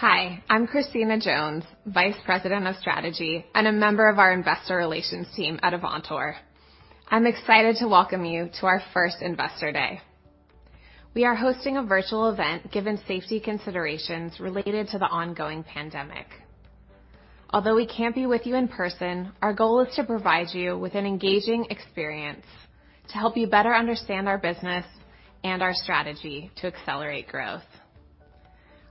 Hi, I'm Christina Jones, Vice President of Strategy and a member of our investor relations team at Avantor. I'm excited to welcome you to our first Investor Day. We are hosting a virtual event given safety considerations related to the ongoing pandemic. Although we can't be with you in person, our goal is to provide you with an engaging experience to help you better understand our business and our strategy to accelerate growth.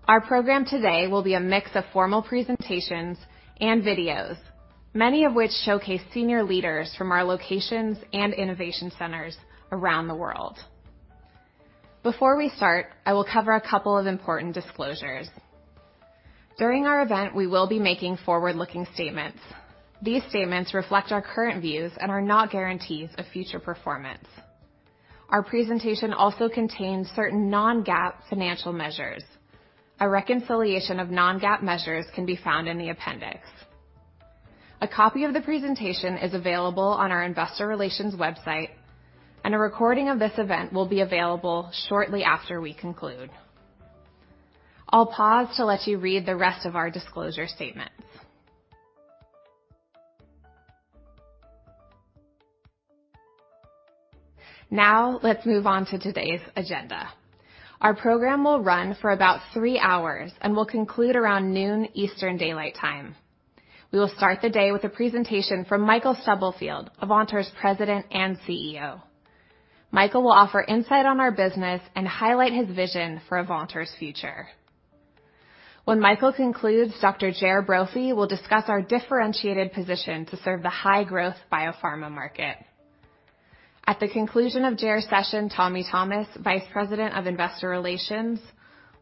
Our program today will be a mix of formal presentations and videos, many of which showcase senior leaders from our locations and innovation centers around the world. Before we start, I will cover a couple of important disclosures. During our event, we will be making forward-looking statements. These statements reflect our current views and are not guarantees of future performance. Our presentation also contains certain non-GAAP financial measures. A reconciliation of non-GAAP measures can be found in the appendix. A copy of the presentation is available on our investor relations website, and a recording of this event will be available shortly after we conclude. I'll pause to let you read the rest of our disclosure statements. Let's move on to today's agenda. Our program will run for about three hours and will conclude around noon Eastern Daylight Time. We will start the day with a presentation from Michael Stubblefield, Avantor's President and CEO. Michael will offer insight on our business and highlight his vision for Avantor's future. When Michael concludes, Dr. Ger Brophy will discuss our differentiated position to serve the high-growth biopharma market. At the conclusion of Ger's session, Tommy Thomas, Vice President of Investor Relations,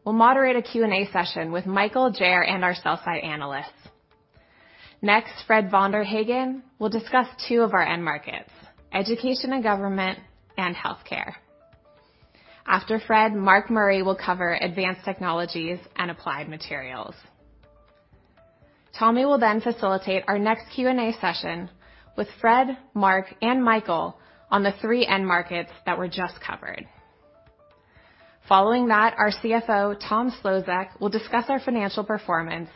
will moderate a Q&A session with Michael, Ger, and our sell side analysts. Next, Frederic Vanderhaegen will discuss two of our end markets: Education and Government and Healthcare. After Fred, Mark Murray will cover Advanced Technologies and Applied Materials. Tommy will then facilitate our next Q&A session with Fred, Mark, and Michael on the three end markets that were just covered. Following that, our CFO, Thomas Szlosek, will discuss our financial performance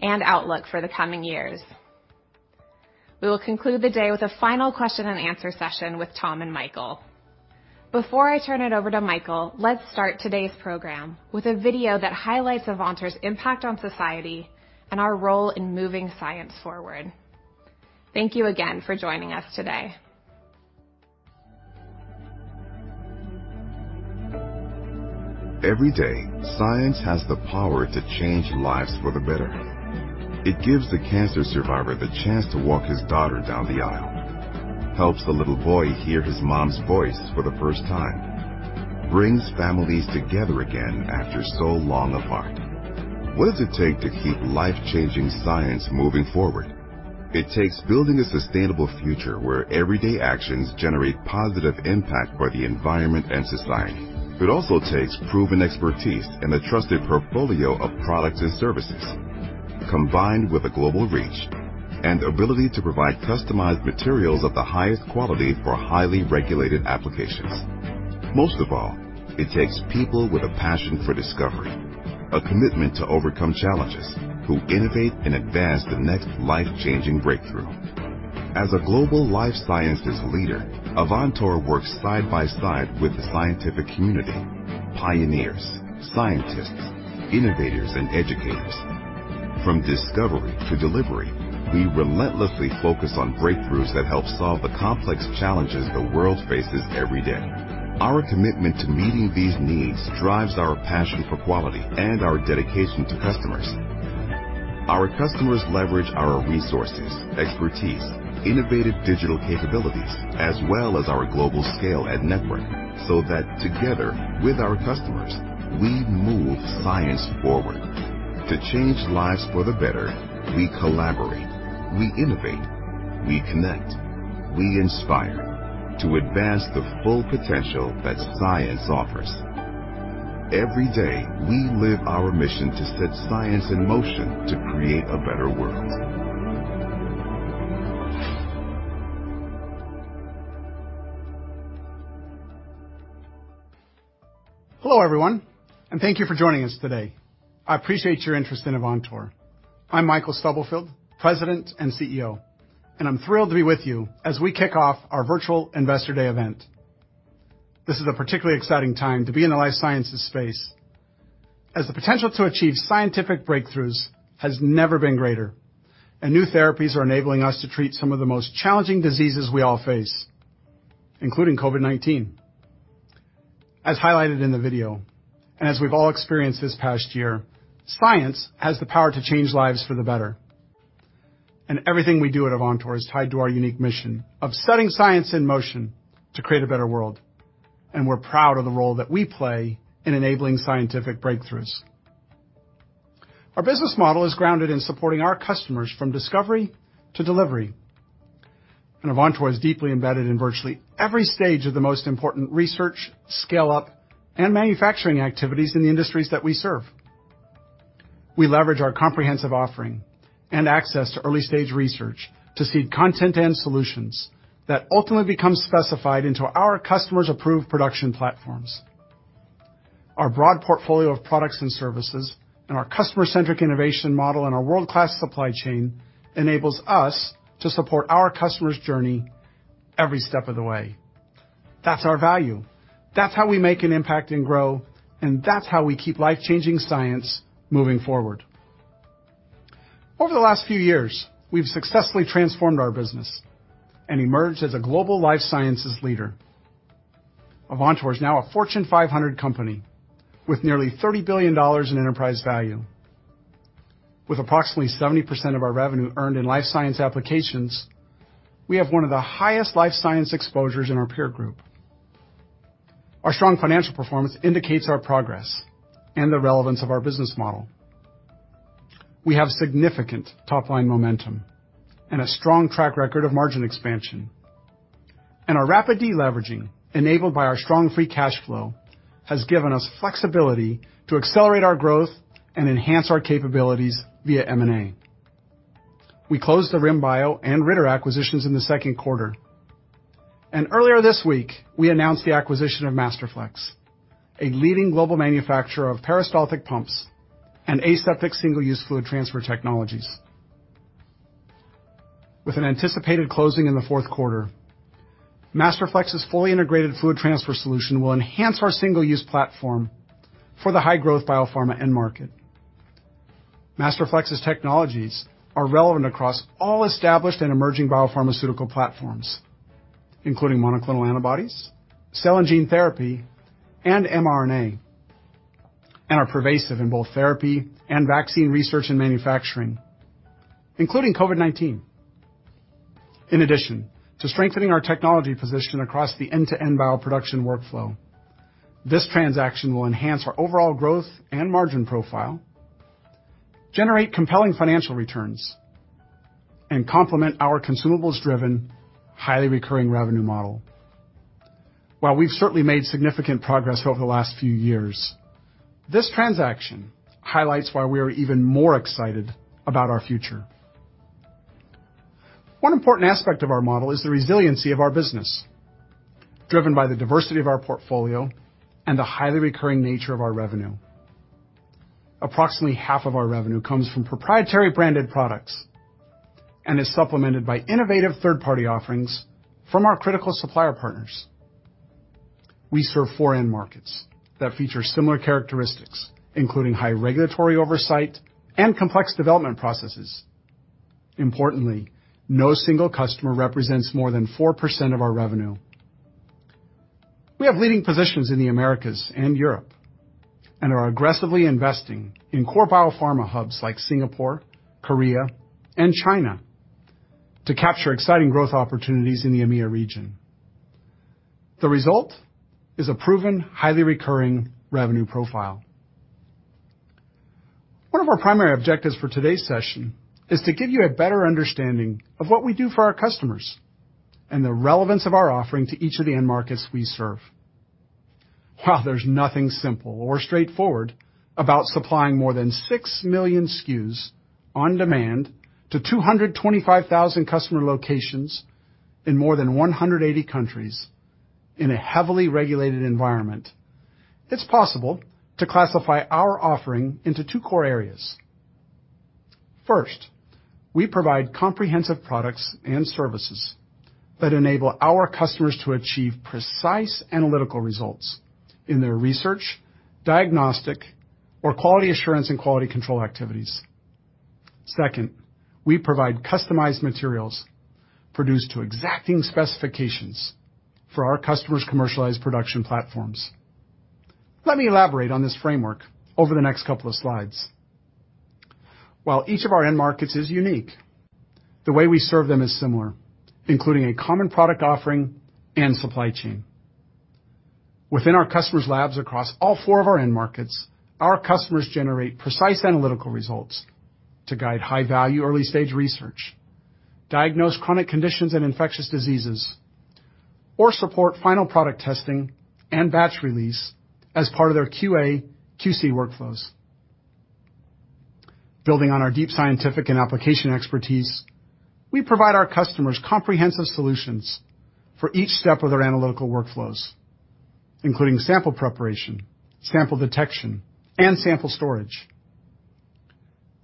and outlook for the coming years. We will conclude the day with a final question and answer session with Tom and Michael. Before I turn it over to Michael, let's start today's program with a video that highlights Avantor's impact on society and our role in moving science forward. Thank you again for joining us today. Every day, science has the power to change lives for the better. It gives the cancer survivor the chance to walk his daughter down the aisle, helps a little boy hear his mom's voice for the first time, brings families together again after so long apart. What does it take to keep life-changing science moving forward? It takes building a sustainable future where everyday actions generate positive impact for the environment and society. It also takes proven expertise and a trusted portfolio of products and services, combined with a global reach and ability to provide customized materials of the highest quality for highly regulated applications. Most of all, it takes people with a passion for discovery, a commitment to overcome challenges, who innovate and advance the next life-changing breakthrough. As a global life sciences leader, Avantor works side by side with the scientific community, pioneers, scientists, innovators, and educators. From discovery to delivery, we relentlessly focus on breakthroughs that help solve the complex challenges the world faces every day. Our commitment to meeting these needs drives our passion for quality and our dedication to customers. Our customers leverage our resources, expertise, innovative digital capabilities, as well as our global scale and network, so that together with our customers, we move science forward. To change lives for the better, we collaborate, we innovate, we connect, we inspire to advance the full potential that science offers. Every day, we live our mission to set science in motion to create a better world. Hello, everyone, and thank you for joining us today. I appreciate your interest in Avantor. I'm Michael Stubblefield, President and CEO, and I'm thrilled to be with you as we kick off our virtual Investor Day event. This is a particularly exciting time to be in the life sciences space, as the potential to achieve scientific breakthroughs has never been greater, and new therapies are enabling us to treat some of the most challenging diseases we all face, including COVID-19. As highlighted in the video, and as we've all experienced this past year, science has the power to change lives for the better, and everything we do at Avantor is tied to our unique mission of setting science in motion to create a better world, and we're proud of the role that we play in enabling scientific breakthroughs. Our business model is grounded in supporting our customers from discovery to delivery, and Avantor is deeply embedded in virtually every stage of the most important research, scale-up, and manufacturing activities in the industries that we serve. We leverage our comprehensive offering and access to early stage research to seed content and solutions that ultimately become specified into our customers' approved production platforms. Our broad portfolio of products and services and our customer-centric innovation model and our world-class supply chain enables us to support our customers' journey every step of the way. That's our value. That's how we make an impact and grow, and that's how we keep life-changing science moving forward. Over the last few years, we've successfully transformed our business and emerged as a global life sciences leader. Avantor is now a Fortune 500 company with nearly $30 billion in enterprise value. With approximately 70% of our revenue earned in life science applications, we have one of the highest life science exposures in our peer group. Our strong financial performance indicates our progress and the relevance of our business model. We have significant top-line momentum and a strong track record of margin expansion. Our rapid deleveraging, enabled by our strong free cash flow, has given us flexibility to accelerate our growth and enhance our capabilities via M&A. We closed the RIM Bio and Ritter acquisitions in the 2Q. Earlier this week, we announced the acquisition of Masterflex, a leading global manufacturer of peristaltic pumps and aseptic single-use fluid transfer technologies. With an anticipated closing in the 4Q, Masterflex's fully integrated fluid transfer solution will enhance our single-use platform for the high-growth biopharma end market. Masterflex's technologies are relevant across all established and emerging biopharmaceutical platforms, including monoclonal antibodies, cell and gene therapy, and mRNA, and are pervasive in both therapy and vaccine research and manufacturing, including COVID-19. In addition to strengthening our technology position across the end-to-end bioproduction workflow, this transaction will enhance our overall growth and margin profile, generate compelling financial returns, and complement our consumables-driven, highly recurring revenue model. While we've certainly made significant progress over the last few years, this transaction highlights why we are even more excited about our future. One important aspect of our model is the resiliency of our business, driven by the diversity of our portfolio and the highly recurring nature of our revenue. Approximately half of our revenue comes from proprietary branded products and is supplemented by innovative third-party offerings from our critical supplier partners. We serve four end markets that feature similar characteristics, including high regulatory oversight and complex development processes. Importantly, no single customer represents more than 4% of our revenue. We have leading positions in the Americas and Europe and are aggressively investing in core biopharma hubs like Singapore, Korea, and China to capture exciting growth opportunities in the AMEA region. The result is a proven, highly recurring revenue profile. One of our primary objectives for today's session is to give you a better understanding of what we do for our customers and the relevance of our offering to each of the end markets we serve. While there's nothing simple or straightforward about supplying more than 6 million SKUs on demand to 225,000 customer locations in more than 180 countries in a heavily regulated environment, it's possible to classify our offering into two core areas. First, we provide comprehensive products and services that enable our customers to achieve precise analytical results in their research, diagnostic, or quality assurance and quality control activities. Second, we provide customized materials produced to exacting specifications for our customers' commercialized production platforms. Let me elaborate on this framework over the next couple of slides. While each of our end markets is unique, the way we serve them is similar, including a common product offering and supply chain. Within our customers' labs across all four of our end markets, our customers generate precise analytical results to guide high-value early stage research, diagnose chronic conditions and infectious diseases, or support final product testing and batch release as part of their QA/QC workflows. Building on our deep scientific and application expertise, we provide our customers comprehensive solutions for each step of their analytical workflows, including sample preparation, sample detection, and sample storage.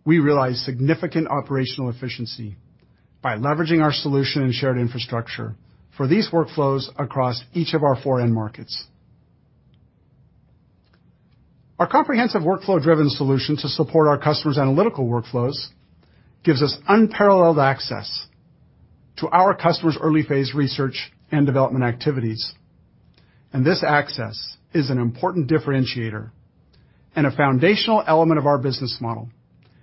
We realize significant operational efficiency by leveraging our solution and shared infrastructure for these workflows across each of our four end markets. Our comprehensive workflow-driven solution to support our customers' analytical workflows gives us unparalleled access to our customers' early phase research and development activities. This access is an important differentiator and a foundational element of our business model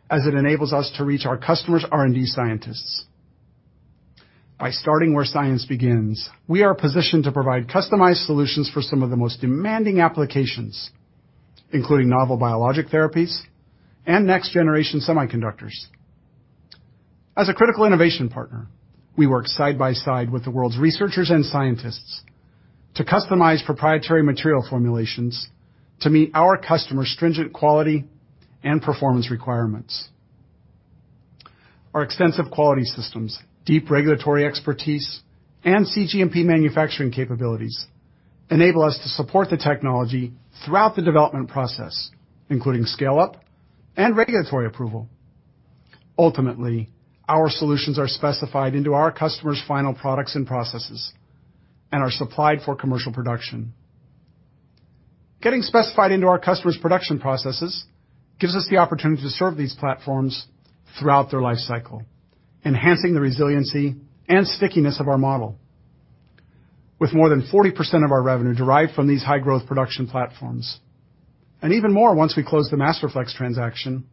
as it enables us to reach our customers' R&D scientists. By starting where science begins, we are positioned to provide customized solutions for some of the most demanding applications, including novel biologic therapies and next-generation semiconductors. As a critical innovation partner, we work side by side with the world's researchers and scientists to customize proprietary material formulations to meet our customers' stringent quality and performance requirements. Our extensive quality systems, deep regulatory expertise, and cGMP manufacturing capabilities enable us to support the technology throughout the development process, including scale-up and regulatory approval. Ultimately, our solutions are specified into our customers' final products and processes and are supplied for commercial production. Getting specified into our customers' production processes gives us the opportunity to serve these platforms throughout their lifecycle, enhancing the resiliency and stickiness of our model. With more than 40% of our revenue derived from these high-growth production platforms, and even more once we close the Masterflex transaction,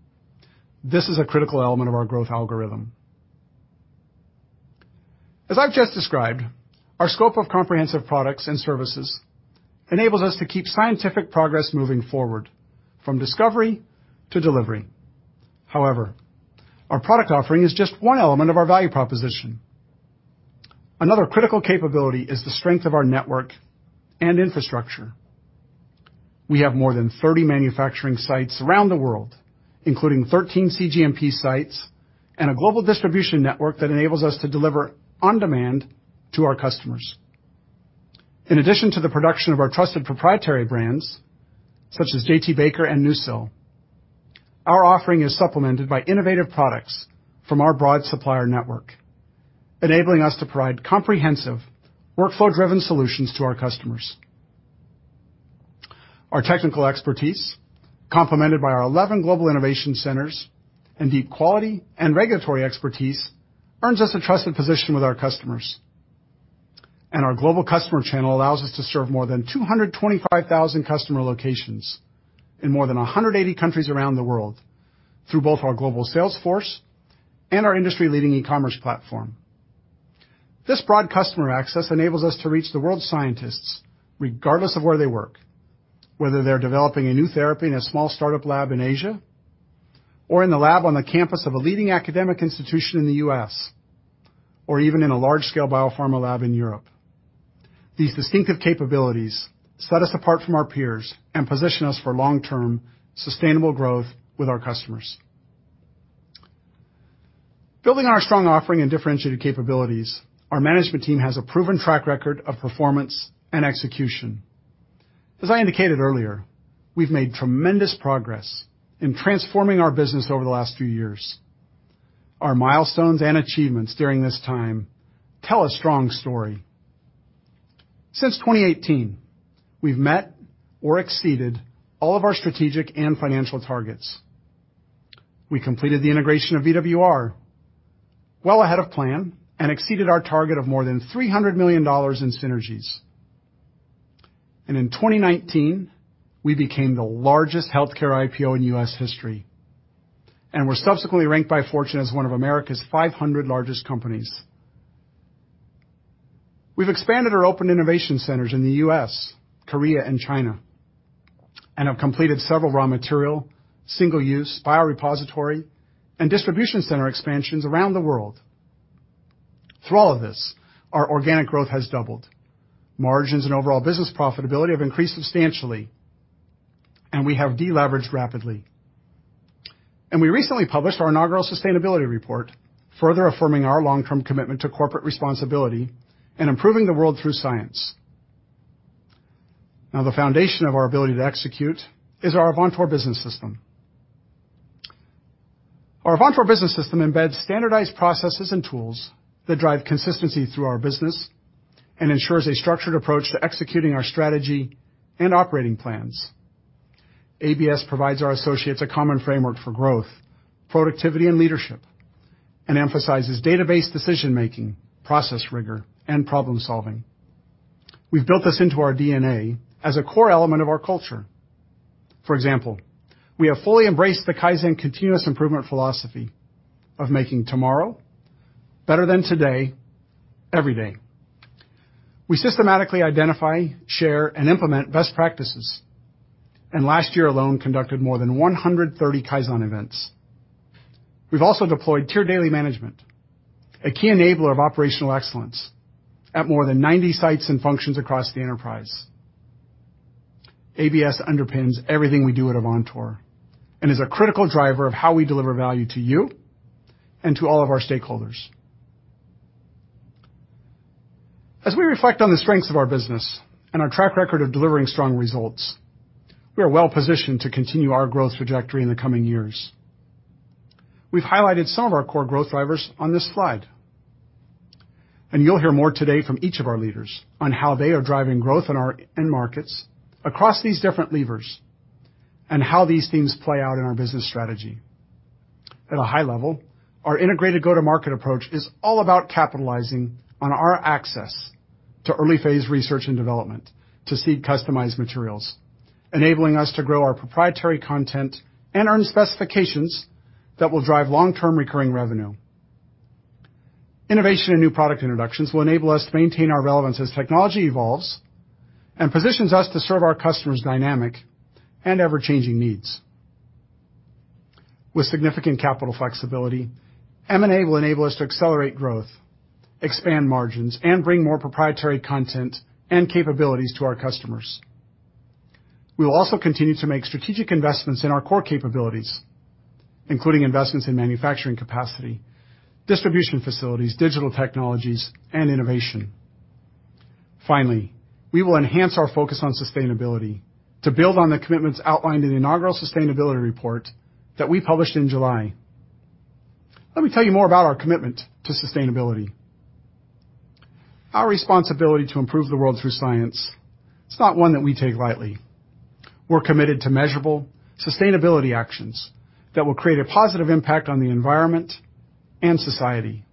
this is a critical element of our growth algorithm. As I've just described, our scope of comprehensive products and services enables us to keep scientific progress moving forward from discovery to delivery. However, our product offering is just one element of our value proposition. Another critical capability is the strength of our network and infrastructure. We have more than 30 manufacturing sites around the world, including 13 cGMP sites and a global distribution network that enables us to deliver on-demand to our customers. In addition to the production of our trusted proprietary brands, such as J.T.Baker and NuSil, our offering is supplemented by innovative products from our broad supplier network, enabling us to provide comprehensive, workflow-driven solutions to our customers. Our technical expertise, complemented by our 11 global innovation centers and deep quality and regulatory expertise, earns us a trusted position with our customers. Our global customer channel allows us to serve more than 225,000 customer locations in more than 180 countries around the world through both our global sales force and our industry-leading e-commerce platform. This broad customer access enables us to reach the world's scientists regardless of where they work, whether they're developing a new therapy in a small startup lab in Asia, or in a lab on the campus of a leading academic institution in the U.S., or even in a large-scale biopharma lab in Europe. These distinctive capabilities set us apart from our peers and position us for long-term, sustainable growth with our customers. Building on our strong offering and differentiated capabilities, our management team has a proven track record of performance and execution. As I indicated earlier, we've made tremendous progress in transforming our business over the last few years. Our milestones and achievements during this time tell a strong story. Since 2018, we've met or exceeded all of our strategic and financial targets. We completed the integration of VWR well ahead of plan and exceeded our target of more than $300 million in synergies. In 2019, we became the largest healthcare IPO in U.S. history and were subsequently ranked by Fortune as one of America's 500 largest companies. We've expanded our open innovation centers in the U.S., Korea, and China and have completed several raw material, single-use biorepository, and distribution center expansions around the world. Through all of this, our organic growth has doubled. Margins and overall business profitability have increased substantially, and we have de-leveraged rapidly. We recently published our inaugural sustainability report, further affirming our long-term commitment to corporate responsibility and improving the world through science. Now, the foundation of our ability to execute is our Avantor Business System. Our Avantor Business System embeds standardized processes and tools that drive consistency through our business and ensures a structured approach to executing our strategy and operating plans. ABS provides our associates a common framework for growth, productivity, and leadership, and emphasizes database decision-making, process rigor, and problem-solving. We've built this into our DNA as a core element of our culture. For example, we have fully embraced the Kaizen continuous improvement philosophy of making tomorrow better than today every day. We systematically identify, share, and implement best practices, and last year alone, conducted more than 130 Kaizen events. We've also deployed Tiered Daily Management, a key enabler of operational excellence, at more than 90 sites and functions across the enterprise. ABS underpins everything we do at Avantor and is a critical driver of how we deliver value to you and to all of our stakeholders. As we reflect on the strengths of our business and our track record of delivering strong results, we are well-positioned to continue our growth trajectory in the coming years. We've highlighted some of our core growth drivers on this slide, and you'll hear more today from each of our leaders on how they are driving growth in our end markets across these different levers and how these themes play out in our business strategy. At a high level, our integrated go-to-market approach is all about capitalizing on our access to early-phase research and development to seek customized materials, enabling us to grow our proprietary content and earn specifications that will drive long-term recurring revenue. Innovation and new product introductions will enable us to maintain our relevance as technology evolves and positions us to serve our customers' dynamic and ever-changing needs. With significant capital flexibility, M&A will enable us to accelerate growth, expand margins, and bring more proprietary content and capabilities to our customers. We will also continue to make strategic investments in our core capabilities, including investments in manufacturing capacity, distribution facilities, digital technologies, and innovation. Finally, we will enhance our focus on sustainability to build on the commitments outlined in the inaugural sustainability report that we published in July. Let me tell you more about our commitment to sustainability. Our responsibility to improve the world through science is not one that we take lightly. We're committed to measurable sustainability actions that will create a positive impact on the environment and society.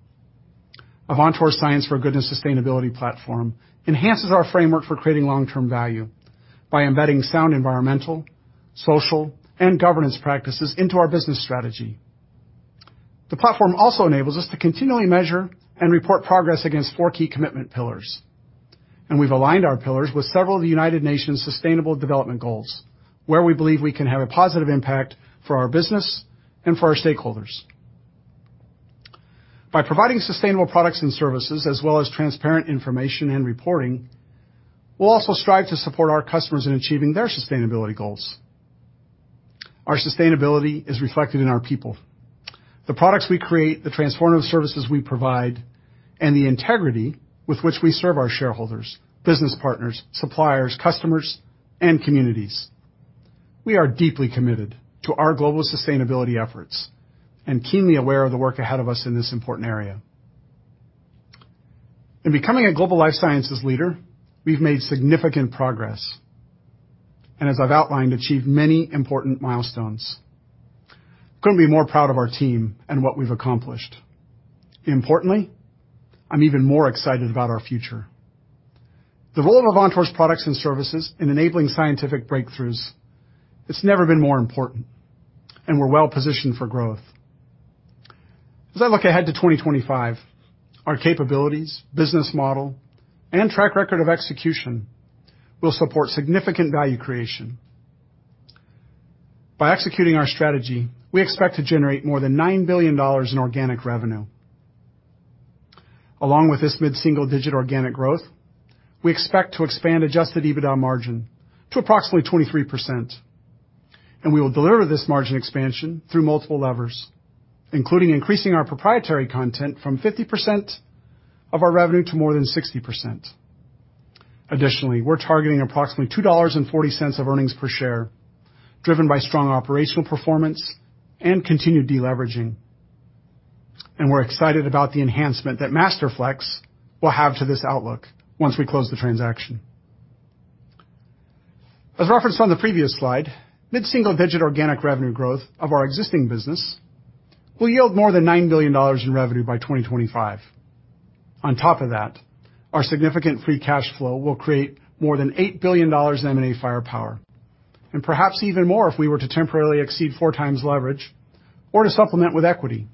Avantor's "Science for Goodness" sustainability platform enhances our framework for creating long-term value by embedding sound Environmental, Social, and Governance practices into our business strategy. The platform also enables us to continually measure and report progress against four key commitment pillars. We've aligned our pillars with several of the United Nations Sustainable Development Goals, where we believe we can have a positive impact for our business and for our stakeholders. By providing sustainable products and services as well as transparent information and reporting, we'll also strive to support our customers in achieving their sustainability goals. Our sustainability is reflected in our people, the products we create, the transformative services we provide, and the integrity with which we serve our shareholders, business partners, suppliers, customers, and communities. We are deeply committed to our global sustainability efforts and keenly aware of the work ahead of us in this important area. In becoming a global life sciences leader, we've made significant progress. As I've outlined, achieved many important milestones. Couldn't be more proud of our team and what we've accomplished. Importantly, I'm even more excited about our future. The role of Avantor's products and services in enabling scientific breakthroughs, it's never been more important, and we're well-positioned for growth. As I look ahead to 2025, our capabilities, business model, and track record of execution will support significant value creation. By executing our strategy, we expect to generate more than $9 billion in organic revenue. Along with this mid-single-digit organic growth, we expect to expand adjusted EBITDA margin to approximately 23%, and we will deliver this margin expansion through multiple levers, including increasing our proprietary content from 50% of our revenue to more than 60%. Additionally, we're targeting approximately $2.40 of earnings per share, driven by strong operational performance and continued deleveraging, and we're excited about the enhancement that Masterflex will have to this outlook once we close the transaction. As referenced on the previous slide, mid-single-digit organic revenue growth of our existing business will yield more than $9 billion in revenue by 2025. On top of that, our significant free cash flow will create more than $8 billion in M&A firepower, and perhaps even more if we were to temporarily exceed 4x leverage or to supplement with equity.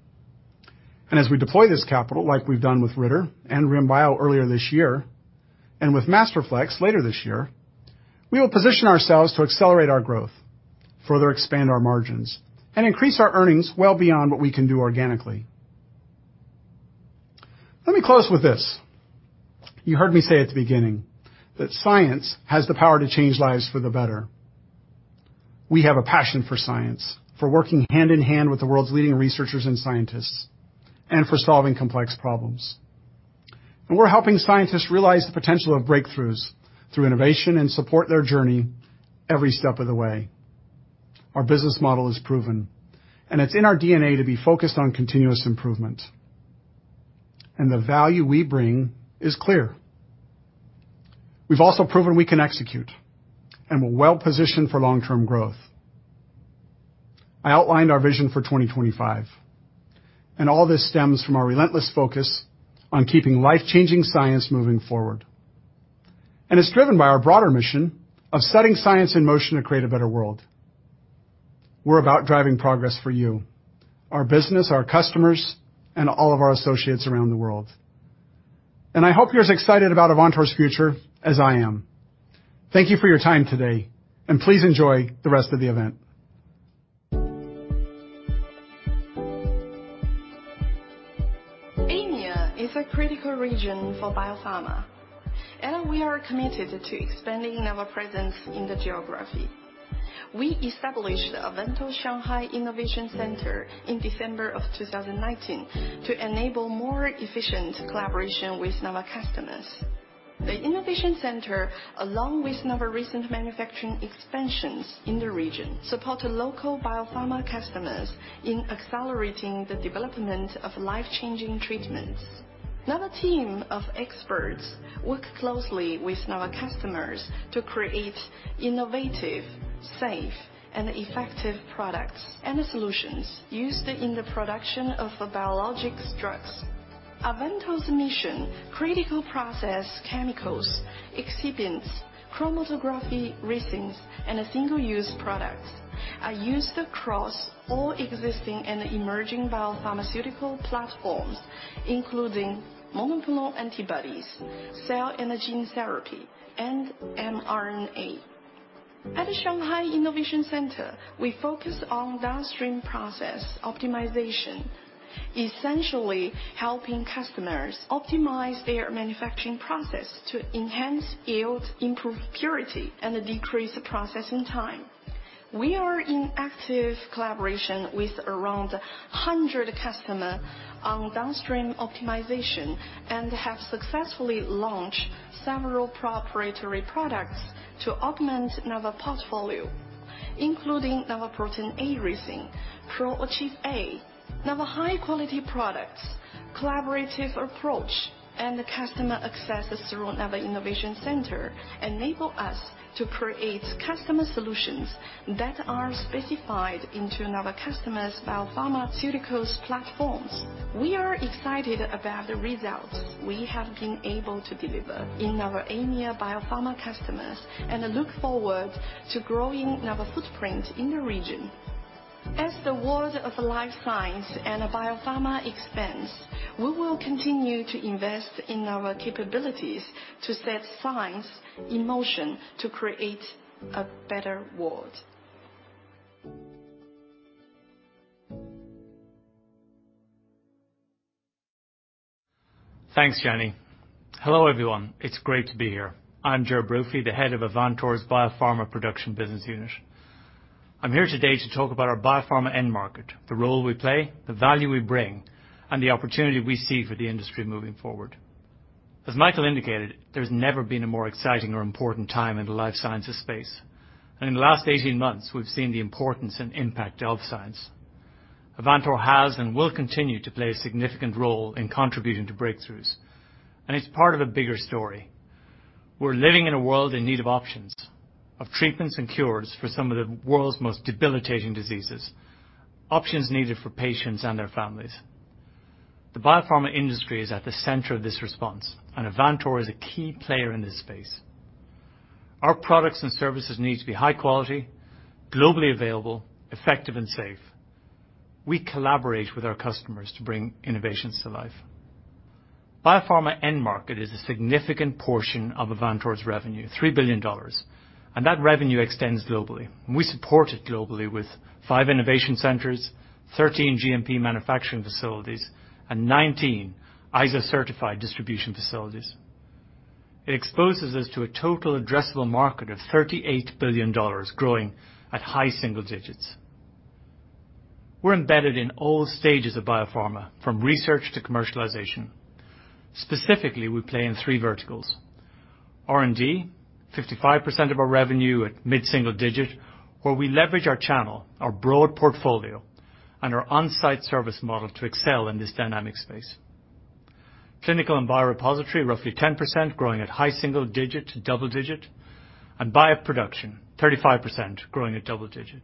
As we deploy this capital, like we've done with Ritter and RIM Bio earlier this year, and with Masterflex later this year, we will position ourselves to accelerate our growth, further expand our margins, and increase our earnings well beyond what we can do organically. Let me close with this. You heard me say at the beginning that science has the power to change lives for the better. We have a passion for science, for working hand-in-hand with the world's leading researchers and scientists, and for solving complex problems. We're helping scientists realize the potential of breakthroughs through innovation and support their journey every step of the way. Our business model is proven, and it's in our DNA to be focused on continuous improvement, and the value we bring is clear. We've also proven we can execute, and we're well-positioned for long-term growth. I outlined our vision for 2025, and all this stems from our relentless focus on keeping life-changing science moving forward, and it's driven by our broader mission of setting science in motion to create a better world. We're about driving progress for you, our business, our customers, and all of our associates around the world, and I hope you're as excited about Avantor's future as I am. Thank you for your time today, and please enjoy the rest of the event. AMEA is a critical region for biopharma, and we are committed to expanding our presence in the geography. We established Avantor Shanghai Innovation Center in December of 2019 to enable more efficient collaboration with our customers. The Innovation Center, along with our recent manufacturing expansions in the region, support local biopharma customers in accelerating the development of life-changing treatments. Our team of experts work closely with our customers to create innovative, safe, and effective products and solutions used in the production of biologics drugs. Avantor's mission, critical process chemicals, excipients, chromatography resins, and single-use products are used across all existing and emerging biopharmaceutical platforms, including monoclonal antibodies, cell and gene therapy, and mRNA. At the Shanghai Innovation Center, we focus on downstream process optimization, essentially helping customers optimize their manufacturing process to enhance yield, improve purity, and decrease processing time. We are in active collaboration with around 100 customer on downstream optimization, and have successfully launched several proprietary products to augment another portfolio, including novel Protein A Resin, PROchievA. The high-quality products, collaborative approach, and customer access through another innovation center enable us to create customer solutions that are specified into another customer's biopharmaceuticals platforms. We are excited about the results we have been able to deliver in our AMEA biopharma customers, and look forward to growing another footprint in the region. As the world of life science and biopharma expands, we will continue to invest in our capabilities to set science in motion to create a better world. Thanks, Janny. Hello, everyone. It's great to be here. I'm Ger Brophy, the head of Avantor's Biopharma Production business unit. I'm here today to talk about our biopharma end market, the role we play, the value we bring, and the opportunity we see for the industry moving forward. As Michael indicated, there's never been a more exciting or important time in the life sciences space. In the last 18 months, we've seen the importance and impact of science. Avantor has and will continue to play a significant role in contributing to breakthroughs, and it's part of a bigger story. We're living in a world in need of options, of treatments and cures for some of the world's most debilitating diseases. Options needed for patients and their families. The biopharma industry is at the center of this response, and Avantor is a key player in this space. Our products and services need to be high quality, globally available, effective and safe. We collaborate with our customers to bring innovations to life. Biopharma end market is a significant portion of Avantor's revenue, $3 billion, and that revenue extends globally. We support it globally with five innovation centers, 13 GMP manufacturing facilities, and 19 ISO-certified distribution facilities. It exposes us to a total addressable market of $38 billion, growing at high single digits. We're embedded in all stages of Biopharma, from research to commercialization. Specifically, we play in three verticals. R&D, 55% of our revenue at mid-single digit, where we leverage our channel, our broad portfolio, and our on-site service model to excel in this dynamic space. Clinical and biorepository, roughly 10%, growing at high single digit to double digit, and Bioproduction, 35%, growing at double digit.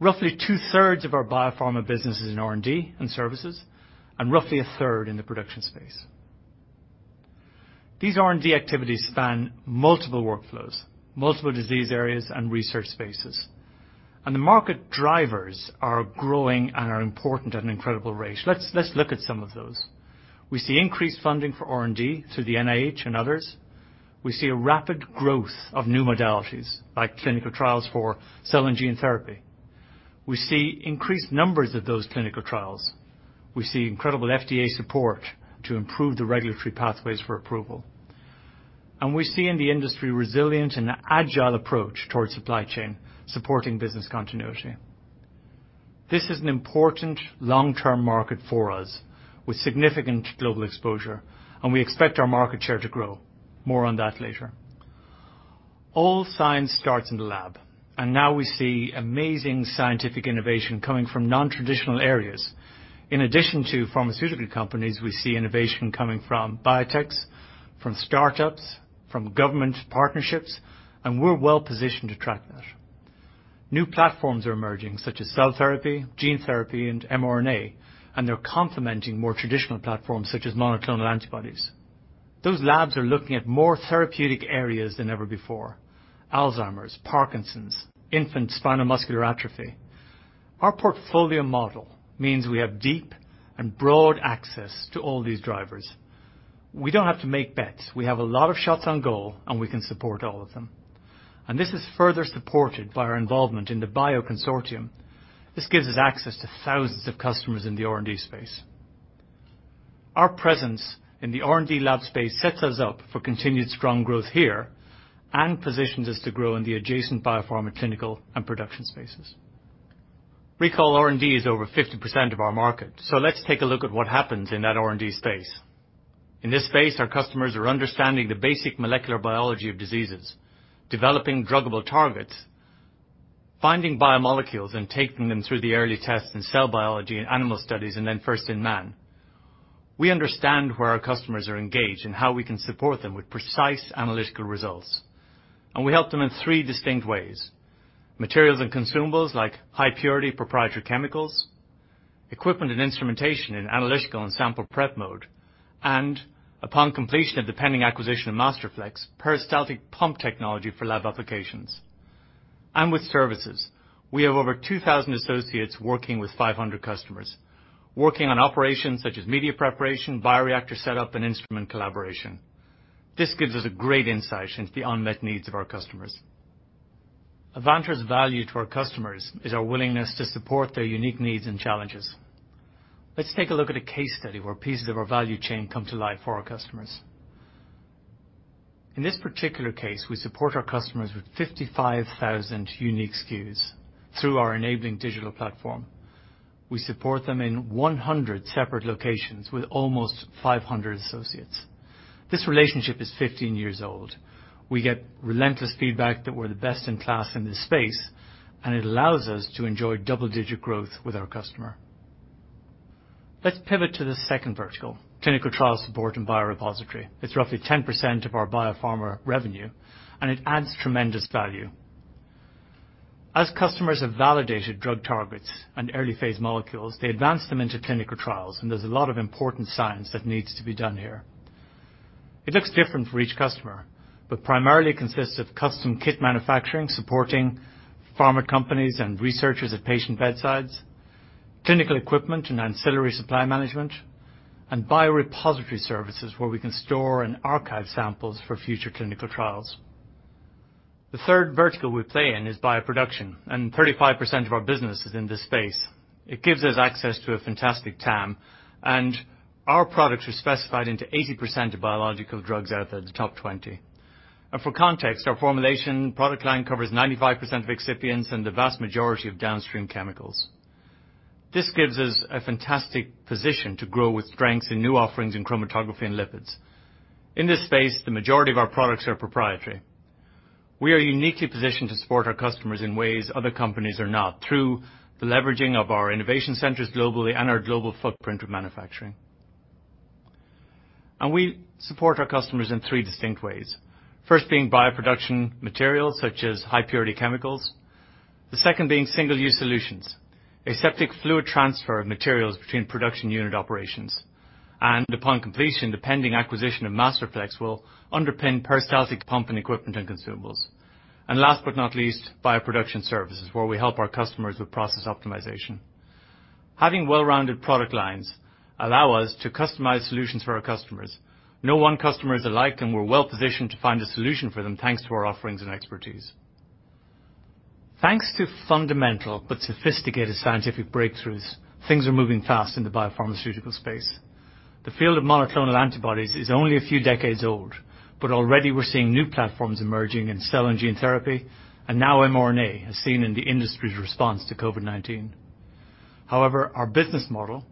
Roughly 2/3 of our biopharma business is in R&D and services, and roughly 1/3 in the production space. These R&D activities span multiple workflows, multiple disease areas, and research spaces. The market drivers are growing and are important at an incredible rate. Let's look at some of those. We see increased funding for R&D through the NIH and others. We see a rapid growth of new modalities, like clinical trials for cell and gene therapy. We see increased numbers of those clinical trials. We see incredible FDA support to improve the regulatory pathways for approval. We see in the industry resilient and agile approach towards supply chain, supporting business continuity. This is an important long-term market for us, with significant global exposure, and we expect our market share to grow. More on that later. All science starts in the lab. Now we see amazing scientific innovation coming from non-traditional areas. In addition to pharmaceutical companies, we see innovation coming from biotechs, from startups, from government partnerships, and we're well positioned to track that. New platforms are emerging, such as cell therapy, gene therapy, and mRNA, and they're complementing more traditional platforms, such as monoclonal antibodies. Those labs are looking at more therapeutic areas than ever before. Alzheimer's, Parkinson's, infant spinal muscular atrophy. Our portfolio model means we have deep and broad access to all these drivers. We don't have to make bets. We have a lot of shots on goal, and we can support all of them. This is further supported by our involvement in the BIO Consortium. This gives us access to thousands of customers in the R&D space. Our presence in the R&D lab space sets us up for continued strong growth here and positions us to grow in the adjacent biopharma clinical and production spaces. Recall, R&D is over 50% of our market. Let's take a look at what happens in that R&D space. In this space, our customers are understanding the basic molecular biology of diseases, developing druggable targets, finding biomolecules, and taking them through the early tests in cell biology and animal studies, and then first in man. We understand where our customers are engaged and how we can support them with precise analytical results. We help them in three distinct ways. Materials and consumables like high purity proprietary chemicals, equipment and instrumentation in analytical and sample prep mode, and upon completion of the pending acquisition of Masterflex, peristaltic pump technology for lab applications. With services, we have over 2,000 associates working with 500 customers, working on operations such as media preparation, bioreactor setup, and instrument collaboration. This gives us a great insight into the unmet needs of our customers. Avantor's value to our customers is our willingness to support their unique needs and challenges. Let's take a look at a case study where pieces of our value chain come to life for our customers. In this particular case, we support our customers with 55,000 unique SKUs through our enabling digital platform. We support them in 100 separate locations with almost 500 associates. This relationship is 15 years old. We get relentless feedback that we're the best in class in this space, and it allows us to enjoy double-digit growth with our customer. Let's pivot to the second vertical, clinical trial support and biorepository. It's roughly 10% of our biopharma revenue. It adds tremendous value. As customers have validated drug targets and early phase molecules, they advance them into clinical trials. There's a lot of important science that needs to be done here. It looks different for each customer, primarily consists of custom kit manufacturing, supporting pharma companies and researchers at patient bedsides, clinical equipment and ancillary supply management, and biorepository services where we can store and archive samples for future clinical trials. The third vertical we play in is bioproduction. 35% of our business is in this space. It gives us access to a fantastic TAM. Our products are specified into 80% of biological drugs out there, the top 20. For context, our formulation product line covers 95% of excipients and the vast majority of downstream chemicals. This gives us a fantastic position to grow with strengths in new offerings in chromatography and lipids. In this space, the majority of our products are proprietary. We are uniquely positioned to support our customers in ways other companies are not through the leveraging of our innovation centers globally and our global footprint of manufacturing. We support our customers in three distinct ways. First, being bioproduction materials such as high-purity chemicals. The second being single-use solutions, aseptic fluid transfer of materials between production unit operations, and upon completion, the pending acquisition of Masterflex will underpin peristaltic pump and equipment and consumables. Last but not least, bioproduction services, where we help our customers with process optimization. Having well-rounded product lines allow us to customize solutions for our customers. No one customer is alike, and we're well-positioned to find a solution for them, thanks to our offerings and expertise. Thanks to fundamental but sophisticated scientific breakthroughs, things are moving fast in the biopharmaceutical space. The field of monoclonal antibodies is only a few decades old but already we're seeing new platforms emerging in cell and gene therapy, and now mRNA, as seen in the industry's response to COVID-19. Our business model,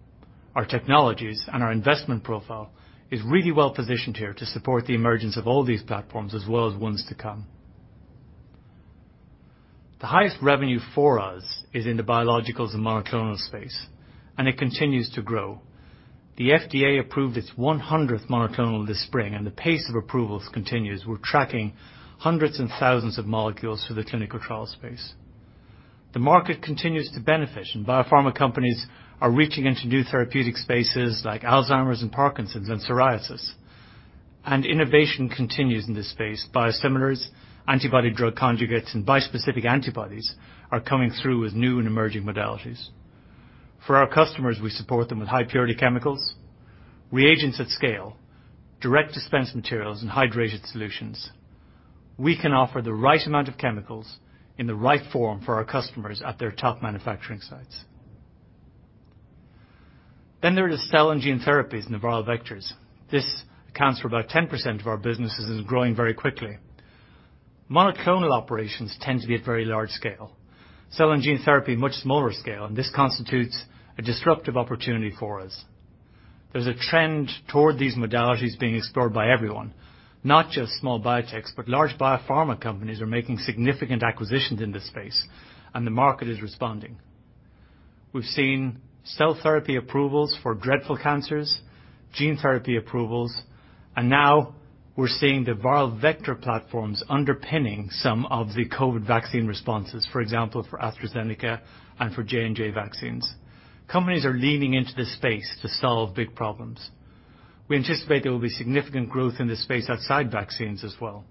our technologies, and our investment profile is really well positioned here to support the emergence of all these platforms, as well as ones to come. The highest revenue for us is in the biologicals and monoclonal space. It continues to grow. The FDA approved its 100th monoclonal this spring. The pace of approvals continues. We're tracking hundreds and thousands of molecules for the clinical trial space. The market continues to benefit. Biopharma companies are reaching into new therapeutic spaces like Alzheimer's and Parkinson's and psoriasis. Innovation continues in this space. Biosimilars, antibody drug conjugates, and bispecific antibodies are coming through as new and emerging modalities. For our customers, we support them with high-purity chemicals, reagents at scale, direct dispense materials, and hydrated solutions. We can offer the right amount of chemicals in the right form for our customers at their top manufacturing sites. There are the cell and gene therapies and the viral vectors. This accounts for about 10% of our business and is growing very quickly. Monoclonal operations tend to be at very large scale. Cell and gene therapy, much smaller scale, this constitutes a disruptive opportunity for us. There's a trend toward these modalities being explored by everyone, not just small biotechs, large biopharma companies are making significant acquisitions in this space, the market is responding. We've seen cell therapy approvals for dreadful cancers, gene therapy approvals, and now we're seeing the viral vector platforms underpinning some of the COVID-19 vaccine responses, for example, for AstraZeneca and for J&J vaccines. Companies are leaning into this space to solve big problems. We anticipate there will be significant growth in this space outside vaccines as well.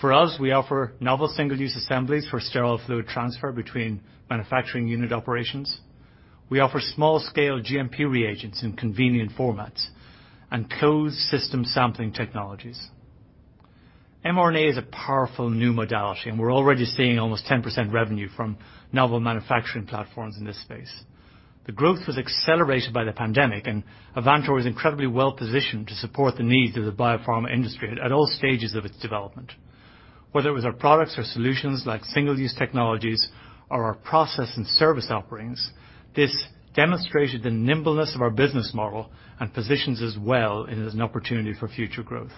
For us, we offer novel single-use assemblies for sterile fluid transfer between manufacturing unit operations. We offer small scale GMP reagents in convenient formats and closed system sampling technologies. mRNA is a powerful new modality, and we're already seeing almost 10% revenue from novel manufacturing platforms in this space. The growth was accelerated by the pandemic, and Avantor is incredibly well positioned to support the needs of the biopharma industry at all stages of its development. Whether it was our products or solutions like single-use technologies or our process and service offerings, this demonstrated the nimbleness of our business model and positions us well. It is an opportunity for future growth.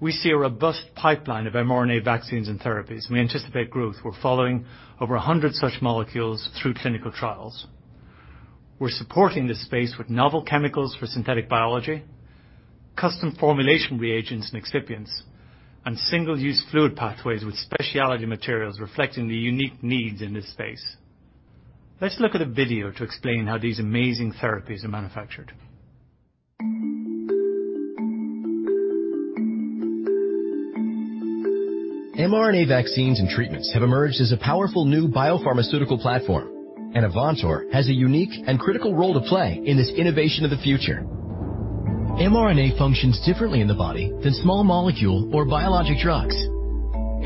We see a robust pipeline of mRNA vaccines and therapies. We anticipate growth. We're following over 100 such molecules through clinical trials. We're supporting this space with novel chemicals for synthetic biology, custom formulation reagents and excipients, and single-use fluid pathways with speciality materials reflecting the unique needs in this space. Let's look at a video to explain how these amazing therapies are manufactured. mRNA vaccines and treatments have emerged as a powerful new biopharmaceutical platform, and Avantor has a unique and critical role to play in this innovation of the future. mRNA functions differently in the body than small molecule or biologic drugs.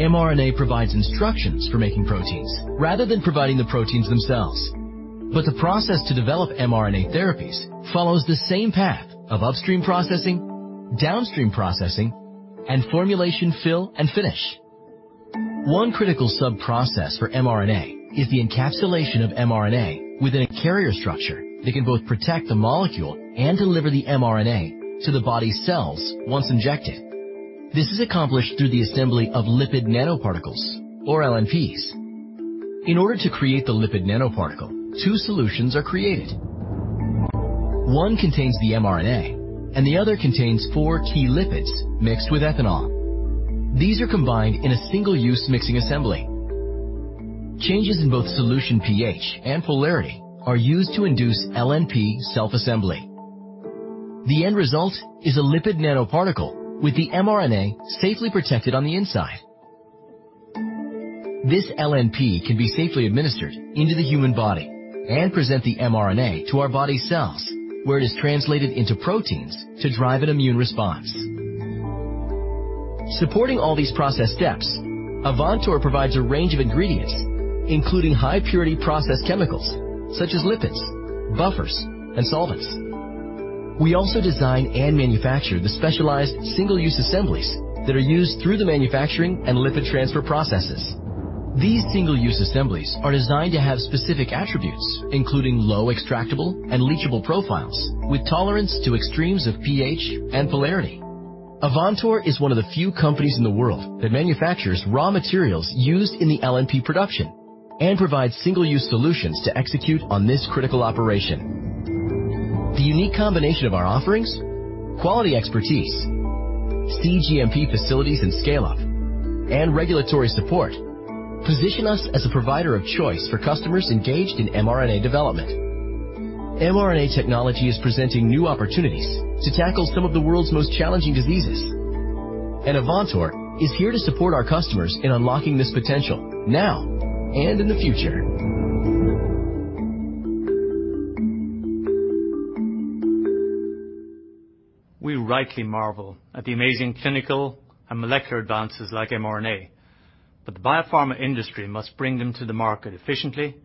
mRNA provides instructions for making proteins rather than providing the proteins themselves. The process to develop mRNA therapies follows the same path of upstream processing, downstream processing, and formulation, fill, and finish. One critical sub-process for mRNA is the encapsulation of mRNA with a carrier structure that can both protect the molecule and deliver the mRNA to the body's cells once injected. This is accomplished through the assembly of lipid nanoparticles, or LNPs. In order to create the lipid nanoparticle, two solutions are created. One contains the mRNA, and the other contains four key lipids mixed with ethanol. These are combined in a single-use mixing assembly. Changes in both solution pH and polarity are used to induce LNP self-assembly. The end result is a lipid nanoparticle with the mRNA safely protected on the inside. This LNP can be safely administered into the human body and present the mRNA to our body's cells, where it is translated into proteins to drive an immune response. Supporting all these process steps, Avantor provides a range of ingredients, including high purity processed chemicals such as lipids, buffers, and solvents. We also design and manufacture the specialized single-use assemblies that are used through the manufacturing and lipid transfer processes. These single-use assemblies are designed to have specific attributes, including low extractable and leachable profiles with tolerance to extremes of pH and polarity. Avantor is one of the few companies in the world that manufactures raw materials used in the LNP production and provides single-use solutions to execute on this critical operation. The unique combination of our offerings, quality expertise, cGMP facilities and scale-up, and regulatory support position us as a provider of choice for customers engaged in mRNA development. mRNA technology is presenting new opportunities to tackle some of the world's most challenging diseases, and Avantor is here to support our customers in unlocking this potential now and in the future. We rightly marvel at the amazing clinical and molecular advances like mRNA, but the biopharma industry must bring them to the market efficiently,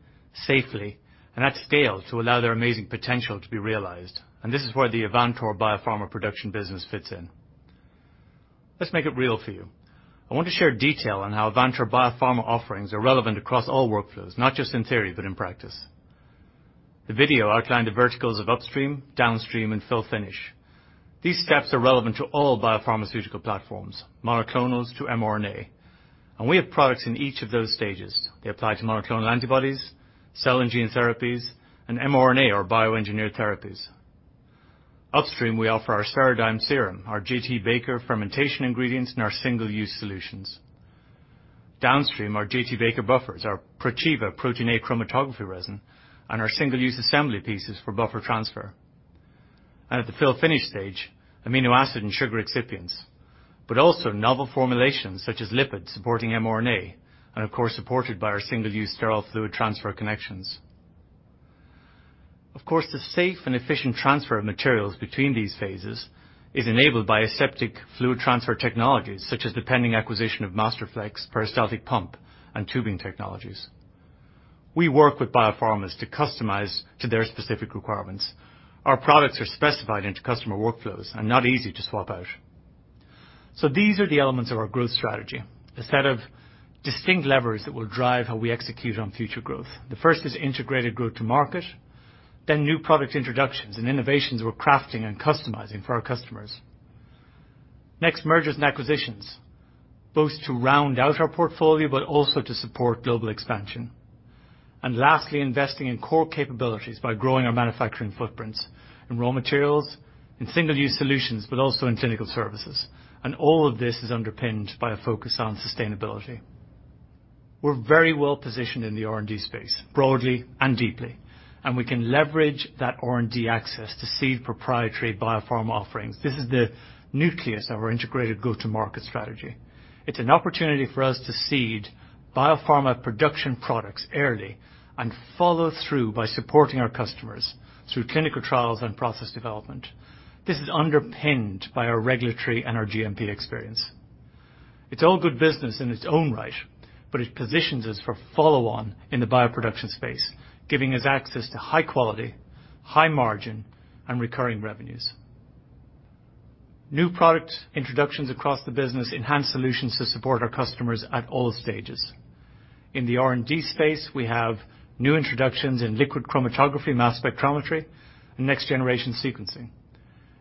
safely, and at scale to allow their amazing potential to be realized, and this is where the Avantor biopharma production business fits in. Let's make it real for you. I want to share detail on how Avantor biopharma offerings are relevant across all workflows, not just in theory, but in practice. The video outlined the verticals of upstream, downstream, and fill finish. These steps are relevant to all biopharmaceutical platforms, monoclonals to mRNA, and we have products in each of those stages. They apply to monoclonal antibodies, cell and gene therapies, and mRNA or bioengineered therapies. Upstream, we offer our Seradigm serum, our J.T.Baker fermentation ingredients, and our single-use solutions. Downstream, our J.T.Baker buffers, our PROchievA Protein A chromatography resin, and our single-use assembly pieces for buffer transfer. At the fill finish stage, amino acid and sugar excipients, but also novel formulations such as lipids supporting mRNA, and of course, supported by our single-use sterile fluid transfer connections. The safe and efficient transfer of materials between these phases is enabled by aseptic fluid transfer technologies, such as the pending acquisition of Masterflex peristaltic pump and tubing technologies. We work with biopharmas to customize to their specific requirements. Our products are specified into customer workflows and not easy to swap out. These are the elements of our growth strategy, a set of distinct levers that will drive how we execute on future growth. The first is integrated go-to-market, new product introductions and innovations we're crafting and customizing for our customers. Mergers and acquisitions, both to round out our portfolio, but also to support global expansion. Lastly, investing in core capabilities by growing our manufacturing footprints in raw materials, in single-use solutions, but also in clinical services. All of this is underpinned by a focus on sustainability. We're very well positioned in the R&D space, broadly and deeply, and we can leverage that R&D access to seed proprietary biopharma offerings. This is the nucleus of our integrated go-to-market strategy. It's an opportunity for us to seed biopharma production products early and follow through by supporting our customers through clinical trials and process development. This is underpinned by our regulatory and our GMP experience. It's all good business in its own right, but it positions us for follow-on in the bioproduction space, giving us access to high quality, high margin, and recurring revenues. New product introductions across the business enhance solutions to support our customers at all stages. In the R&D space, we have new introductions in liquid chromatography, mass spectrometry, and next-generation sequencing.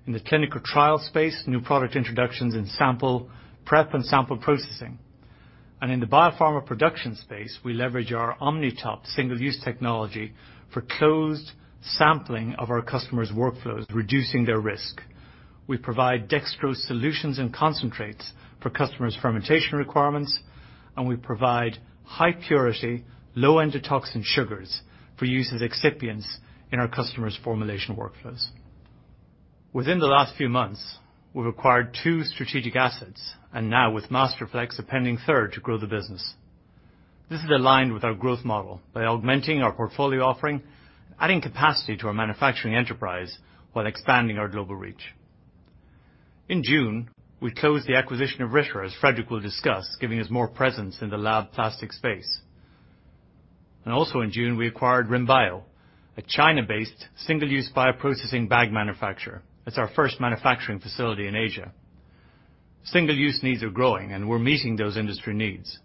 In the clinical trial space, new product introductions in sample prep and sample processing. In the biopharma production space, we leverage our OmniTop single-use technology for closed sampling of our customers' workflows, reducing their risk. We provide dextrose solutions and concentrates for customers' fermentation requirements, and we provide high purity, low endotoxin sugars for use as excipients in our customers' formulation workflows. Within the last few months, we've acquired two strategic assets, and now with Masterflex, a pending third to grow the business. This is aligned with our growth model by augmenting our portfolio offering, adding capacity to our manufacturing enterprise while expanding our global reach. In June, we closed the acquisition of Ritter, as Frederic will discuss, giving us more presence in the lab plastic space. Also in June, we acquired RIM Bio, a China-based single-use bioprocessing bag manufacturer. It's our first manufacturing facility in Asia. Single-use needs are growing, and we're meeting those industry needs.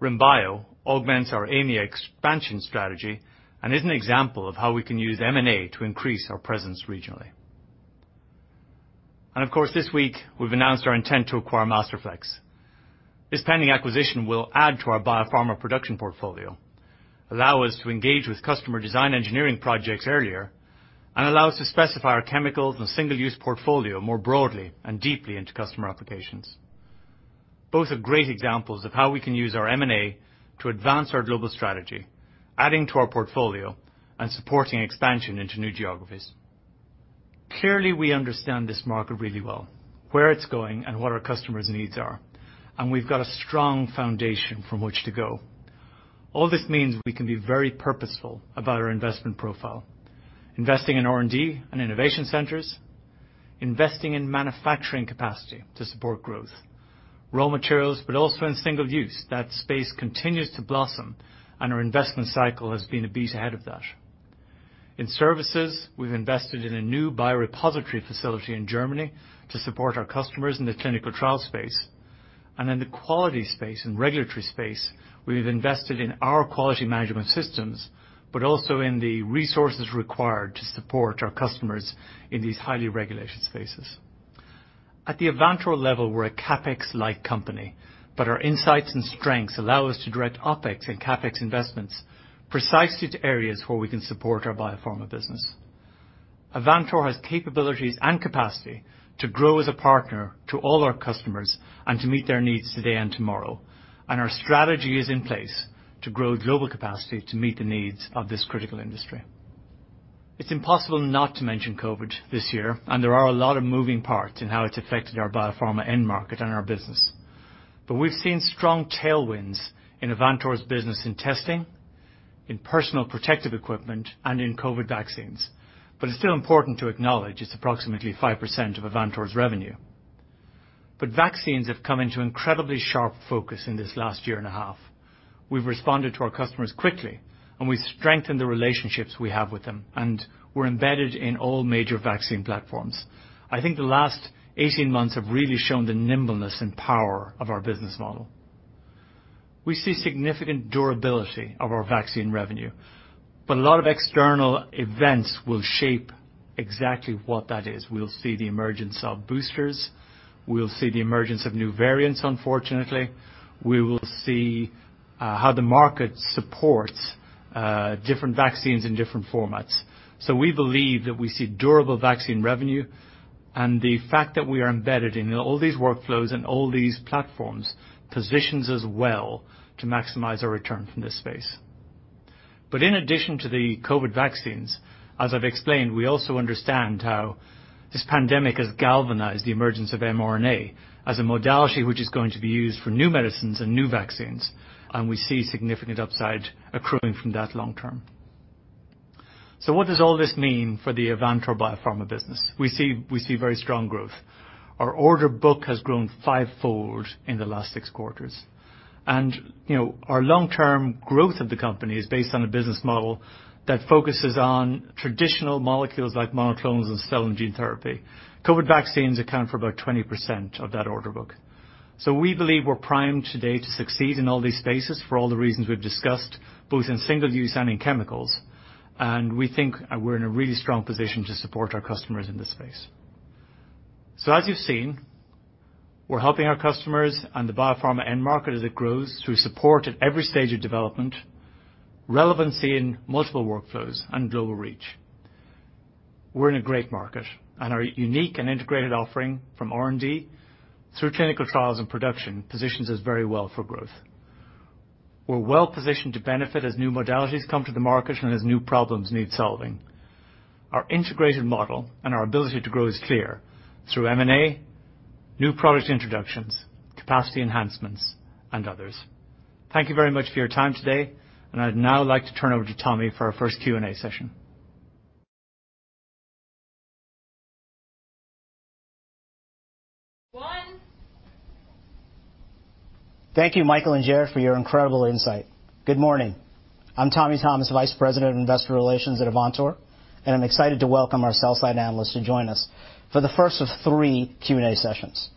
RIM Bio augments our AMEA expansion strategy and is an example of how we can use M&A to increase our presence regionally. Of course, this week, we've announced our intent to acquire Masterflex. This pending acquisition will add to our biopharma production portfolio, allow us to engage with customer design engineering projects earlier, and allow us to specify our chemical and single-use portfolio more broadly and deeply into customer applications. Both are great examples of how we can use our M&A to advance our global strategy, adding to our portfolio and supporting expansion into new geographies. Clearly, we understand this market really well, where it's going, and what our customers' needs are, and we've got a strong foundation from which to go. All this means we can be very purposeful about our investment profile, investing in R&D and innovation centers, investing in manufacturing capacity to support growth. Raw materials, but also in single use. That space continues to blossom, and our investment cycle has been a beat ahead of that. In services, we've invested in a new biorepository facility in Germany to support our customers in the clinical trial space. In the quality space and regulatory space, we've invested in our quality management systems, but also in the resources required to support our customers in these highly regulated spaces. At the Avantor level, we're a CapEx-light company, but our insights and strengths allow us to direct OpEx and CapEx investments precisely to areas where we can support our biopharma business. Avantor has capabilities and capacity to grow as a partner to all our customers and to meet their needs today and tomorrow. Our strategy is in place to grow global capacity to meet the needs of this critical industry. It's impossible not to mention COVID this year, and there are a lot of moving parts in how it's affected our biopharma end market and our business. We've seen strong tailwinds in Avantor's business in testing, in personal protective equipment, and in COVID vaccines. It's still important to acknowledge it's approximately 5% of Avantor's revenue. Vaccines have come into incredibly sharp focus in this last year and a half. We've responded to our customers quickly, we've strengthened the relationships we have with them, we're embedded in all major vaccine platforms. I think the last 18 months have really shown the nimbleness and power of our business model. We see significant durability of our vaccine revenue, a lot of external events will shape exactly what that is. We'll see the emergence of boosters. We'll see the emergence of new variants, unfortunately. We will see how the market supports different vaccines in different formats. We believe that we see durable vaccine revenue. The fact that we are embedded in all these workflows and all these platforms positions us well to maximize our return from this space. In addition to the COVID vaccines, as I've explained, we also understand how this pandemic has galvanized the emergence of mRNA as a modality which is going to be used for new medicines and new vaccines. We see significant upside accruing from that long term. What does all this mean for the Avantor biopharma business? We see very strong growth. Our order book has grown fivefold in the last six quarters. Our long-term growth of the company is based on a business model that focuses on traditional molecules like monoclonals and cell and gene therapy. COVID vaccines account for about 20% of that order book. We believe we're primed today to succeed in all these spaces for all the reasons we've discussed, both in single use and in chemicals, and we think we're in a really strong position to support our customers in this space. As you've seen, we're helping our customers and the biopharma end market as it grows through support at every stage of development, relevancy in multiple workflows, and global reach. We're in a great market, and our unique and integrated offering from R&D through clinical trials and production positions us very well for growth. We're well-positioned to benefit as new modalities come to the market and as new problems need solving. Our integrated model and our ability to grow is clear through M&A, new product introductions, capacity enhancements, and others. Thank you very much for your time today, and I'd now like to turn over to Tommy for our first Q&A session. Thank you, Michael and Ger, for your incredible insight. Good morning. I'm Tommy Thomas, Vice President of Investor Relations at Avantor, I'm excited to welcome our sell-side analysts to join us for the first of three Q&A sessions.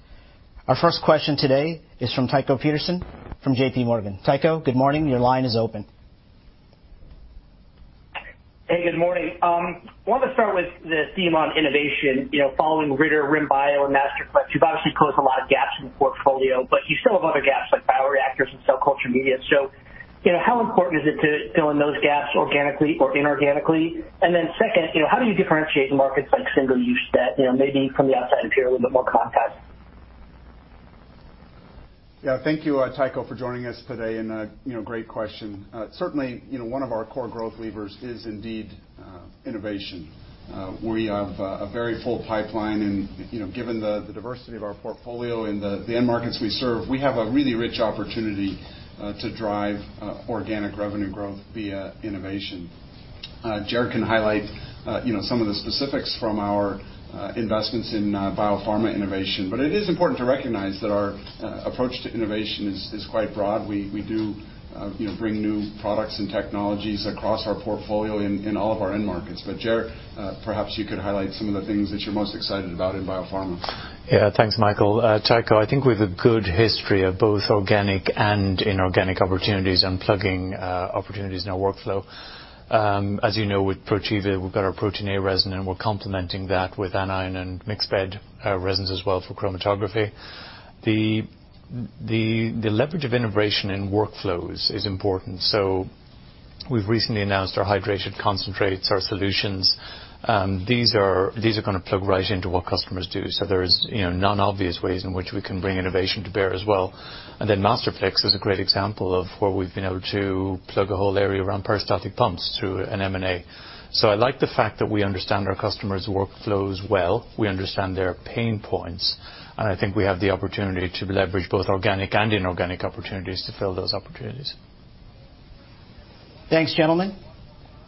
Our first question today is from Tycho Peterson from J.P. Morgan. Tycho, good morning. Your line is open. Hey, good morning. I wanted to start with the theme on innovation. Following Ritter, RIM Bio, and Masterflex, you've obviously closed a lot of gaps in the portfolio, but you still have other gaps like bioreactors and cell culture media. How important is it to fill in those gaps organically or inorganically? Second, how do you differentiate markets like single-use that, maybe from the outside, appear a little bit more contested? Thank you, Tycho, for joining us today. Great question. Certainly, one of our core growth levers is indeed innovation. We have a very full pipeline. Given the diversity of our portfolio and the end markets we serve, we have a really rich opportunity to drive organic revenue growth via innovation. Ger can highlight some of the specifics from our investments in biopharma innovation. It is important to recognize that our approach to innovation is quite broad. We do bring new products and technologies across our portfolio in all of our end markets. Ger, perhaps you could highlight some of the things that you're most excited about in biopharma. Thanks, Michael. Tycho, I think we've a good history of both organic and inorganic opportunities and plugging opportunities in our workflow. As you know, with PROchievA, we've got our Protein A resin, we're complementing that with anion and mixed bed resins as well for chromatography. The leverage of integration in workflows is important. We've recently announced our hydrated concentrates, our solutions. These are going to plug right into what customers do. There is non-obvious ways in which we can bring innovation to bear as well. Masterflex is a great example of where we've been able to plug a whole area around peristaltic pumps through an M&A. I like the fact that we understand our customers' workflows well. We understand their pain points, I think we have the opportunity to leverage both organic and inorganic opportunities to fill those opportunities. Thanks, gentlemen.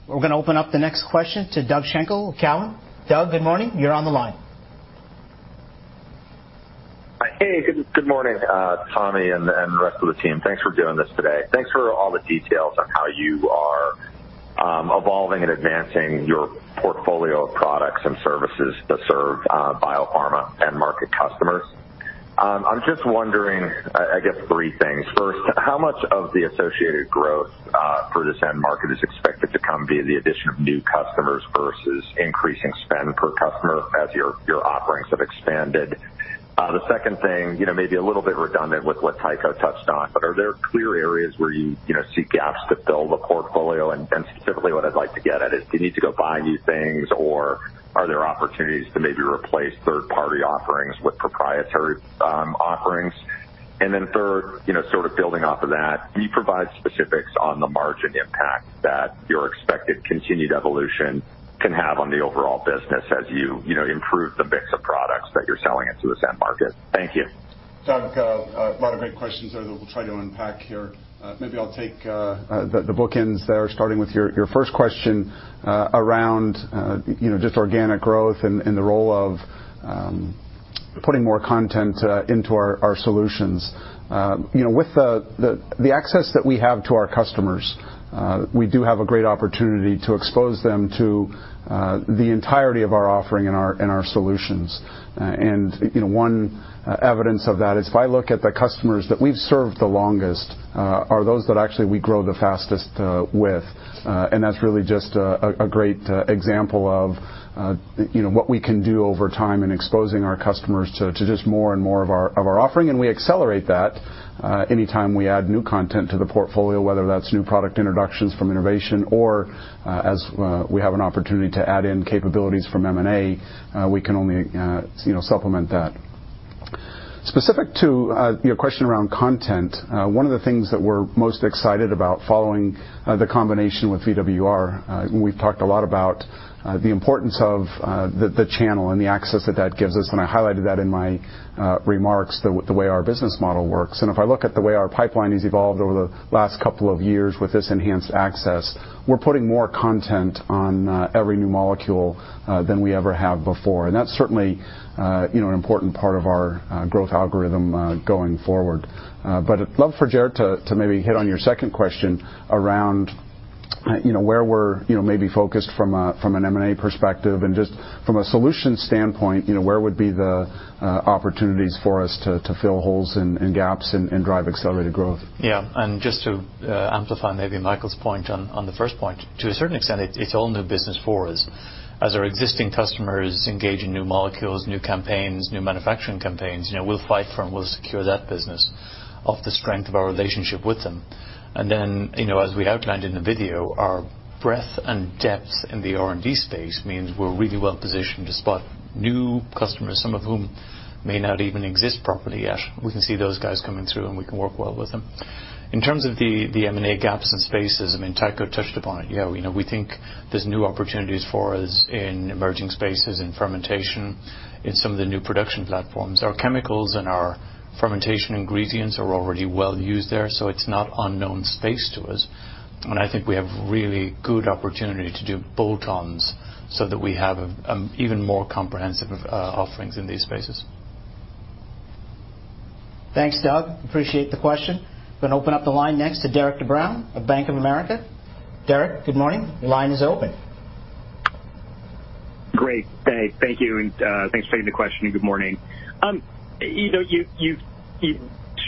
We're going to open up the next question to Doug Schenkel, Cowen. Doug, good morning. You're on the line. Hey, good morning, Tommy and the rest of the team. Thanks for doing this today. Thanks for all the details on how you are evolving and advancing your portfolio of products and services that serve biopharma end-market customers. I'm just wondering, I guess, three things. First, how much of the associated growth for this end market is expected to come via the addition of new customers versus increasing spend per customer as your offerings have expanded? The second thing, maybe a little bit redundant with what Tycho touched on, are there clear areas where you see gaps to fill the portfolio? Specifically, what I'd like to get at is, do you need to go buy new things, or are there opportunities to maybe replace third-party offerings with proprietary offerings? Then third, building off of that, can you provide specifics on the margin impact that your expected continued evolution can have on the overall business as you improve the mix of products that you're selling into this end market? Thank you. Doug, a lot of great questions there that we'll try to unpack here. Maybe I'll take the bookends there, starting with your first question around just organic growth and the role of putting more content into our solutions. With the access that we have to our customers, we do have a great opportunity to expose them to the entirety of our offering and our solutions. One evidence of that is if I look at the customers that we've served the longest are those that actually we grow the fastest with. That's really just a great example of what we can do over time in exposing our customers to just more and more of our offering. We accelerate that anytime we add new content to the portfolio, whether that's new product introductions from innovation or as we have an opportunity to add in capabilities from M&A, we can only supplement that. Specific to your question around content, one of the things that we're most excited about following the combination with VWR, we've talked a lot about the importance of the channel and the access that that gives us, and I highlighted that in my remarks, the way our business model works. If I look at the way our pipeline has evolved over the last couple of years with this enhanced access, we're putting more content on every new molecule than we ever have before. That's certainly an important part of our growth algorithm going forward. I'd love for Ger to maybe hit on your second question around where we're maybe focused from an M&A perspective and just from a solutions standpoint, where would be the opportunities for us to fill holes and gaps and drive accelerated growth. Yeah. Just to amplify maybe Michael's point on the first point. To a certain extent, it's all new business for us. As our existing customers engage in new molecules, new campaigns, new manufacturing campaigns, we'll fight for and we'll secure that business off the strength of our relationship with them. Then, as we outlined in the video, our breadth and depth in the R&D space means we're really well-positioned to spot new customers, some of whom may not even exist properly yet. We can see those guys coming through, and we can work well with them. In terms of the M&A gaps and spaces, Tycho touched upon it. We think there's new opportunities for us in emerging spaces, in fermentation, in some of the new production platforms. Our chemicals and our fermentation ingredients are already well used there, so it's not unknown space to us. I think we have really good opportunity to do bolt-ons so that we have even more comprehensive offerings in these spaces. Thanks, Doug. Appreciate the question. Going to open up the line next to Derik de Bruin of Bank of America. Derik, good morning. Your line is open. Great. Thank you, thanks for taking the question, and good morning. You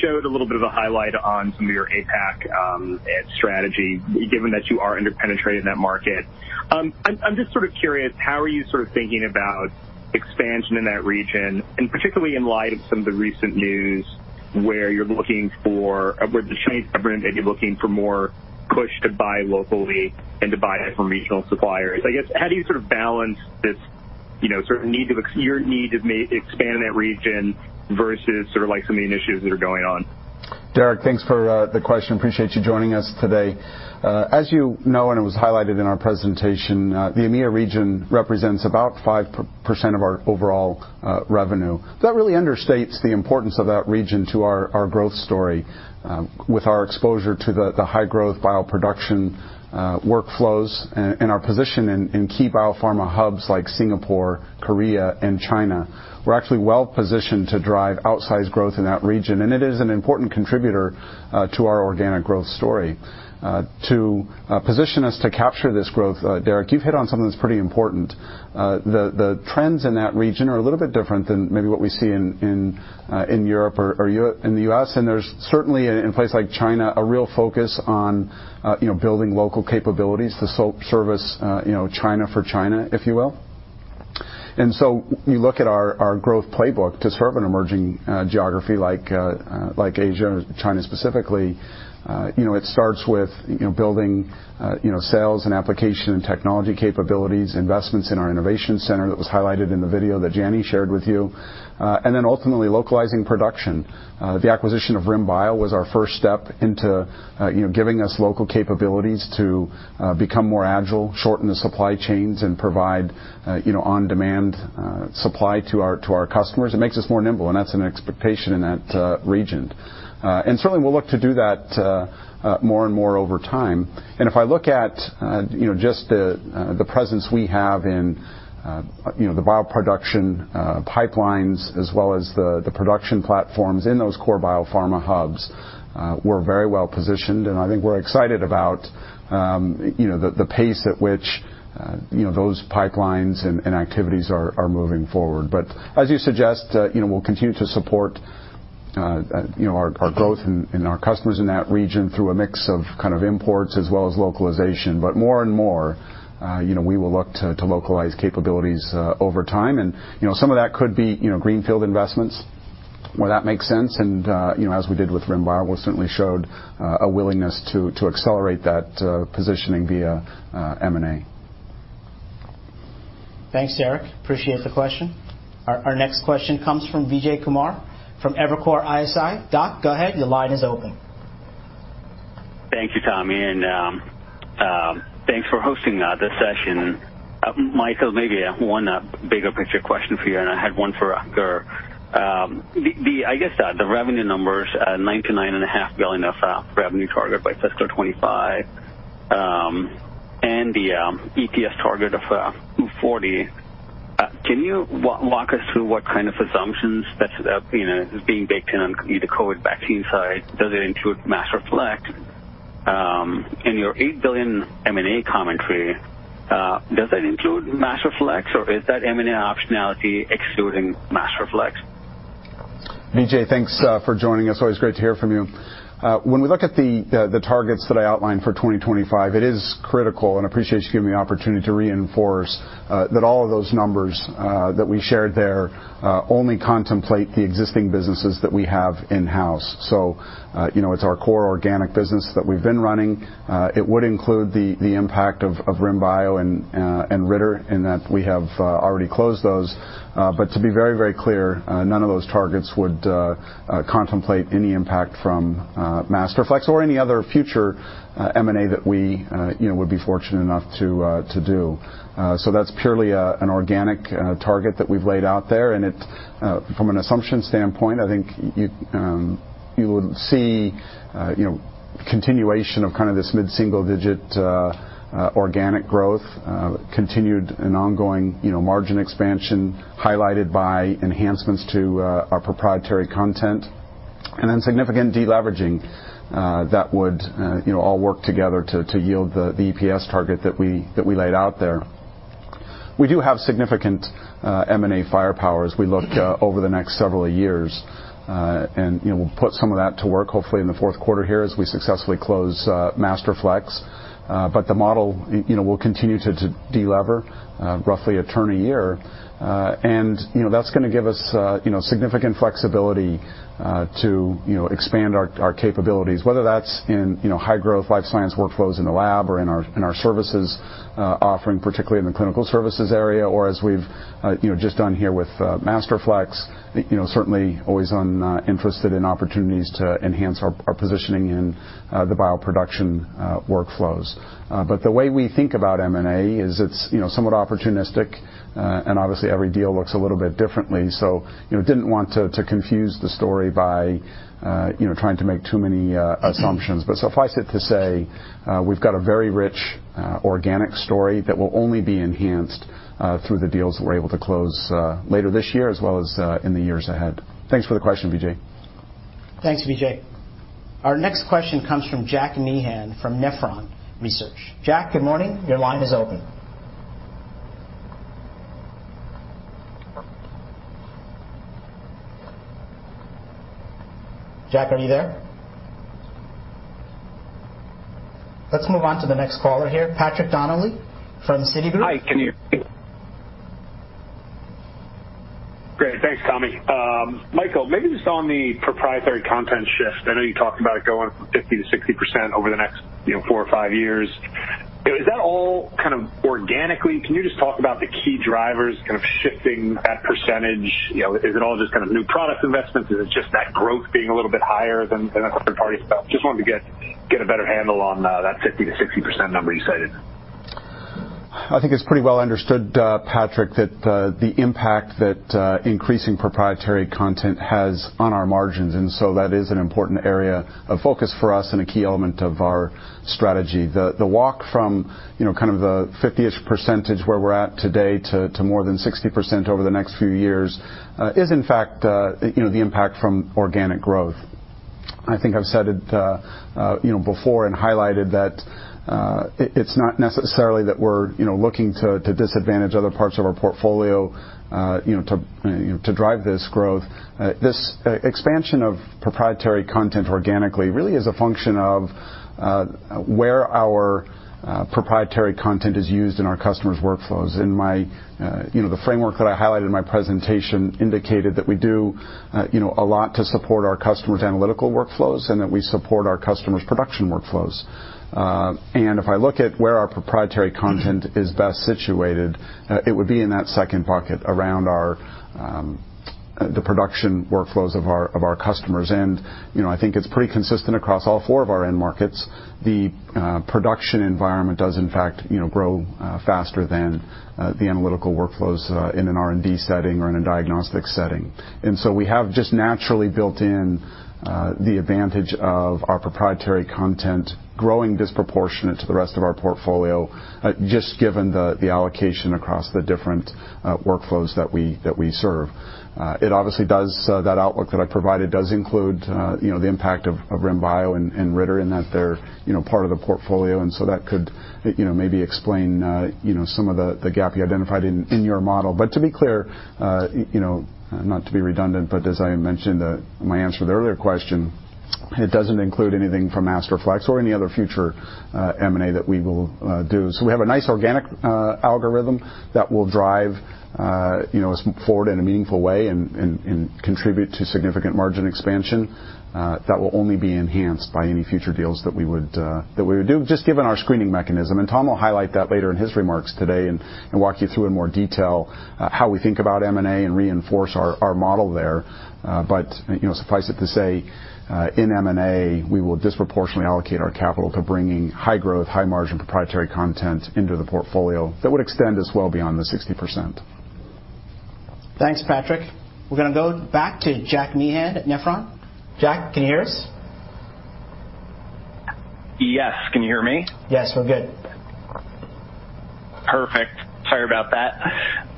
showed a little bit of a highlight on some of your APAC strategy, given that you are under-penetrated in that market. I'm just sort of curious, how are you thinking about expansion in that region, and particularly in light of some of the recent news, where the Chinese government may be looking for more push to buy locally and to buy from regional suppliers. I guess, how do you sort of balance your need to expand in that region versus some of the issues that are going on? Derik, thanks for the question. Appreciate you joining us today. As you know, and it was highlighted in our presentation, the AMEA region represents about 5% of our overall revenue. That really understates the importance of that region to our growth story. With our exposure to the high-growth bioproduction workflows and our position in key biopharma hubs like Singapore, Korea, and China, we're actually well-positioned to drive outsized growth in that region, and it is an important contributor to our organic growth story. To position us to capture this growth, Derik, you've hit on something that's pretty important. The trends in that region are a little bit different than maybe what we see in Europe or in the U.S., and there's certainly, in a place like China, a real focus on building local capabilities to service China for China, if you will. You look at our growth playbook to serve an emerging geography like Asia, China specifically. It starts with building sales and application and technology capabilities, investments in our innovation center that was highlighted in the video that Janny shared with you. Ultimately localizing production. The acquisition of RIM Bio was our first step into giving us local capabilities to become more agile, shorten the supply chains, and provide on-demand supply to our customers. It makes us more nimble, and that's an expectation in that region. Certainly, we'll look to do that more and more over time. If I look at just the presence we have in the bioproduction pipelines as well as the production platforms in those core biopharma hubs, we're very well-positioned, and I think we're excited about the pace at which those pipelines and activities are moving forward. As you suggest, we'll continue to support our growth and our customers in that region through a mix of kind of imports as well as localization. More and more we will look to localize capabilities over time. Some of that could be greenfield investments where that makes sense, and as we did with RIM Bio, we certainly showed a willingness to accelerate that positioning via M&A. Thanks, Derik. Appreciate the question. Our next question comes from Vijay Kumar from Evercore ISI. Doc, go ahead. Your line is open. Thank you, Tommy, and thanks for hosting this session. Michael, maybe one bigger picture question for you, and I had one for, I guess the revenue numbers, $99.5 billion of revenue target by fiscal 2025, and the EPS target of $40. Can you walk us through what kind of assumptions that's being baked in on the COVID vaccine side? Does it include Masterflex? In your $8 billion M&A commentary, does that include Masterflex, or is that M&A optionality excluding Masterflex? Vijay, thanks for joining us. Always great to hear from you. When we look at the targets that I outlined for 2025, it is critical, and appreciate you giving me the opportunity to reinforce, that all of those numbers that we shared there only contemplate the existing businesses that we have in-house. It's our core organic business that we've been running. It would include the impact of RIM Bio and Ritter in that we have already closed those. To be very clear, none of those targets would contemplate any impact from Masterflex or any other future M&A that we would be fortunate enough to do. That's purely an organic target that we've laid out there, and from an assumption standpoint, I think you would see continuation of kind of this mid-single-digit organic growth, continued and ongoing margin expansion highlighted by enhancements to our proprietary content. Significant deleveraging that would all work together to yield the EPS target that we laid out there. We do have significant M&A firepower as we look over the next several years. We'll put some of that to work hopefully in the fourth quarter here as we successfully close Masterflex. The model, we'll continue to delever roughly a turn a year. That's going to give us significant flexibility to expand our capabilities, whether that's in high-growth life science workflows in the lab or in our services offering, particularly in the clinical services area or as we've just done here with Masterflex. Certainly always interested in opportunities to enhance our positioning in the bioproduction workflows. The way we think about M&A is it's somewhat opportunistic. Obviously, every deal looks a little bit differently, so didn't want to confuse the story by trying to make too many assumptions. Suffice it to say, we've got a very rich organic story that will only be enhanced through the deals that we're able to close later this year as well as in the years ahead. Thanks for the question, Vijay. Thanks, Vijay. Our next question comes from Jack Meehan from Nephron Research. Jack, good morning. Your line is open. Jack, are you there? Let's move on to the next caller here, Patrick Donnelly from Citigroup. Hi, can you hear me? Great. Thanks, Tommy. Michael, maybe just on the proprietary content shift, I know you talked about it going from 50% to 60% over the next four or five years. Is that all kind of organically? Can you just talk about the key drivers kind of shifting that percentage? Is it all just kind of new product investments? Is it just that growth being a little bit higher than the third party stuff? Just wanted to get a better handle on that 50% to 60% number you cited. I think it's pretty well understood, Patrick, that the impact that increasing proprietary content has on our margins, and so that is an important area of focus for us and a key element of our strategy. The walk from kind of the 50-ish% where we're at today to more than 60% over the next few years is in fact the impact from organic growth. I think I've said it before and highlighted that it's not necessarily that we're looking to disadvantage other parts of our portfolio to drive this growth. This expansion of proprietary content organically really is a function of where our proprietary content is used in our customers' workflows. The framework that I highlighted in my presentation indicated that we do a lot to support our customers' analytical workflows and that we support our customers' production workflows. If I look at where our proprietary content is best situated, it would be in that second bucket around the production workflows of our customers. I think it's pretty consistent across all four of our end markets. The production environment does, in fact, grow faster than the analytical workflows in an R&D setting or in a diagnostic setting. We have just naturally built in the advantage of our proprietary content growing disproportionate to the rest of our portfolio, just given the allocation across the different workflows that we serve. That outlook that I provided does include the impact of RIM Bio and Ritter in that they're part of the portfolio, and so that could maybe explain some of the gap you identified in your model. To be clear, not to be redundant, as I mentioned in my answer to the earlier question, it doesn't include anything from Masterflex or any other future M&A that we will do. We have a nice organic algorithm that will drive us forward in a meaningful way and contribute to significant margin expansion that will only be enhanced by any future deals that we would do, just given our screening mechanism. Tom will highlight that later in his remarks today and walk you through in more detail how we think about M&A and reinforce our model there. Suffice it to say, in M&A, we will disproportionately allocate our capital to bringing high growth, high margin proprietary content into the portfolio that would extend us well beyond the 60%. Thanks, Patrick. We're going to go back to Jack Meehan at Nephron Research. Jack, can you hear us? Yes. Can you hear me? Yes, we're good. Perfect. Sorry about that.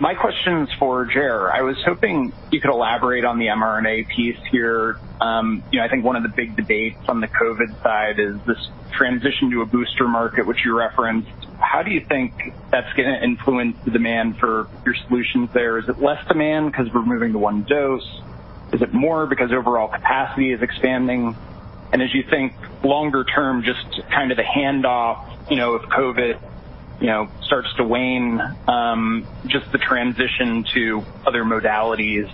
My question is for Ger. I was hoping you could elaborate on the mRNA piece here. I think one of the big debates on the COVID-19 side is this transition to a booster market, which you referenced. How do you think that's going to influence the demand for your solutions there? Is it less demand because we're moving to one dose? Is it more because overall capacity is expanding? As you think longer term, just kind of the handoff, if COVID-19 starts to wane, just the transition to other modalities,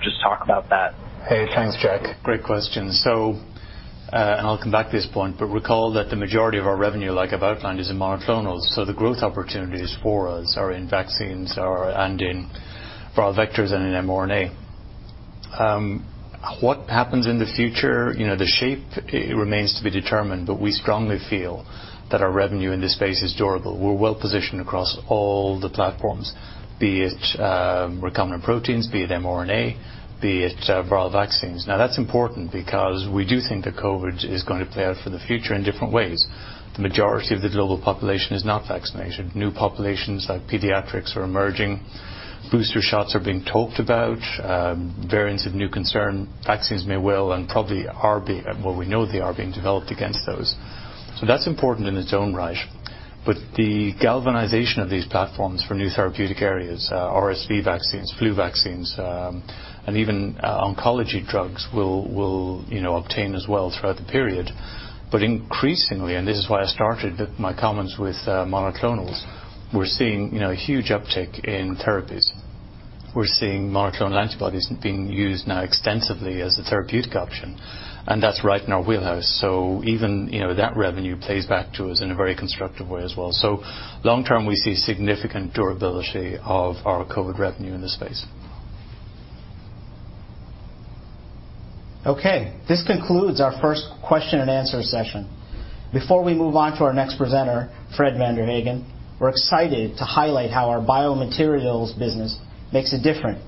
just talk about that. Hey, thanks, Jack. Great question. I'll come back to this point, but recall that the majority of our revenue, like I've outlined, is in monoclonals. The growth opportunities for us are in vaccines and in viral vectors and in mRNA. What happens in the future? The shape remains to be determined, but we strongly feel that our revenue in this space is durable. We're well-positioned across all the platforms, be it recombinant proteins, be it mRNA, be it viral vaccines. That's important because we do think that COVID is going to play out for the future in different ways. The majority of the global population is not vaccinated. New populations like pediatrics are emerging. Booster shots are being talked about. Variants of new concern, vaccines may well and probably, well, we know they are being developed against those. That's important in its own right. The galvanization of these platforms for new therapeutic areas, RSV vaccines, flu vaccines, and even oncology drugs will obtain as well throughout the period. Increasingly, and this is why I started my comments with monoclonals, we're seeing a huge uptick in therapies. We're seeing monoclonal antibodies being used now extensively as a therapeutic option, and that's right in our wheelhouse. Even that revenue plays back to us in a very constructive way as well. Long-term, we see significant durability of our COVID revenue in this space. This concludes our first question and answer session. Before we move on to our next presenter, Frederic Vanderhaegen, we're excited to highlight how our biomaterials business makes a difference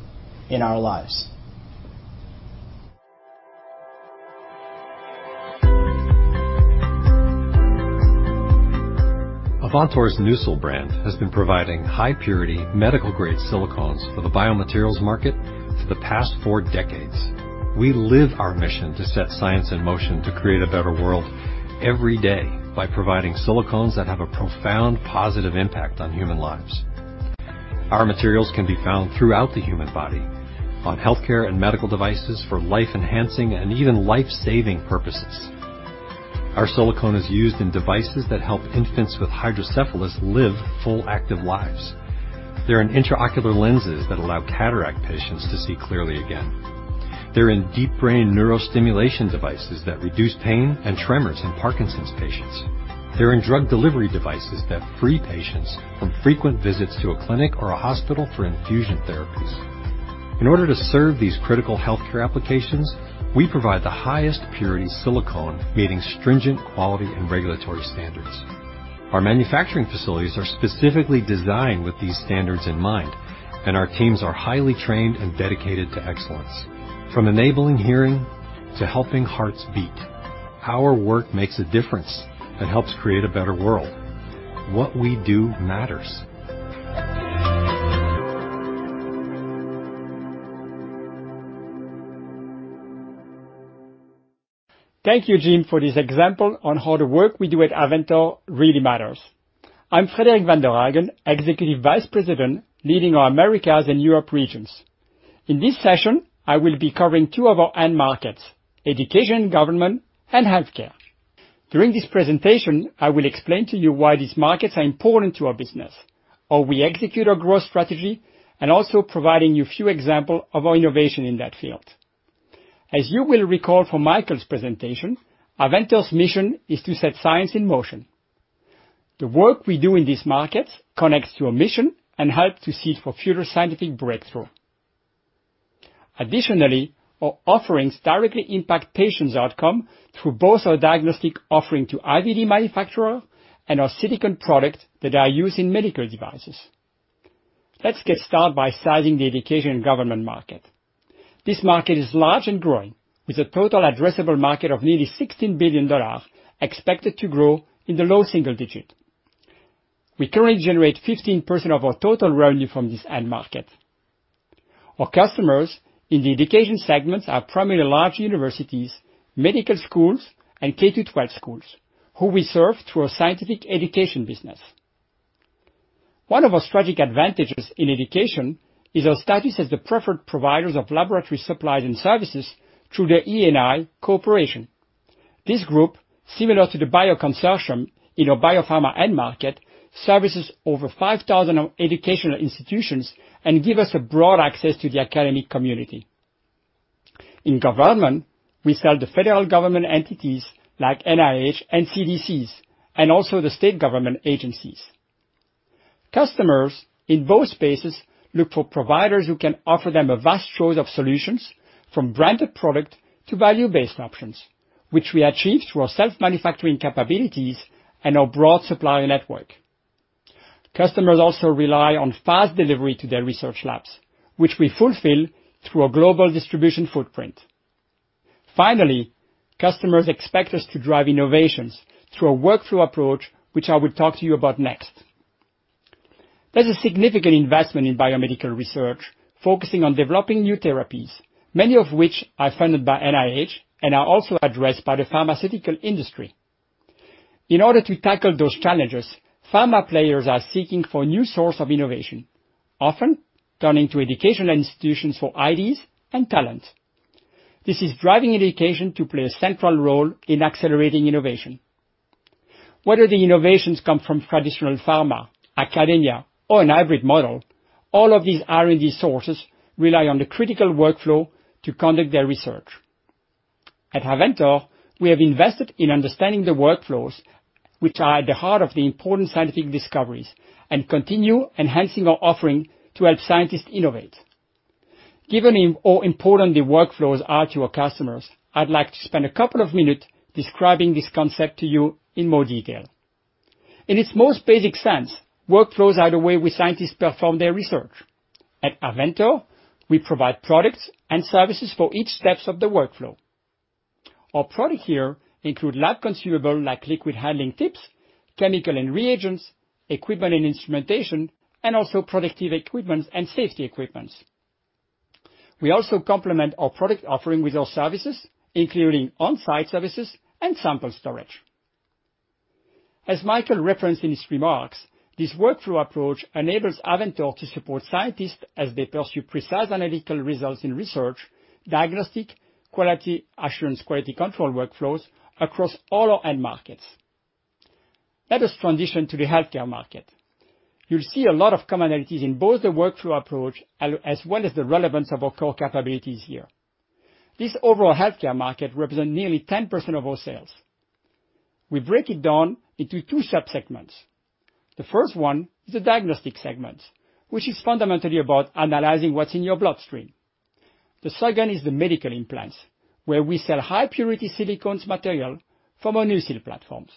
in our lives. Avantor's NuSil brand has been providing high purity medical-grade silicones for the biomaterials market for the past four decades. We live our mission to set science in motion to create a better world every day by providing silicones that have a profound positive impact on human lives. Our materials can be found throughout the human body, on healthcare and medical devices for life-enhancing and even life-saving purposes. Our silicone is used in devices that help infants with hydrocephalus live full, active lives. They're in intraocular lenses that allow cataract patients to see clearly again. They're in deep brain neurostimulation devices that reduce pain and tremors in Parkinson's patients. They're in drug delivery devices that free patients from frequent visits to a clinic or a hospital for infusion therapies. In order to serve these critical healthcare applications, we provide the highest purity silicone, meeting stringent quality and regulatory standards. Our manufacturing facilities are specifically designed with these standards in mind, and our teams are highly trained and dedicated to excellence. From enabling hearing to helping hearts beat, our work makes a difference and helps create a better world. What we do matters. Thank you, Jim, for this example on how the work we do at Avantor really matters. I'm Frederic Vanderhaegen, Executive Vice President, leading our Americas and Europe regions. In this session, I will be covering two of our end markets, education, government, and healthcare. During this presentation, I will explain to you why these markets are important to our business, how we execute our growth strategy, and also providing you a few examples of our innovation in that field. As you will recall from Michael's presentation, Avantor's mission is to set science in motion. The work we do in this market connects to our mission and helps to seek for future scientific breakthrough. Additionally, our offerings directly impact patients' outcome through both our diagnostic offering to IVD manufacturer and our silicone product that are used in medical devices. Let's get started by sizing the education and government market. This market is large and growing, with a total addressable market of nearly $16 billion expected to grow in the low single digit. We currently generate 15% of our total revenue from this end market. Our customers in the education segments are primarily large universities, medical schools, and K-12 schools, who we serve through our scientific education business. One of our strategic advantages in education is our status as the preferred providers of laboratory supplies and services through the E&I Cooperative Services. This group, similar to the BIO Consortium in our biopharma end market, services over 5,000 educational institutions and give us a broad access to the academic community. In government, we sell to federal government entities like NIH and CDC, and also the state government agencies. Customers in both spaces look for providers who can offer them a vast choice of solutions, from branded product to value-based options, which we achieve through our self-manufacturing capabilities and our broad supplier network. Customers also rely on fast delivery to their research labs, which we fulfill through our global distribution footprint. Finally, customers expect us to drive innovations through a workflow approach, which I will talk to you about next. There's a significant investment in biomedical research focusing on developing new therapies, many of which are funded by NIH and are also addressed by the pharmaceutical industry. In order to tackle those challenges, pharma players are seeking for new source of innovation, often turning to educational institutions for ideas and talent. This is driving education to play a central role in accelerating innovation. Whether the innovations come from traditional pharma, academia, or an hybrid model, all of these R&D sources rely on the critical workflow to conduct their research. At Avantor, we have invested in understanding the workflows which are at the heart of the important scientific discoveries, and continue enhancing our offering to help scientists innovate. Given how important the workflows are to our customers, I'd like to spend a couple of minutes describing this concept to you in more detail. In its most basic sense, workflows are the way we scientists perform their research. At Avantor, we provide products and services for each steps of the workflow. Our product here include lab consumable like liquid handling tips, chemical and reagents, equipment and instrumentation, and also protective equipment and safety equipment. We also complement our product offering with our services, including on-site services and sample storage. As Michael referenced in his remarks, this workflow approach enables Avantor to support scientists as they pursue precise analytical results in research, diagnostic, quality assurance, quality control workflows across all our end markets. Let us transition to the healthcare market. You'll see a lot of commonalities in both the workflow approach as well as the relevance of our core capabilities here. This overall healthcare market represent nearly 10% of our sales. We break it down into two sub-segments. The first one is the diagnostic segment, which is fundamentally about analyzing what's in your bloodstream. The second is the medical implants, where we sell high purity silicone material from our NuSil platforms.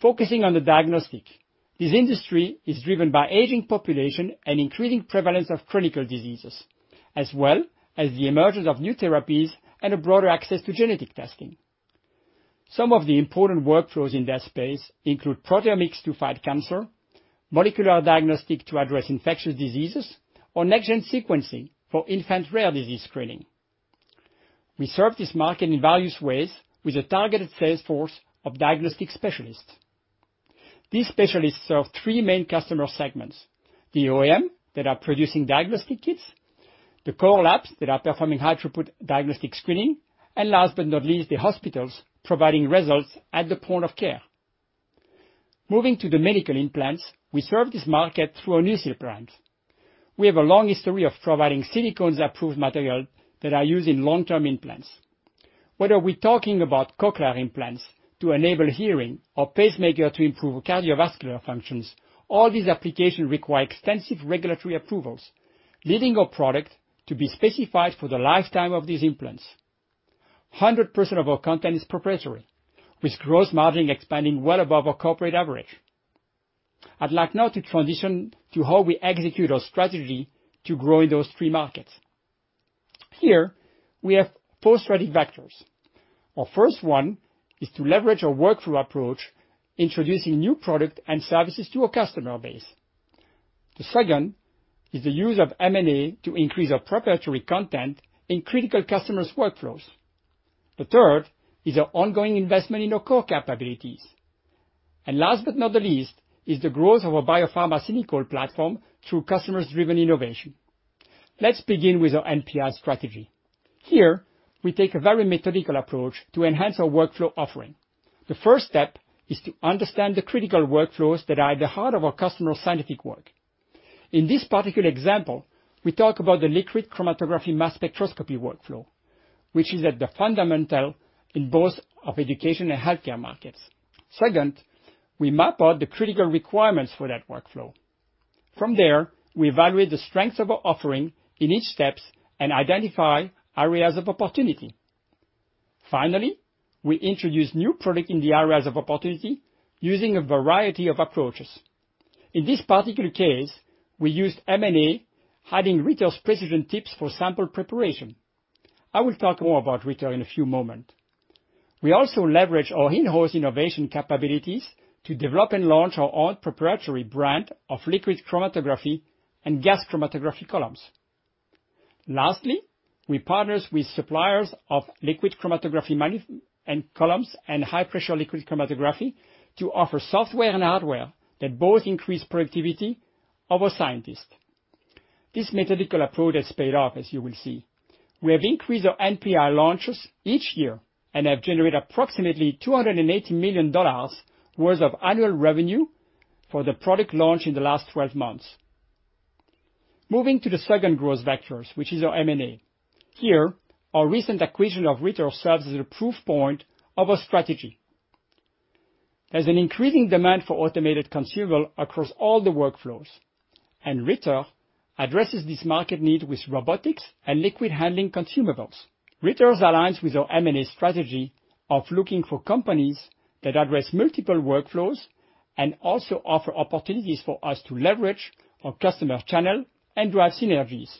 Focusing on the diagnostic, this industry is driven by aging population and increasing prevalence of chronic diseases. As well as the emergence of new therapies and a broader access to genetic testing. Some of the important workflows in that space include proteomics to fight cancer, molecular diagnostic to address infectious diseases, or next-gen sequencing for infant rare disease screening. We serve this market in various ways with a targeted sales force of diagnostic specialists. These specialists serve three main customer segments, the OEM that are producing diagnostic kits, the core labs that are performing high throughput diagnostic screening, and last but not least, the hospitals providing results at the point of care. Moving to the medical implants, we serve this market through our NuSil brands. We have a long history of providing silicones-approved material that are used in long-term implants. Whether we're talking about cochlear implants to enable hearing or pacemaker to improve cardiovascular functions, all these applications require extensive regulatory approvals, leading our product to be specified for the lifetime of these implants. 100% of our content is proprietary with gross margin expanding well above our corporate average. I'd like now to transition to how we execute our strategy to grow in those three markets. Here, we have four strategic vectors. Our first one is to leverage our workflow approach, introducing new product and services to our customer base. The second is the use of M&A to increase our proprietary content in critical customers' workflows. The third is our ongoing investment in our core capabilities. Last but not the least, is the growth of our biopharmaceutical platform through customers-driven innovation. Let's begin with our NPI strategy. Here, we take a very methodical approach to enhance our workflow offering. The first step is to understand the critical workflows that are at the heart of our customer's scientific work. In this particular example, we talk about the liquid chromatography mass spectrometry workflow, which is at the fundamental in both of education and healthcare markets. Second, we map out the critical requirements for that workflow. From there, we evaluate the strengths of our offering in each steps and identify areas of opportunity. Finally, we introduce new product in the areas of opportunity using a variety of approaches. In this particular case, we used M&A, adding Ritter's precision tips for sample preparation. I will talk more about Ritter in a few moment. We also leverage our in-house innovation capabilities to develop and launch our own proprietary brand of liquid chromatography and gas chromatography columns. Lastly, we partners with suppliers of liquid chromatography and columns and high pressure liquid chromatography to offer software and hardware that both increase productivity of our scientists. This methodical approach has paid off, as you will see. We have increased our NPI launches each year and have generated approximately $280 million worth of annual revenue for the product launch in the last 12 months. Moving to the second growth vectors, which is our M&A. Here, our recent acquisition of Ritter serves as a proof point of our strategy. There's an increasing demand for automated consumable across all the workflows, and Ritter addresses this market need with robotics and liquid handling consumables. Ritter aligns with our M&A strategy of looking for companies that address multiple workflows and also offer opportunities for us to leverage our customer channel and drive synergies.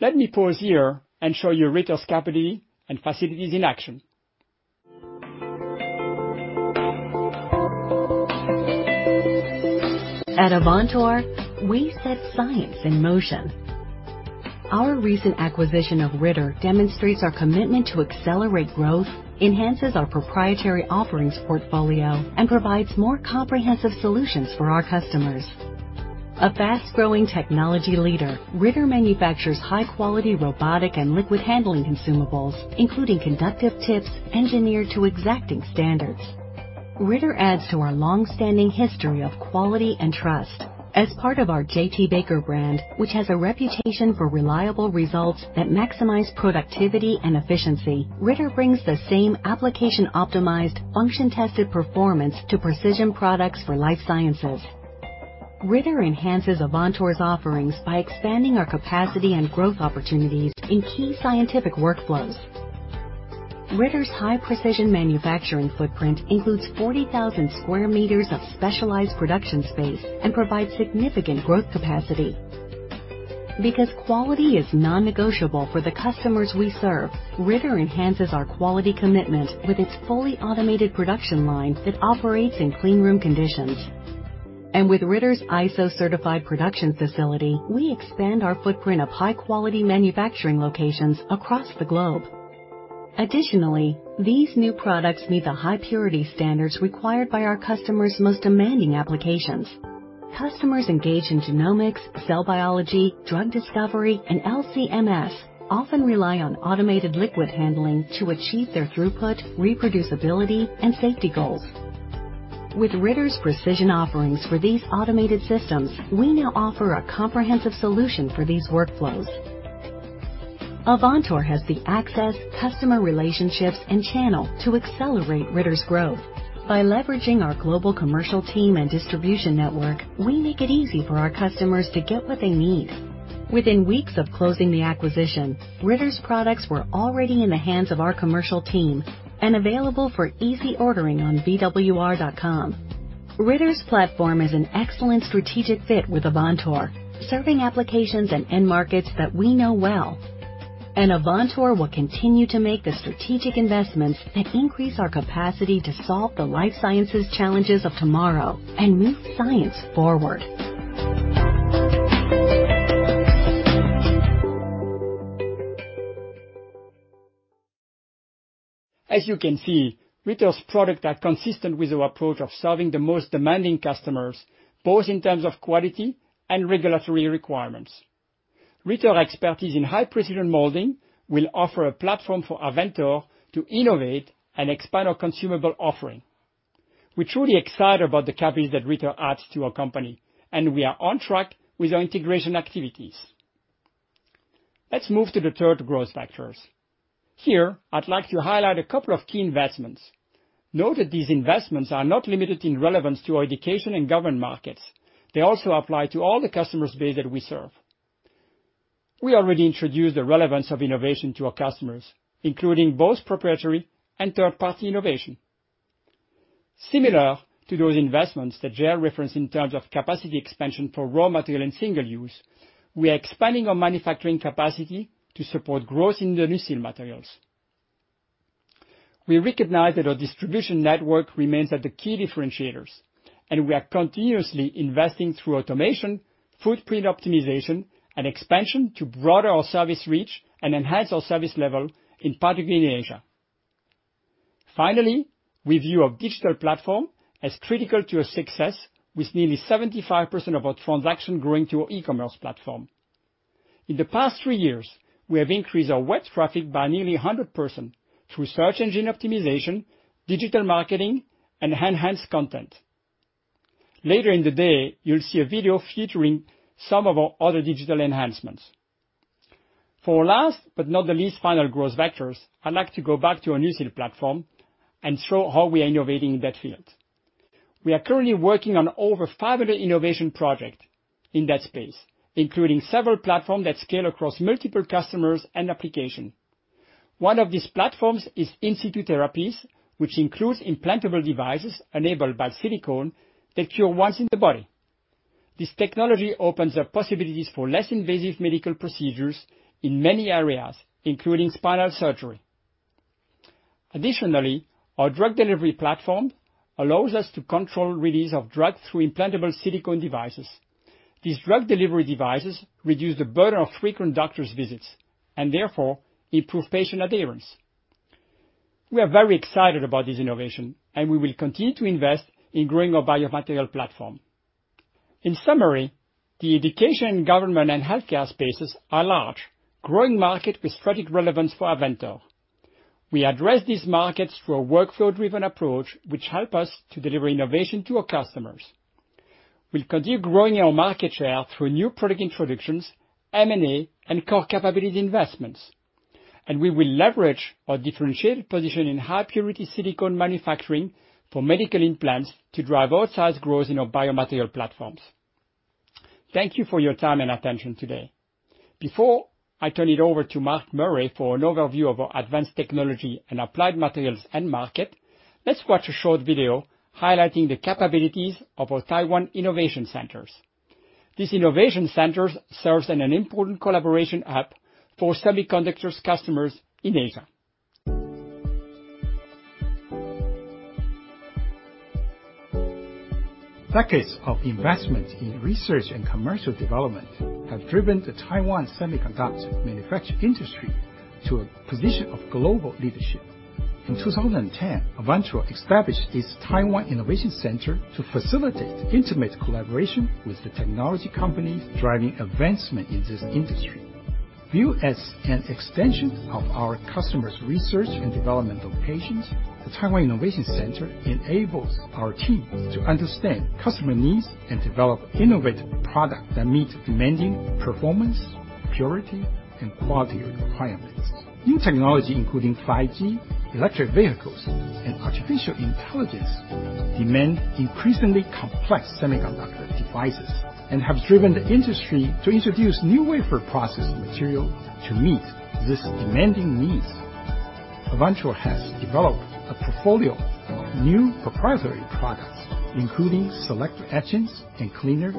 Let me pause here and show you Ritter's capability and facilities in action. At Avantor, we set science in motion. Our recent acquisition of Ritter demonstrates our commitment to accelerate growth, enhances our proprietary offerings portfolio, and provides more comprehensive solutions for our customers. A fast-growing technology leader, Ritter manufactures high-quality robotic and liquid handling consumables, including conductive tips engineered to exacting standards. Ritter adds to our long-standing history of quality and trust. As part of our J.T.Baker brand, which has a reputation for reliable results that maximize productivity and efficiency, Ritter brings the same application-optimized, function-tested performance to precision products for life sciences. Ritter enhances Avantor's offerings by expanding our capacity and growth opportunities in key scientific workflows. Ritter's high-precision manufacturing footprint includes 40,000 sq m of specialized production space and provides significant growth capacity. Because quality is non-negotiable for the customers we serve, Ritter enhances our quality commitment with its fully automated production line that operates in clean room conditions. With Ritter's ISO-certified production facility, we expand our footprint of high-quality manufacturing locations across the globe. Additionally, these new products meet the high purity standards required by our customers' most demanding applications. Customers engaged in genomics, cell biology, drug discovery, and LC-MS often rely on automated liquid handling to achieve their throughput, reproducibility, and safety goals. With Ritter's precision offerings for these automated systems, we now offer a comprehensive solution for these workflows. Avantor has the access, customer relationships, and channel to accelerate Ritter's growth. By leveraging our global commercial team and distribution network, we make it easy for our customers to get what they need. Within weeks of closing the acquisition, Ritter's products were already in the hands of our commercial team and available for easy ordering on vwr.com. Ritter's platform is an excellent strategic fit with Avantor, serving applications and end markets that we know well. Avantor will continue to make the strategic investments that increase our capacity to solve the life sciences challenges of tomorrow and move science forward. As you can see, Ritter's products are consistent with our approach of serving the most demanding customers, both in terms of quality and regulatory requirements. Ritter expertise in high-precision molding will offer a platform for Avantor to innovate and expand our consumable offering. We're truly excited about the capabilities that Ritter adds to our company, and we are on track with our integration activities. Let's move to the third growth factors. Here, I'd like to highlight a couple of key investments. Note that these investments are not limited in relevance to our education and government markets. They also apply to all the customer base that we serve. We already introduced the relevance of innovation to our customers, including both proprietary and third-party innovation. Similar to those investments that Ger referenced in terms of capacity expansion for raw material and single-use, we are expanding our manufacturing capacity to support growth in the NuSil materials. We recognize that our distribution network remains at the key differentiators, and we are continuously investing through automation, footprint optimization, and expansion to broaden our service reach and enhance our service level, in particular in Asia. Finally, we view our digital platform as critical to our success with nearly 75% of our transactions flowing through our e-commerce platform. In the past three years, we have increased our web traffic by nearly 100% through search engine optimization, digital marketing, and enhanced content. Later in the day, you'll see a video featuring some of our other digital enhancements. For our last but not the least final growth vectors, I'd like to go back to our NuSil platform and show how we are innovating in that field. We are currently working on over 500 innovation projects in that space, including several platforms that scale across multiple customers and applications. One of these platforms is in situ therapies, which includes implantable devices enabled by silicone that cure once in the body. This technology opens up possibilities for less invasive medical procedures in many areas, including spinal surgery. Additionally, our drug delivery platform allows us to control release of drug through implantable silicone devices. These drug delivery devices reduce the burden of frequent doctor's visits and therefore improve patient adherence. We are very excited about this innovation, and we will continue to invest in growing our biomaterial platform. In summary, the education, government, and healthcare spaces are large, growing market with strategic relevance for Avantor. We address these markets through a workflow-driven approach which help us to deliver innovation to our customers. We will leverage our differentiated position in high-purity silicone manufacturing for medical implants to drive outsized growth in our biomaterial platforms. Thank you for your time and attention today. Before I turn it over to Mark Murray for an overview of our Advanced Technologies & Applied Materials end market, let's watch a short video highlighting the capabilities of our Taiwan Innovation Centers. This innovation centers serves an important collaboration hub for semiconductors customers in Asia. Decades of investment in research and commercial development have driven the Taiwan semiconductor manufacturing industry to a position of global leadership. In 2010, Avantor established its Taiwan Innovation Center to facilitate intimate collaboration with the technology companies driving advancement in this industry. Viewed as an extension of our customers' research and development locations, the Taiwan Innovation Center enables our teams to understand customer needs and develop innovative product that meet demanding performance, purity, and quality requirements. New technology, including 5G, electric vehicles, and artificial intelligence, demand increasingly complex semiconductor devices and have driven the industry to introduce new wafer process material to meet these demanding needs. Avantor has developed a portfolio of new proprietary products, including select etchants and cleaner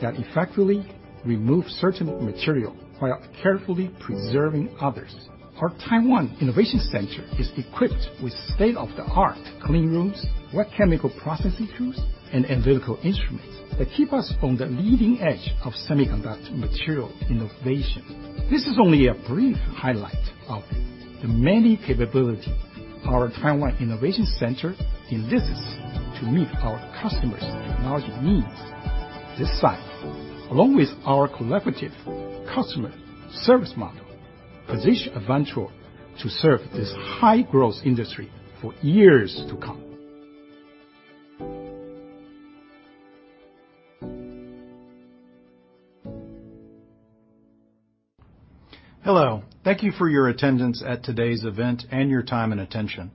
that effectively remove certain material while carefully preserving others. Our Taiwan Innovation Center is equipped with state-of-the-art clean rooms, wet chemical processing tools, and analytical instruments that keep us on the leading edge of semiconductor material innovation. This is only a brief highlight of the many capabilities our Taiwan Innovation Center enlists to meet our customers' technology needs. This site, along with our collaborative customer service model, position Avantor to serve this high-growth industry for years to come. Hello. Thank you for your attendance at today's event and your time and attention.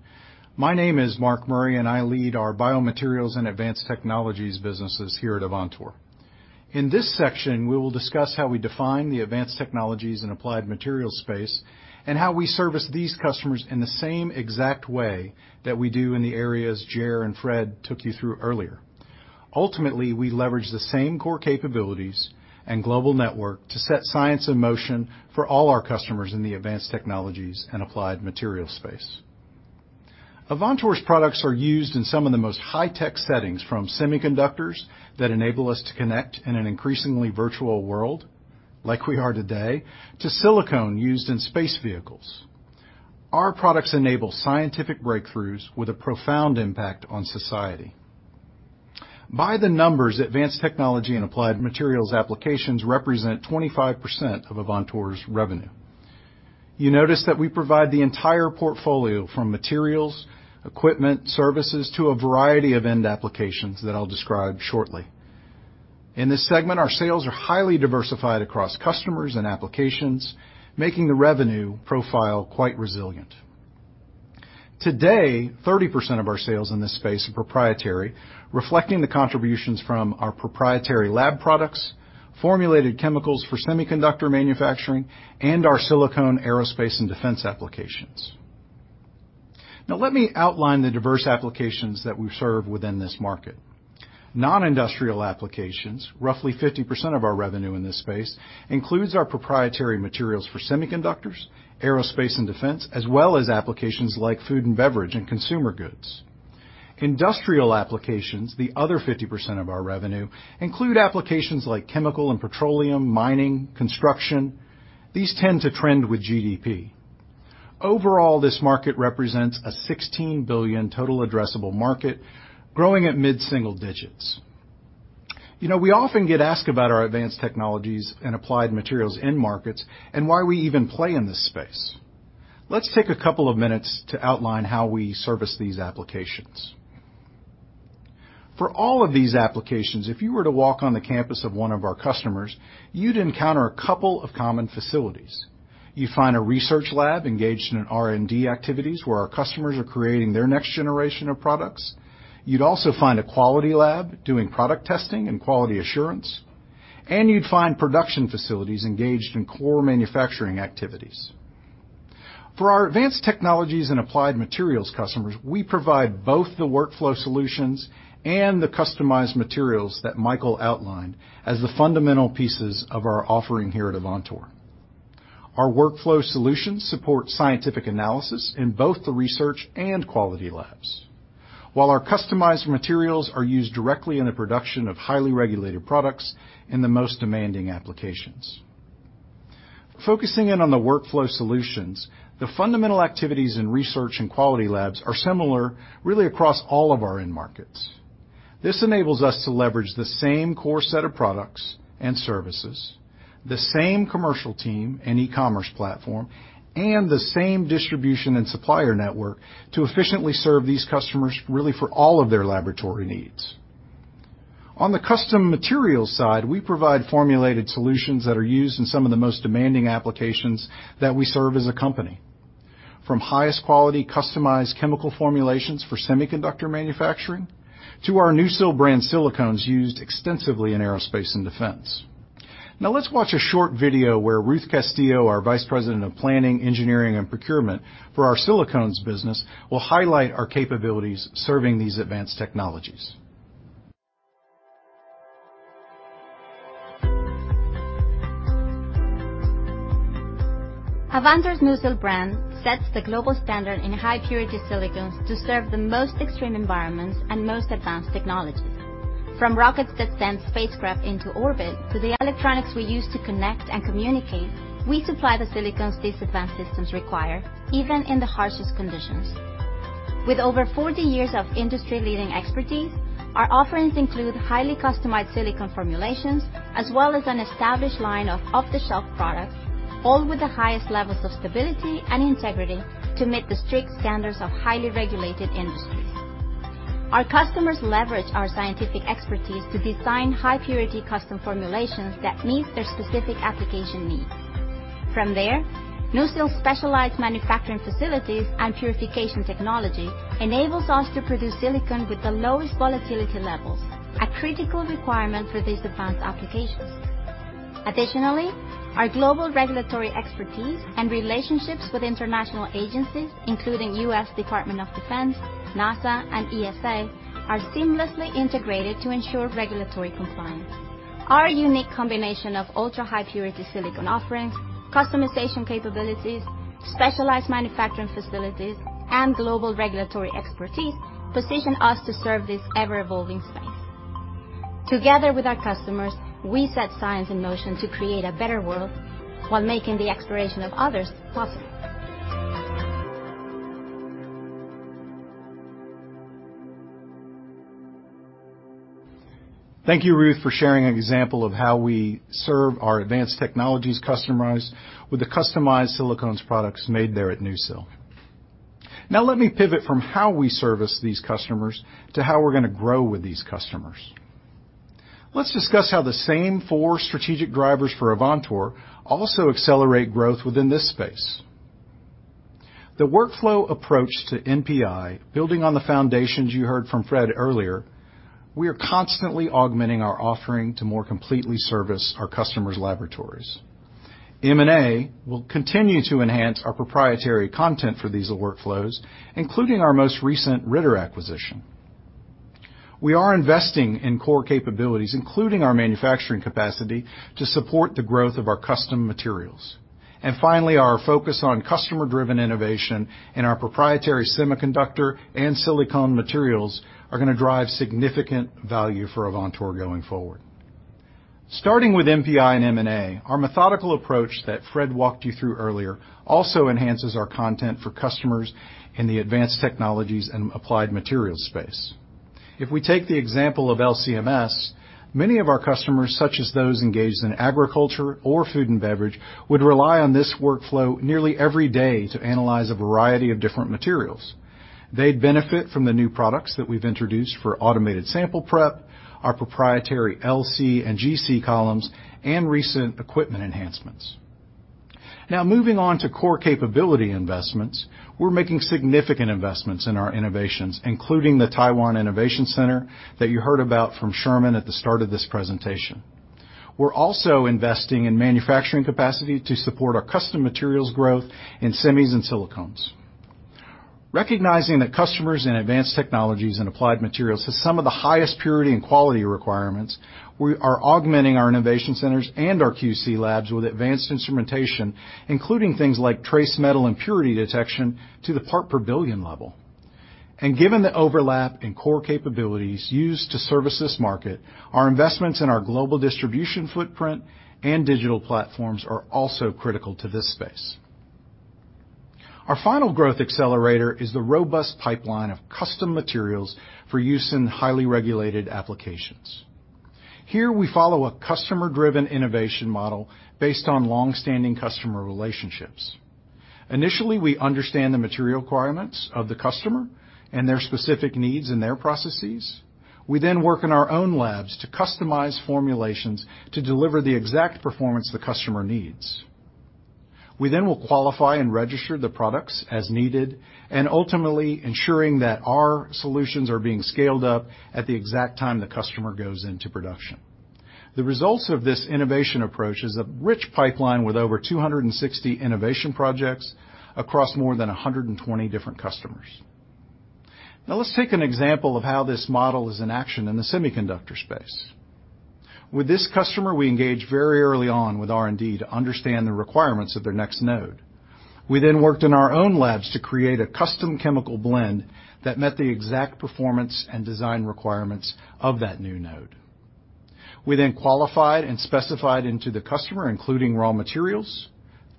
My name is Mark Murray. I lead our Biomaterials and Advanced Technologies businesses here at Avantor. In this section, we will discuss how we define the Advanced Technologies and Applied Materials space and how we service these customers in the same exact way that we do in the areas Ger and Frederic took you through earlier. Ultimately, we leverage the same core capabilities and global network to set science in motion for all our customers in the Advanced Technologies and Applied Materials space. Avantor's products are used in some of the most high-tech settings, from semiconductors that enable us to connect in an increasingly virtual world, like we are today, to silicone used in space vehicles. Our products enable scientific breakthroughs with a profound impact on society. By the numbers, Advanced Technology and Applied Materials applications represent 25% of Avantor's revenue. You notice that we provide the entire portfolio from materials, equipment, services to a variety of end applications that I'll describe shortly. In this segment, our sales are highly diversified across customers and applications, making the revenue profile quite resilient. Today, 30% of our sales in this space are proprietary, reflecting the contributions from our proprietary lab products, formulated chemicals for semiconductor manufacturing, and our silicone aerospace and defense applications. Let me outline the diverse applications that we serve within this market. Non-industrial applications, roughly 50% of our revenue in this space, includes our proprietary materials for semiconductors, aerospace and defense, as well as applications like food and beverage and consumer goods. Industrial applications, the other 50% of our revenue, include applications like chemical and petroleum, mining, construction. These tend to trend with GDP. Overall, this market represents a $16 billion total addressable market, growing at mid-single digits. We often get asked about our Advanced Technologies and Applied Materials end markets and why we even play in this space. Let's take a couple of minutes to outline how we service these applications. For all of these applications, if you were to walk on the campus of one of our customers, you'd encounter a couple of common facilities. You'd find a research lab engaged in R&D activities where our customers are creating their next generation of products. You'd also find a quality lab doing product testing and quality assurance, and you'd find production facilities engaged in core manufacturing activities. For our Advanced Technologies and Applied Materials customers, we provide both the workflow solutions and the customized materials that Michael outlined as the fundamental pieces of our offering here at Avantor. Our workflow solutions support scientific analysis in both the research and quality labs, while our customized materials are used directly in the production of highly regulated products in the most demanding applications. Focusing in on the workflow solutions, the fundamental activities in research and quality labs are similar really across all of our end markets. This enables us to leverage the same core set of products and services, the same commercial team and e-commerce platform, and the same distribution and supplier network to efficiently serve these customers really for all of their laboratory needs. On the custom materials side, we provide formulated solutions that are used in some of the most demanding applications that we serve as a company, from highest quality customized chemical formulations for semiconductor manufacturing to our NuSil brand silicones used extensively in aerospace and defense. Let's watch a short video where Ruth Castillo, our Vice President of Planning, Engineering, and Procurement for our silicones business, will highlight our capabilities serving these advanced technologies. Avantor's NuSil brand sets the global standard in high purity silicones to serve the most extreme environments and most advanced technology. From rockets that send spacecraft into orbit to the electronics we use to connect and communicate, we supply the silicones these advanced systems require, even in the harshest conditions. With over 40 years of industry-leading expertise, our offerings include highly customized silicone formulations, as well as an established line of off-the-shelf products, all with the highest levels of stability and integrity to meet the strict standards of highly regulated industries. Our customers leverage our scientific expertise to design high purity custom formulations that meets their specific application needs. From there, NuSil's specialized manufacturing facilities and purification technology enables us to produce silicone with the lowest volatility levels, a critical requirement for these advanced applications. Additionally, our global regulatory expertise and relationships with international agencies, including U.S. Department of Defense, NASA, and ESA, are seamlessly integrated to ensure regulatory compliance. Our unique combination of ultra-high purity silicone offerings, customization capabilities, specialized manufacturing facilities, and global regulatory expertise position us to serve this ever-evolving space. Together with our customers, we set science in motion to create a better world while making the exploration of others possible. Thank you, Ruth, for sharing an example of how we serve our advanced technologies customized with the customized silicones products made there at NuSil. Let me pivot from how we service these customers to how we're going to grow with these customers. Let's discuss how the same four strategic drivers for Avantor also accelerate growth within this space. The workflow approach to NPI, building on the foundations you heard from Frederic Vanderhaegen earlier, we are constantly augmenting our offering to more completely service our customers' laboratories. M&A will continue to enhance our proprietary content for these workflows, including our most recent Ritter acquisition. We are investing in core capabilities, including our manufacturing capacity, to support the growth of our custom materials. Finally, our focus on customer-driven innovation in our proprietary semiconductor and silicone materials are going to drive significant value for Avantor going forward. Starting with NPI and M&A, our methodical approach that Fred walked you through earlier also enhances our content for customers in the advanced technologies and applied materials space. If we take the example of LC-MS, many of our customers, such as those engaged in agriculture or food and beverage, would rely on this workflow nearly every day to analyze a variety of different materials. They'd benefit from the new products that we've introduced for automated sample prep, our proprietary LC and GC columns, and recent equipment enhancements. Now, moving on to core capability investments, we're making significant investments in our innovations, including the Taiwan Innovation Center that you heard about from Sherman at the start of this presentation. We're also investing in manufacturing capacity to support our custom materials growth in semis and silicones. Recognizing that customers in advanced technologies and Applied Materials have some of the highest purity and quality requirements, we are augmenting our innovation centers and our QC labs with advanced instrumentation, including things like trace metal impurity detection to the part-per-billion level. Given the overlap in core capabilities used to service this market, our investments in our global distribution footprint and digital platforms are also critical to this space. Our final growth accelerator is the robust pipeline of custom materials for use in highly regulated applications. Here, we follow a customer-driven innovation model based on long-standing customer relationships. Initially, we understand the material requirements of the customer and their specific needs and their processes. We work in our own labs to customize formulations to deliver the exact performance the customer needs. We then will qualify and register the products as needed, and ultimately ensuring that our solutions are being scaled up at the exact time the customer goes into production. The results of this innovation approach is a rich pipeline with over 260 innovation projects across more than 120 different customers. Let's take an example of how this model is in action in the semiconductor space. With this customer, we engaged very early on with R&D to understand the requirements of their next node. We then worked in our own labs to create a custom chemical blend that met the exact performance and design requirements of that new node. We then qualified and specified into the customer, including raw materials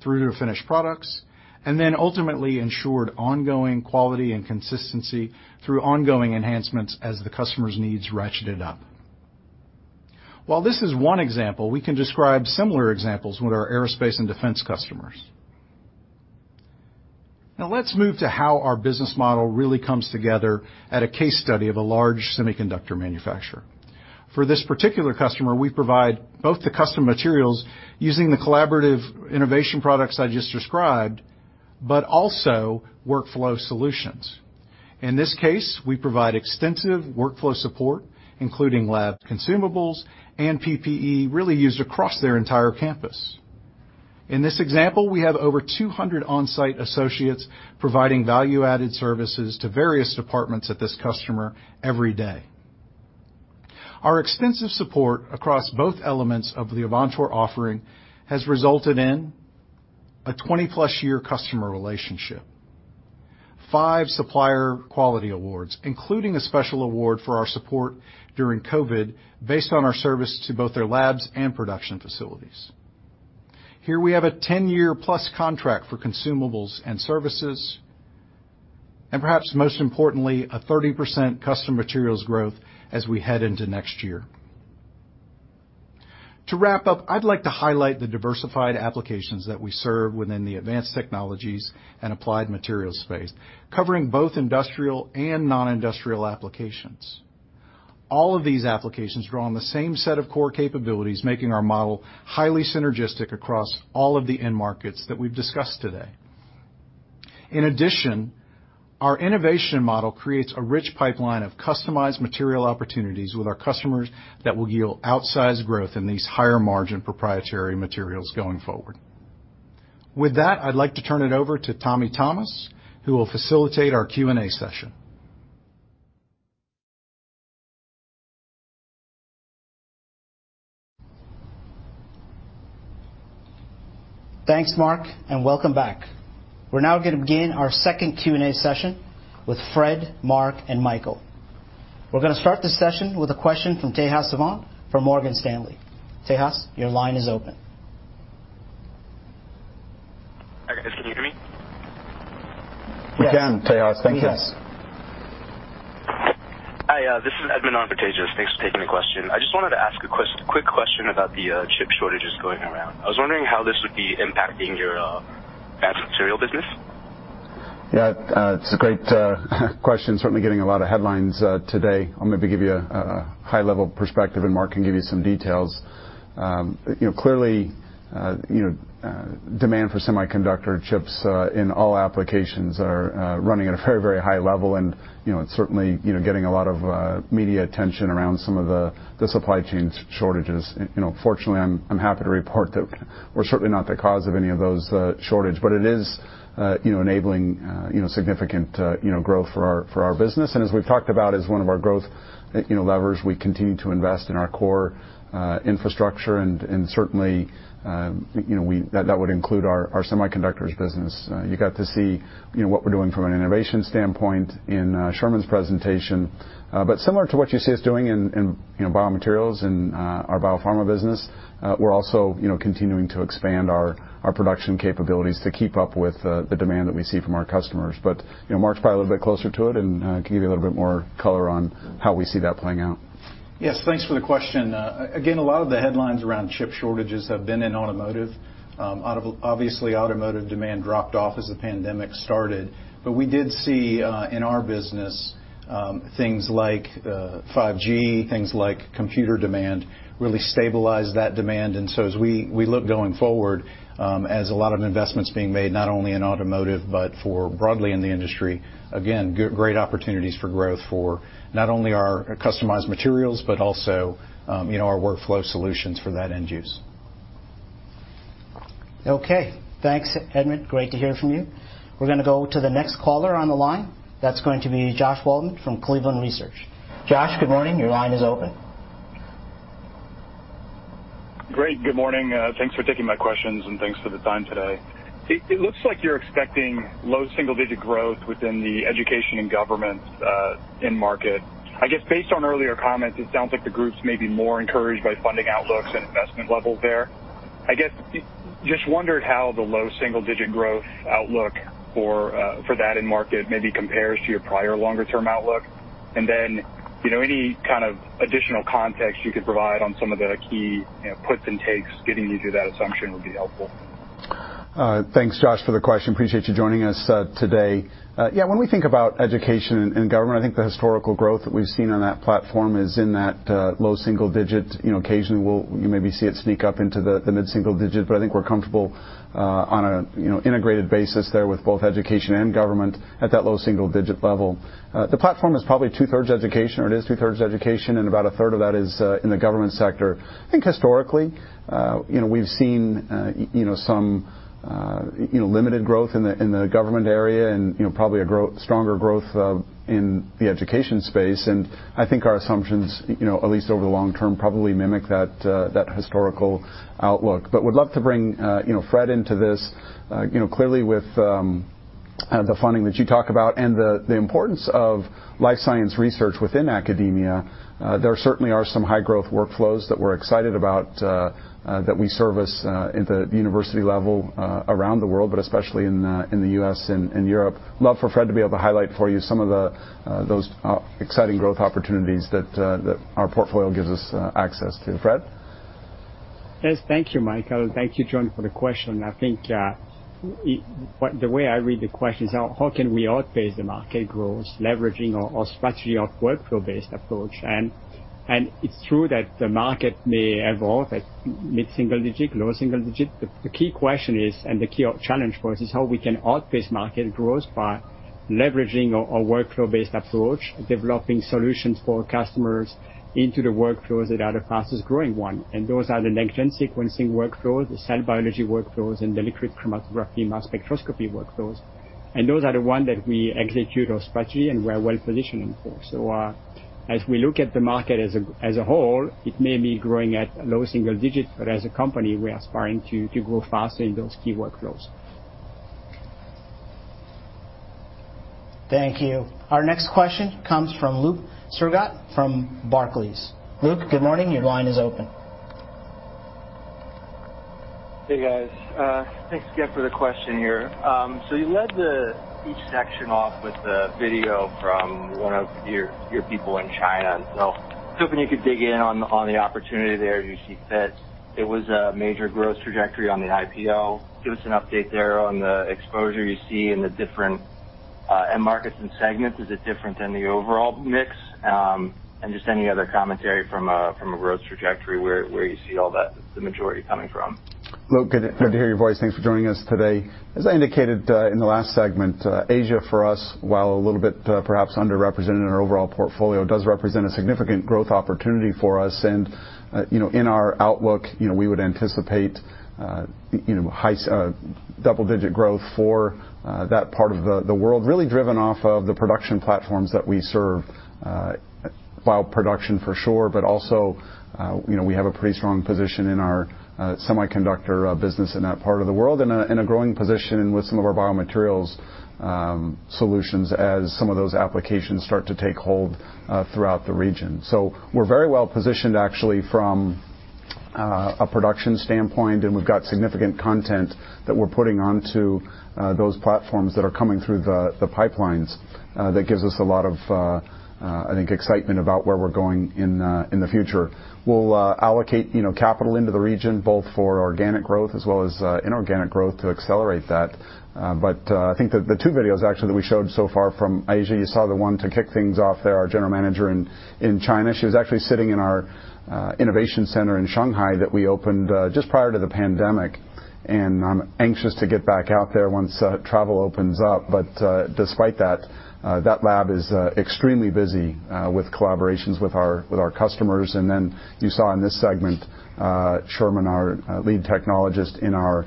through to finished products, and then ultimately ensured ongoing quality and consistency through ongoing enhancements as the customer's needs ratcheted up. While this is one example, we can describe similar examples with our aerospace and defense customers. Let's move to how our business model really comes together at a case study of a large semiconductor manufacturer. For this particular customer, we provide both the custom materials using the collaborative innovation products I just described, but also workflow solutions. In this case, we provide extensive workflow support, including lab consumables and PPE really used across their entire campus. In this example, we have over 200 on-site associates providing value-added services to various departments at this customer every day. Our extensive support across both elements of the Avantor offering has resulted in a 20-plus year customer relationship, five supplier quality awards, including a special award for our support during COVID based on our service to both their labs and production facilities. Here, we have a 10-year plus contract for consumables and services, and perhaps most importantly, a 30% custom materials growth as we head into next year. To wrap up, I'd like to highlight the diversified applications that we serve within the Advanced Technologies and Applied Materials space, covering both industrial and non-industrial applications. All of these applications draw on the same set of core capabilities, making our model highly synergistic across all of the end markets that we've discussed today. In addition, our innovation model creates a rich pipeline of customized material opportunities with our customers that will yield outsized growth in these higher margin proprietary materials going forward. With that, I'd like to turn it over to Tommy Thomas, who will facilitate our Q&A session. Thanks, Mark, and welcome back. We're now going to begin our second Q&A session with Fred, Mark, and Michael. We're going to start the session with a question from Tejas Savant from Morgan Stanley. Tejas, your line is open. Hi, guys. Can you hear me? Yes. We can, Tejas. Thank you. Yes. Hi, this is Edmond for Tejas. Thanks for taking the question. I just wanted to ask a quick question about the chip shortages going around. I was wondering how this would be impacting your advanced material business. Yeah. It's a great question. Certainly getting a lot of headlines today. I'll maybe give you a high-level perspective, and Mark can give you some details. Demand for semiconductor chips in all applications are running at a very, very high level, and it's certainly getting a lot of media attention around some of the supply chain shortages. It is enabling significant growth for our business. As we've talked about as one of our growth levers, we continue to invest in our core infrastructure and certainly, that would include our semiconductors business. You got to see what we're doing from an innovation standpoint in Sherman's presentation. Similar to what you see us doing in biomaterials and our biopharma business, we're also continuing to expand our production capabilities to keep up with the demand that we see from our customers. Mark's probably a little bit closer to it and can give you a little bit more color on how we see that playing out. Yes, thanks for the question. A lot of the headlines around chip shortages have been in automotive. Obviously, automotive demand dropped off as the pandemic started. We did see, in our business, things like 5G, things like computer demand, really stabilize that demand. As we look going forward, as a lot of investments being made, not only in automotive, but for broadly in the industry, again, great opportunities for growth for not only our customized materials, but also our workflow solutions for that end use. Okay. Thanks, Edmond. Great to hear from you. We're going to go to the next caller on the line. That's going to be Josh Waldman from Cleveland Research. Josh, good morning. Your line is open. Great. Good morning. Thanks for taking my questions and thanks for the time today. It looks like you're expecting low single-digit growth within the education and government end market. I guess based on earlier comments, it sounds like the groups may be more encouraged by funding outlooks and investment levels there. I guess, just wondered how the low single-digit growth outlook for that end market maybe compares to your prior longer-term outlook. Any kind of additional context you could provide on some of the key puts and takes getting you to that assumption would be helpful. Thanks, Josh, for the question. Appreciate you joining us today. Yeah, when we think about education and government, I think the historical growth that we've seen on that platform is in that low single-digit. Occasionally, you maybe see it sneak up into the mid-single-digit, I think we're comfortable on an integrated basis there with both education and government at that low single-digit level. The platform is probably two-thirds education, or it is two-thirds education, and about a third of that is in the government sector. I think historically, we've seen some limited growth in the government area and probably a stronger growth in the education space. I think our assumptions, at least over the long term, probably mimic that historical outlook. Would love to bring Fred into this. Clearly with the funding that you talk about and the importance of life science research within academia, there certainly are some high-growth workflows that we're excited about that we service at the university level around the world, but especially in the U.S. and Europe. Love for Fred to be able to highlight for you some of those exciting growth opportunities that our portfolio gives us access to. Fred? Yes. Thank you, Michael. Thank you, John, for the question. I think the way I read the question is how can we outpace the market growth, leveraging our strategy of workflow-based approach? It's true that the market may evolve at mid-single digit, low single digit. The key question is, and the key challenge for us is how we can outpace market growth by leveraging our workflow-based approach, developing solutions for customers into the workflows that are the fastest-growing one. Those are the next-gen sequencing workflows, the cell biology workflows, and the liquid chromatography mass spectrometry workflows. Those are the ones that we execute our strategy and we're well-positioned for. As we look at the market as a whole, it may be growing at low single digits, but as a company, we are aspiring to grow faster in those key workflows. Thank you. Our next question comes from Luke Sergott from Barclays. Luke, good morning. Your line is open. Hey, guys. Thanks again for the question here. You led each section off with a video from one of your people in China. Hoping you could dig in on the opportunity there as you see fit. It was a major growth trajectory on the IPO. Give us an update there on the exposure you see in the different end markets and segments. Is it different than the overall mix? Just any other commentary from a growth trajectory where you see all the majority coming from. Luke, good to hear your voice. Thanks for joining us today. As I indicated in the last segment, Asia for us, while a little bit perhaps underrepresented in our overall portfolio, does represent a significant growth opportunity for us. In our outlook, we would anticipate double-digit growth for that part of the world, really driven off of the production platforms that we serve. bioproduction for sure, but also, we have a pretty strong position in our semiconductor business in that part of the world and a growing position with some of our biomaterials solutions as some of those applications start to take hold throughout the region. We're very well positioned, actually, from a production standpoint, and we've got significant content that we're putting onto those platforms that are coming through the pipelines that gives us a lot of, I think, excitement about where we're going in the future. We'll allocate capital into the region, both for organic growth as well as inorganic growth to accelerate that. I think that the two videos actually that we showed so far from Asia, you saw the one to kick things off there, our general manager in China, she was actually sitting in our innovation center in Shanghai that we opened just prior to the pandemic. I'm anxious to get back out there once travel opens up. Despite that lab is extremely busy with collaborations with our customers. You saw in this segment, Sherman, our lead technologist in our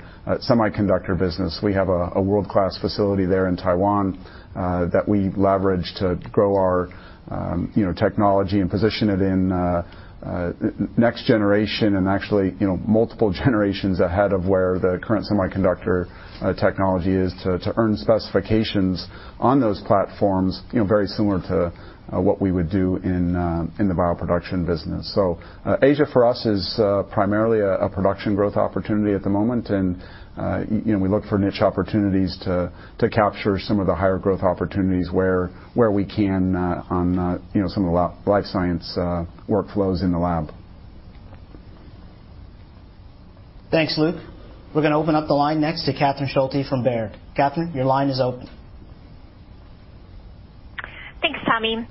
semiconductor business. We have a world-class facility there in Taiwan that we leverage to grow our technology and position it in next generation and actually, multiple generations ahead of where the current semiconductor technology is to earn specifications on those platforms, very similar to what we would do in the bioproduction business. Asia, for us, is primarily a production growth opportunity at the moment, and we look for niche opportunities to capture some of the higher growth opportunities where we can on some of the life science workflows in the lab. Thanks, Luke. We're going to open up the line next to Catherine Schulte from Baird. Catherine, your line is open. Thanks, Tommy.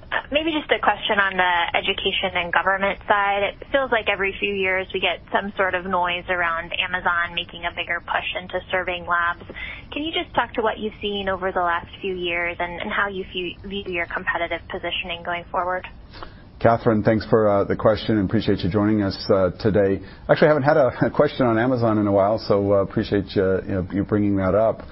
Just a question on the education and government side. It feels like every few years we get some sort of noise around Amazon making a bigger push into serving labs. Can you just talk to what you've seen over the last few years and how you view your competitive positioning going forward? Catherine, thanks for the question and appreciate you joining us today. Actually, I haven't had a question on Amazon in a while. Appreciate you bringing that up.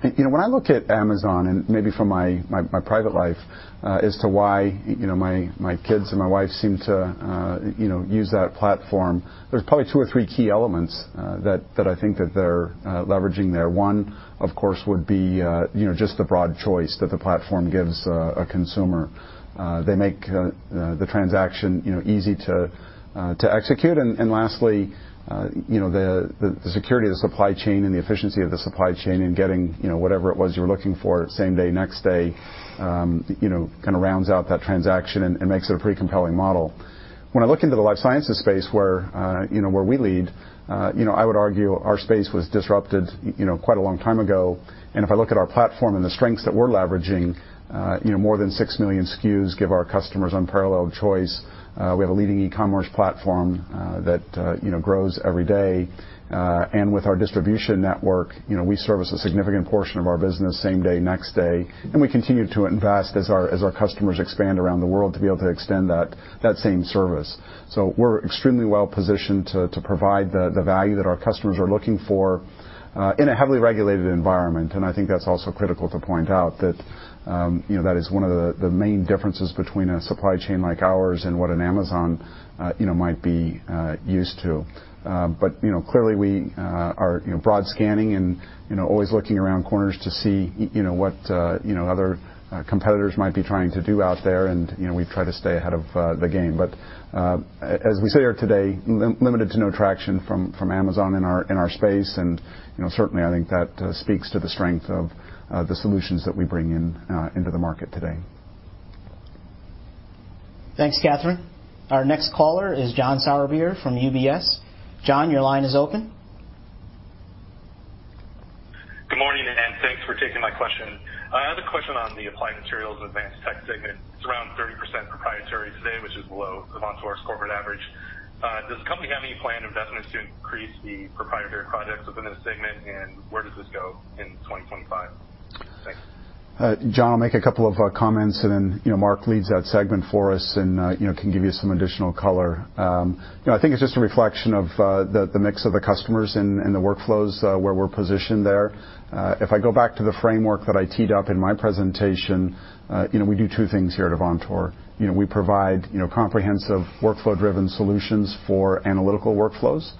When I look at Amazon, maybe from my private life, as to why my kids and my wife seem to use that platform, there's probably two or three key elements that I think that they're leveraging there. One, of course, would be just the broad choice that the platform gives a consumer. They make the transaction easy to execute. Lastly, the security of the supply chain and the efficiency of the supply chain in getting whatever it was you were looking for same day, next day, kind of rounds out that transaction and makes it a pretty compelling model. When I look into the life sciences space where we lead, I would argue our space was disrupted quite a long time ago. If I look at our platform and the strengths that we're leveraging, more than 6 million SKUs give our customers unparalleled choice. We have a leading e-commerce platform that grows every day. With our distribution network, we service a significant portion of our business same day, next day, and we continue to invest as our customers expand around the world to be able to extend that same service. We're extremely well-positioned to provide the value that our customers are looking for in a heavily regulated environment. I think that's also critical to point out that that is one of the main differences between a supply chain like ours and what an Amazon might be used to. Clearly, we are broad scanning and always looking around corners to see what other competitors might be trying to do out there, and we try to stay ahead of the game. As we sit here today, limited to no traction from Amazon in our space, and certainly, I think that speaks to the strength of the solutions that we bring into the market today. Thanks, Catherine. Our next caller is John Sourbeer from UBS. John, your line is open. Good morning. Thanks for taking my question. I had a question on the Applied Materials and Advanced Tech segment. It's around 30% proprietary today, which is below Avantor's corporate average. Does the company have any plan investments to increase the proprietary projects within this segment? Where does this go in 2025? Thanks. John, I'll make a couple of comments and then Mark leads that segment for us and can give you some additional color. I think it's just a reflection of the mix of the customers and the workflows where we're positioned there. If I go back to the framework that I teed up in my presentation, we do two things here at Avantor. We provide comprehensive workflow-driven solutions for analytical workflows,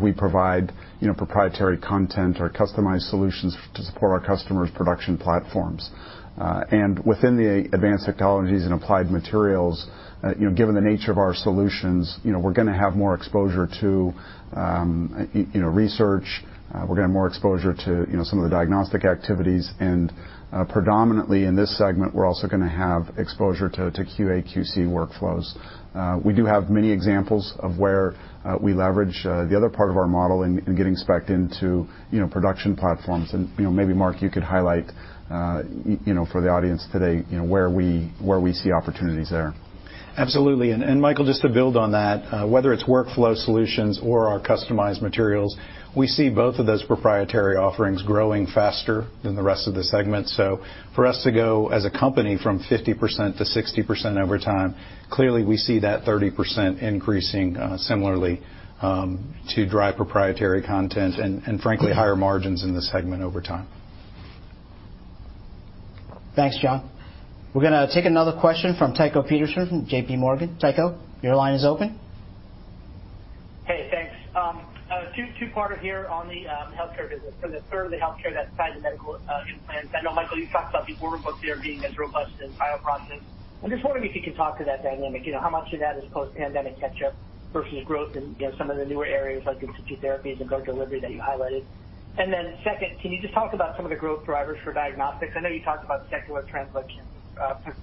we provide proprietary content or customized solutions to support our customers' production platforms. Within the Advanced Technologies and Applied Materials, given the nature of our solutions, we're going to have more exposure to research. We're going to have more exposure to some of the diagnostic activities. Predominantly in this segment, we're also going to have exposure to QA/QC workflows. We do have many examples of where we leverage the other part of our model in getting spec into production platforms. Maybe, Mark, you could highlight for the audience today where we see opportunities there. Absolutely. Michael, just to build on that, whether it's workflow solutions or our customized materials, we see both of those proprietary offerings growing faster than the rest of the segment. For us to go as a company from 50% to 60% over time, clearly, we see that 30% increasing similarly to drive proprietary content and frankly, higher margins in the segment over time. Thanks, John. We're going to take another question from Tycho Peterson from J.P. Morgan. Tycho, your line is open. Hey, thanks. Two-parter here on the healthcare business. For the third of the healthcare, that's side of medical implants. I know, Michael, you talked about the order book there being as robust as bioprocess. I'm just wondering if you can talk to that dynamic, how much of that is post-pandemic catch-up versus growth in some of the newer areas like in situ therapies and drug delivery that you highlighted. Second, can you just talk about some of the growth drivers for diagnostics? I know you talked about secular trends like gene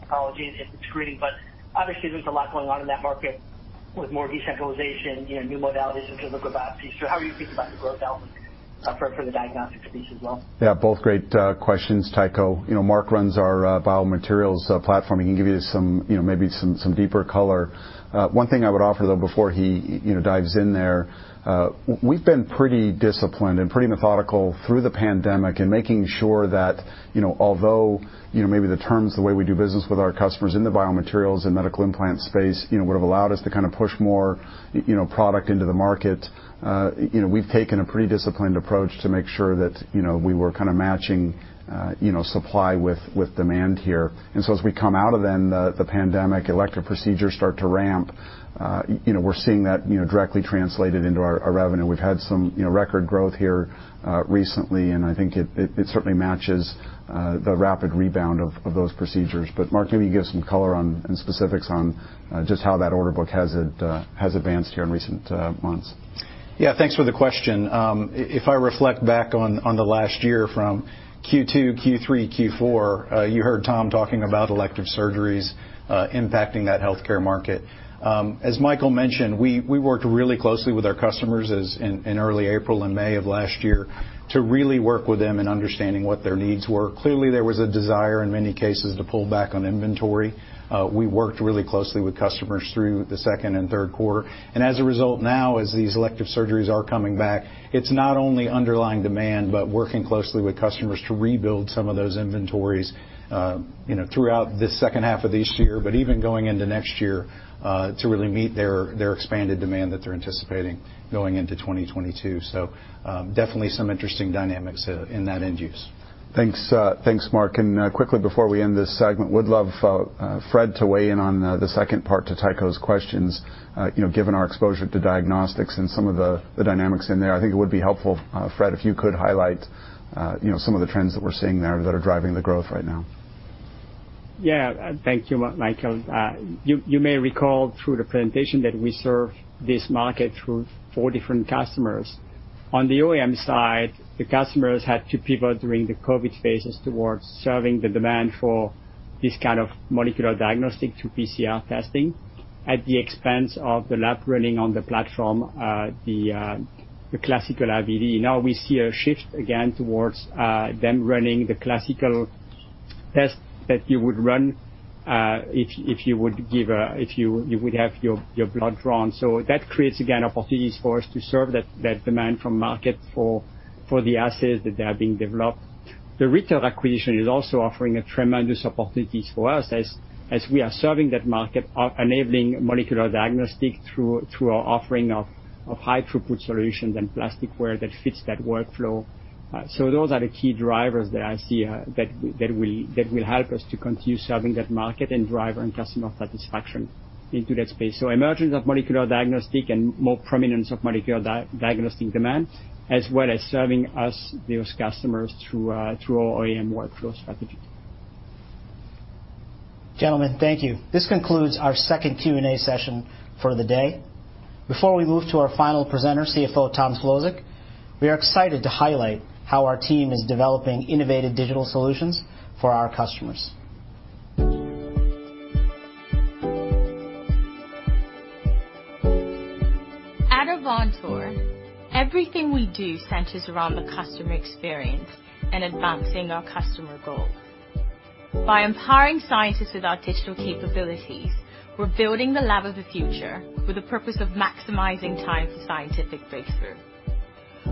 technology and screening, but obviously, there's a lot going on in that market with more decentralization, new modalities like liquid biopsy. How are you thinking about the growth outlook for the diagnostics piece as well? Both great questions, Tycho. Mark runs our biomaterials platform. He can give you maybe some deeper color. One thing I would offer, though, before he dives in there, we've been pretty disciplined and pretty methodical through the pandemic and making sure that although maybe the terms, the way we do business with our customers in the biomaterials and medical implant space would've allowed us to kind of push more product into the market. We've taken a pretty disciplined approach to make sure that we were kind of matching supply with demand here. As we come out of then the pandemic, elective procedures start to ramp. We're seeing that directly translated into our revenue. We've had some record growth here recently, and I think it certainly matches the rapid rebound of those procedures. Mark, maybe you can give some color on and specifics on just how that order book has advanced here in recent months. Yeah, thanks for the question. If I reflect back on the last year from Q2, Q3, Q4, you heard Tom talking about elective surgeries impacting that healthcare market. As Michael mentioned, we worked really closely with our customers in early April and May of last year to really work with them in understanding what their needs were. Clearly, there was a desire in many cases to pull back on inventory. We worked really closely with customers through the second and third quarter, and as a result, now, as these elective surgeries are coming back, it's not only underlying demand, but working closely with customers to rebuild some of those inventories, throughout the second half of this year. But even going into next year, to really meet their expanded demand that they're anticipating going into 2022. So, definitely some interesting dynamics in that end use. Thanks Mark. Quickly before we end this segment, would love Fred to weigh in on the second part to Tycho's questions. Given our exposure to diagnostics and some of the dynamics in there, I think it would be helpful, Fred, if you could highlight some of the trends that we're seeing there that are driving the growth right now. Yeah. Thank you, Michael. You may recall through the presentation that we serve this market through four different customers. On the OEM side, the customers had to pivot during the COVID phases towards serving the demand for this kind of molecular diagnostic to PCR testing at the expense of the lab running on the platform, the classical IVD. We see a shift again towards them running the classical test that you would run if you would have your blood drawn. That creates, again, opportunities for us to serve that demand from market for the assays that are being developed. The Ritter acquisition is also offering tremendous opportunities for us as we are serving that market, enabling molecular diagnostic through our offering of high throughput solutions and plasticware that fits that workflow. Those are the key drivers that I see that will help us to continue serving that market and drive end customer satisfaction into that space. Emergence of molecular diagnostic and more prominence of molecular diagnostic demand, as well as serving us, those customers through our OEM workflow strategy. Gentlemen, thank you. This concludes our second Q&A session for the day. Before we move to our final presenter, CFO Tom Szlosek, we are excited to highlight how our team is developing innovative digital solutions for our customers. At Avantor, everything we do centers around the customer experience and advancing our customer goals. By empowering scientists with our digital capabilities, we're building the lab of the future with the purpose of maximizing time for scientific breakthrough.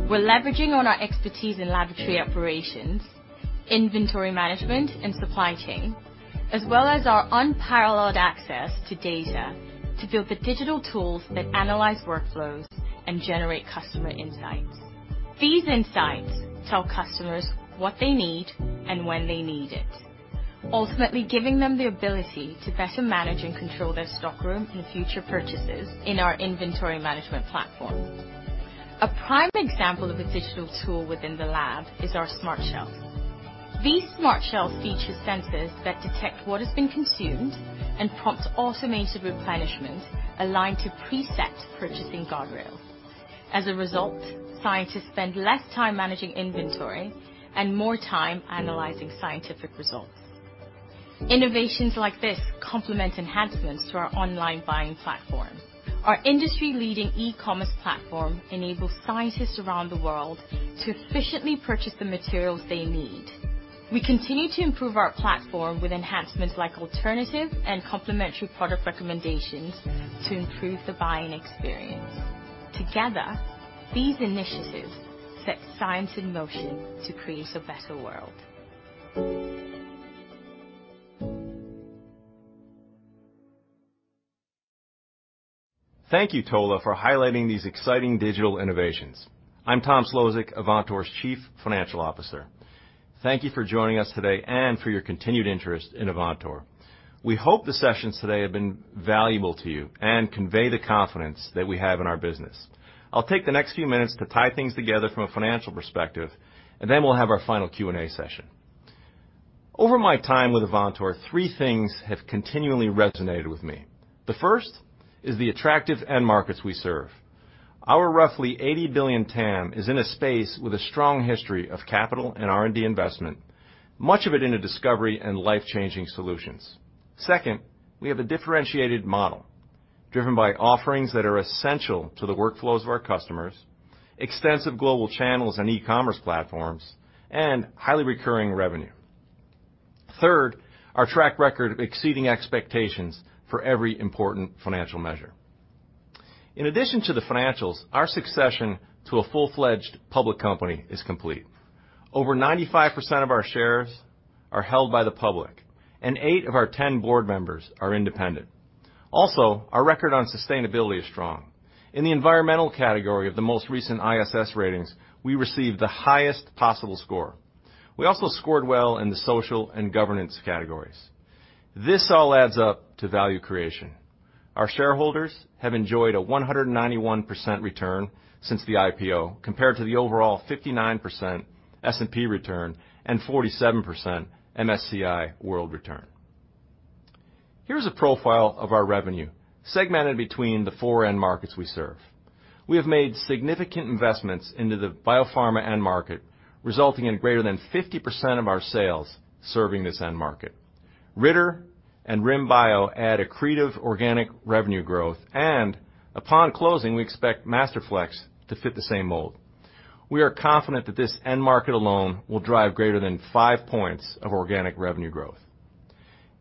We're leveraging all our expertise in laboratory operations, inventory management, and supply chain, as well as our unparalleled access to data to build the digital tools that analyze workflows and generate customer insights. These insights tell customers what they need and when they need it, ultimately giving them the ability to better manage and control their stockroom and future purchases in our inventory management platform. A prime example of a digital tool within the lab is our SmartShelf. These SmartShelf feature sensors that detect what has been consumed and prompt automated replenishment aligned to preset purchasing guardrails. As a result, scientists spend less time managing inventory and more time analyzing scientific results. Innovations like this complement enhancements to our online buying platform. Our industry-leading e-commerce platform enables scientists around the world to efficiently purchase the materials they need. We continue to improve our platform with enhancements like alternative and complementary product recommendations to improve the buying experience. Together, these initiatives set science in motion to create a better world. Thank you, Tola, for highlighting these exciting digital innovations. I'm Tom A. Szlosek, Avantor's Chief Financial Officer. Thank you for joining us today and for your continued interest in Avantor. We hope the sessions today have been valuable to you and convey the confidence that we have in our business. I'll take the next few minutes to tie things together from a financial perspective, then we'll have our final Q&A session. Over my time with Avantor, three things have continually resonated with me. The first is the attractive end markets we serve. Our roughly $80 billion TAM is in a space with a strong history of capital and R&D investment, much of it into discovery and life-changing solutions. Second, we have a differentiated model, driven by offerings that are essential to the workflows of our customers, extensive global channels and e-commerce platforms, and highly recurring revenue. Third, our track record of exceeding expectations for every important financial measure. In addition to the financials, our succession to a full-fledged public company is complete. Over 95% of our shares are held by the public, and eight of our 10 board members are independent. Our record on sustainability is strong. In the environmental category of the most recent ISS ratings, we received the highest possible score. We also scored well in the social and governance categories. This all adds up to value creation. Our shareholders have enjoyed a 191% return since the IPO, compared to the overall 59% S&P return and 47% MSCI world return. Here's a profile of our revenue, segmented between the four end markets we serve. We have made significant investments into the biopharma end market, resulting in greater than 50% of our sales serving this end market. Ritter and RIM Bio add accretive organic revenue growth, and upon closing, we expect Masterflex to fit the same mold. We are confident that this end market alone will drive greater than five points of organic revenue growth.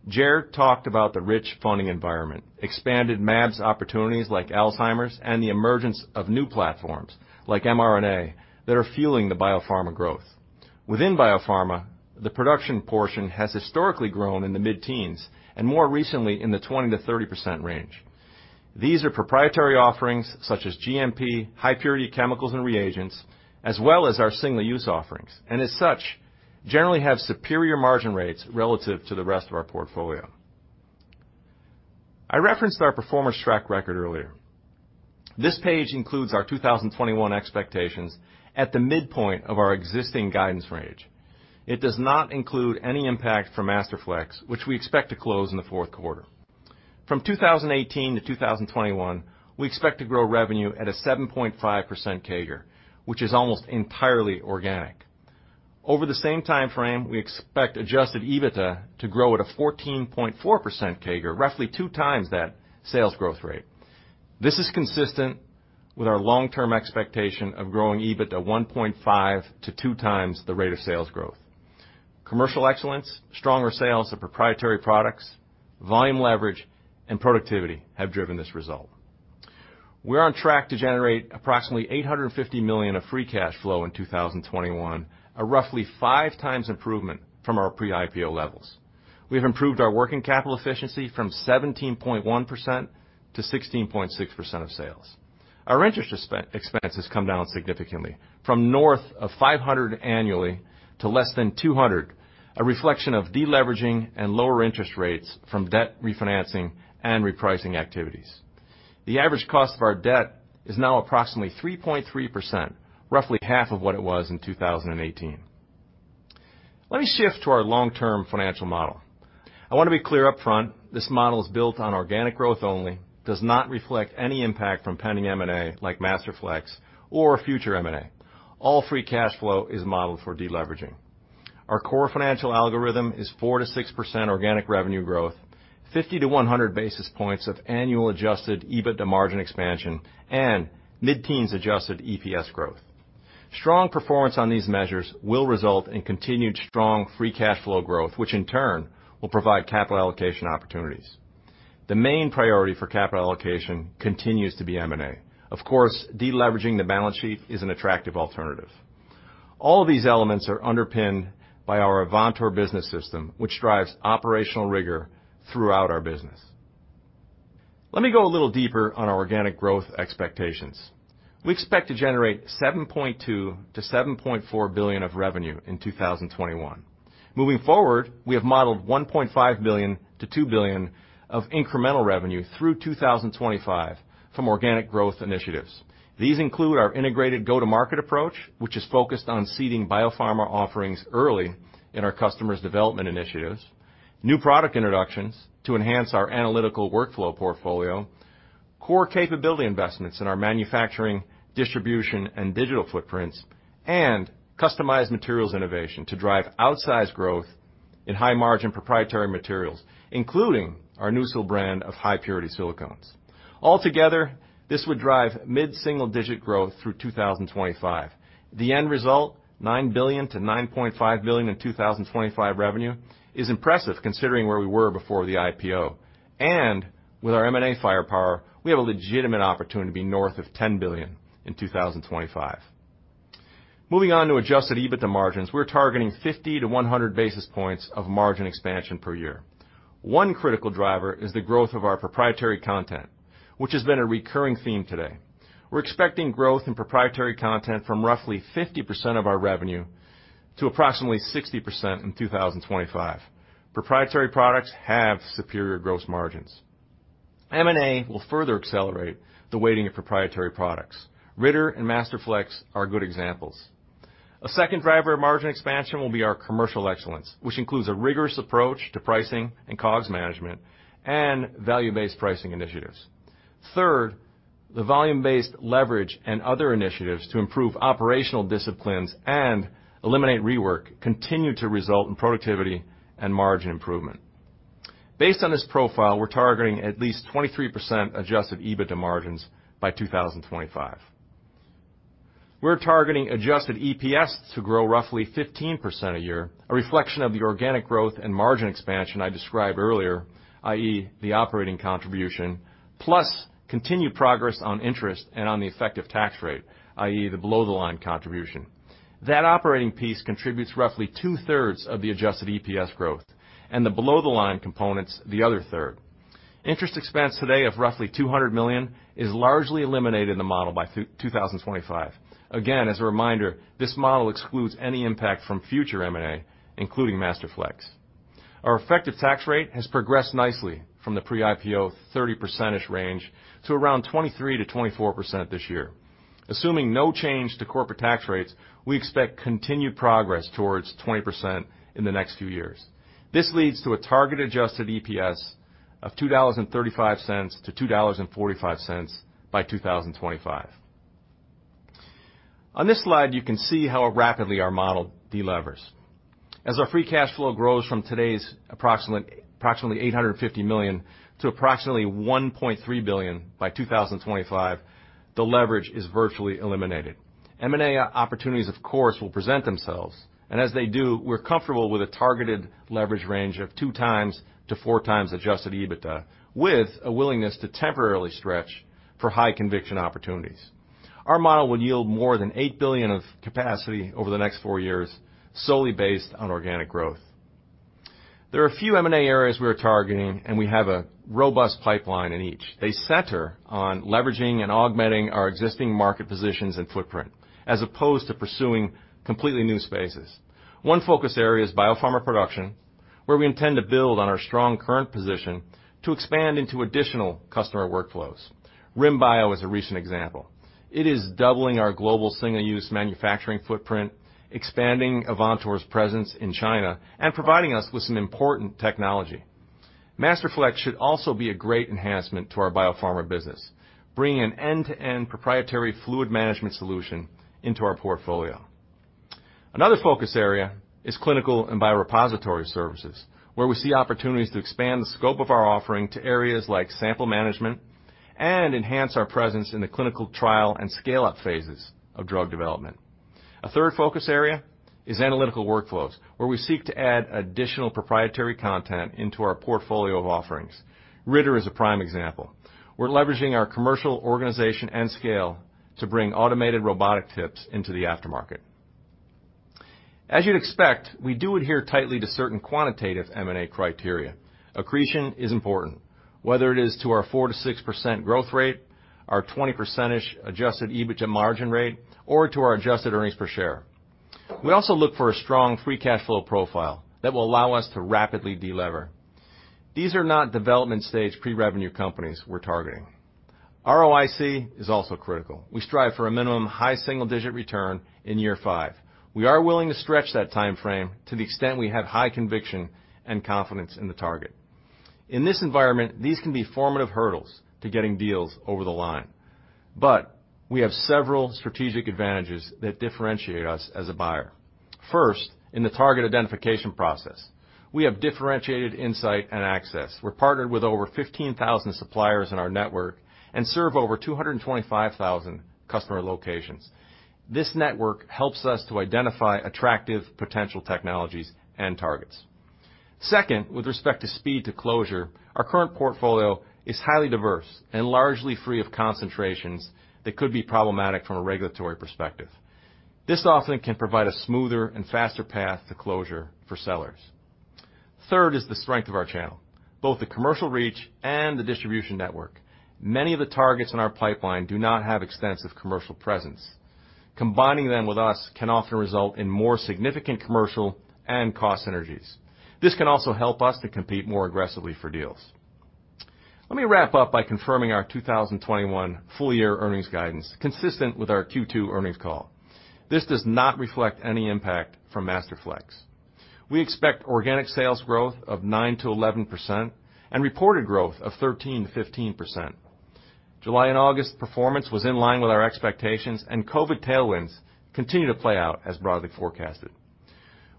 Ger talked about the rich funding environment, expanded mAbs opportunities like Alzheimer's, and the emergence of new platforms like mRNA that are fueling the biopharma growth. Within biopharma, the production portion has historically grown in the mid-teens and more recently in the 20% - 30% range. These are proprietary offerings such as GMP, high-purity chemicals and reagents, as well as our single-use offerings, and as such, generally have superior margin rates relative to the rest of our portfolio. I referenced our performance track record earlier. This page includes our 2021 expectations at the midpoint of our existing guidance range. It does not include any impact from Masterflex, which we expect to close in the fourth quarter. From 2018 to 2021, we expect to grow revenue at a 7.5% CAGR, which is almost entirely organic. Over the same time frame, we expect adjusted EBITDA to grow at a 14.4% CAGR, roughly two times that sales growth rate. This is consistent with our long-term expectation of growing EBITDA 1.5x to 2x the rate of sales growth. Commercial excellence, stronger sales of proprietary products, volume leverage, and productivity have driven this result. We're on track to generate approximately $850 million of free cash flow in 2021, a roughly 5x improvement from our pre-IPO levels. We have improved our working capital efficiency from 17.1% to 16.6% of sales. Our interest expense has come down significantly from north of $500 annually to less than $200, a reflection of deleveraging and lower interest rates from debt refinancing and repricing activities. The average cost of our debt is now approximately 3.3%, roughly half of what it was in 2018. Let me shift to our long-term financial model. I want to be clear up front, this model is built on organic growth only, does not reflect any impact from pending M&A like Masterflex or future M&A. All free cash flow is modeled for deleveraging. Our core financial algorithm is 4% - 6% organic revenue growth, 50 to 100 basis points of annual adjusted EBITDA margin expansion, and mid-teens adjusted EPS growth. Strong performance on these measures will result in continued strong free cash flow growth, which in turn will provide capital allocation opportunities. The main priority for capital allocation continues to be M&A. Of course, deleveraging the balance sheet is an attractive alternative. All of these elements are underpinned by our Avantor Business System, which drives operational rigor throughout our business. Let me go a little deeper on our organic growth expectations. We expect to generate $7.2 billion - $7.4 billion of revenue in 2021. Moving forward, we have modeled $1.5 billion - $2 billion of incremental revenue through 2025 from organic growth initiatives. These include our integrated go-to-market approach, which is focused on seeding biopharma offerings early in our customers' development initiatives, new product introductions to enhance our analytical workflow portfolio, core capability investments in our manufacturing, distribution, and digital footprints, and customized materials innovation to drive outsized growth in high-margin proprietary materials, including our NuSil brand of high-purity silicones. Altogether, this would drive mid-single-digit growth through 2025. The end result, $9 billion - $9.5 billion in 2025 revenue, is impressive considering where we were before the IPO. With our M&A firepower, we have a legitimate opportunity to be north of $10 billion in 2025. Moving on to adjusted EBITDA margins, we're targeting 50 to 100 basis points of margin expansion per year. One critical driver is the growth of our proprietary content, which has been a recurring theme today. We're expecting growth in proprietary content from roughly 50% of our revenue to approximately 60% in 2025. Proprietary products have superior gross margins. M&A will further accelerate the weighting of proprietary products. Ritter and Masterflex are good examples. A second driver of margin expansion will be our commercial excellence, which includes a rigorous approach to pricing and COGS management and value-based pricing initiatives. Third, the volume-based leverage and other initiatives to improve operational disciplines and eliminate rework continue to result in productivity and margin improvement. Based on this profile, we're targeting at least 23% adjusted EBITDA margins by 2025. We're targeting adjusted EPS to grow roughly 15% a year, a reflection of the organic growth and margin expansion I described earlier, i.e., the operating contribution, plus continued progress on interest and on the effective tax rate, i.e., the below the line contribution. That operating piece contributes roughly two-thirds of the adjusted EPS growth, and the below the line components, the other third. Interest expense today of roughly $200 million is largely eliminated in the model by 2025. Again, as a reminder, this model excludes any impact from future M&A, including Masterflex. Our effective tax rate has progressed nicely from the pre-IPO 30% range to around 23% - 24% this year. Assuming no change to corporate tax rates, we expect continued progress towards 20% in the next few years. This leads to a target adjusted EPS of $2.35 - $2.45 by 2025. On this slide, you can see how rapidly our model de-levers. As our free cash flow grows from today's approximately $850 million to approximately $1.3 billion by 2025, the leverage is virtually eliminated. M&A opportunities, of course, will present themselves, and as they do, we're comfortable with a targeted leverage range of 2x to 4x adjusted EBITDA, with a willingness to temporarily stretch for high conviction opportunities. Our model will yield more than $8 billion of capacity over the next four years, solely based on organic growth. There are a few M&A areas we are targeting. We have a robust pipeline in each. They center on leveraging and augmenting our existing market positions and footprint, as opposed to pursuing completely new spaces. One focus area is biopharma production, where we intend to build on our strong current position to expand into additional customer workflows. RIM Bio is a recent example. It is doubling our global single-use manufacturing footprint, expanding Avantor's presence in China, and providing us with some important technology. Masterflex should also be a great enhancement to our Biopharma Production business, bringing an end-to-end proprietary fluid management solution into our portfolio. Another focus area is clinical and biorepository services, where we see opportunities to expand the scope of our offering to areas like sample management and enhance our presence in the clinical trial and scale-up phases of drug development. A third focus area is analytical workflows, where we seek to add additional proprietary content into our portfolio of offerings. Ritter is a prime example. We're leveraging our commercial organization and scale to bring automated robotic tips into the aftermarket. As you'd expect, we do adhere tightly to certain quantitative M&A criteria. Accretion is important, whether it is to our 4% - 6% growth rate, our 20% adjusted EBITDA margin rate, or to our adjusted earnings per share. We also look for a strong free cash flow profile that will allow us to rapidly de-lever. These are not development-stage pre-revenue companies we're targeting. ROIC is also critical. We strive for a minimum high single-digit return in year five. We are willing to stretch that timeframe to the extent we have high conviction and confidence in the target. In this environment, these can be formative hurdles to getting deals over the line, but we have several strategic advantages that differentiate us as a buyer. First, in the target identification process. We have differentiated insight and access. We're partnered with over 15,000 suppliers in our network and serve over 225,000 customer locations. This network helps us to identify attractive potential technologies and targets. Second, with respect to speed to closure, our current portfolio is highly diverse and largely free of concentrations that could be problematic from a regulatory perspective. This often can provide a smoother and faster path to closure for sellers. Third is the strength of our channel, both the commercial reach and the distribution network. Many of the targets in our pipeline do not have extensive commercial presence. Combining them with us can often result in more significant commercial and cost synergies. This can also help us to compete more aggressively for deals. Let me wrap up by confirming our 2021 full-year earnings guidance, consistent with our Q2 earnings call. This does not reflect any impact from Masterflex. We expect organic sales growth of 9%-11% and reported growth of 13%-15%. July and August performance was in line with our expectations, and COVID tailwinds continue to play out as broadly forecasted.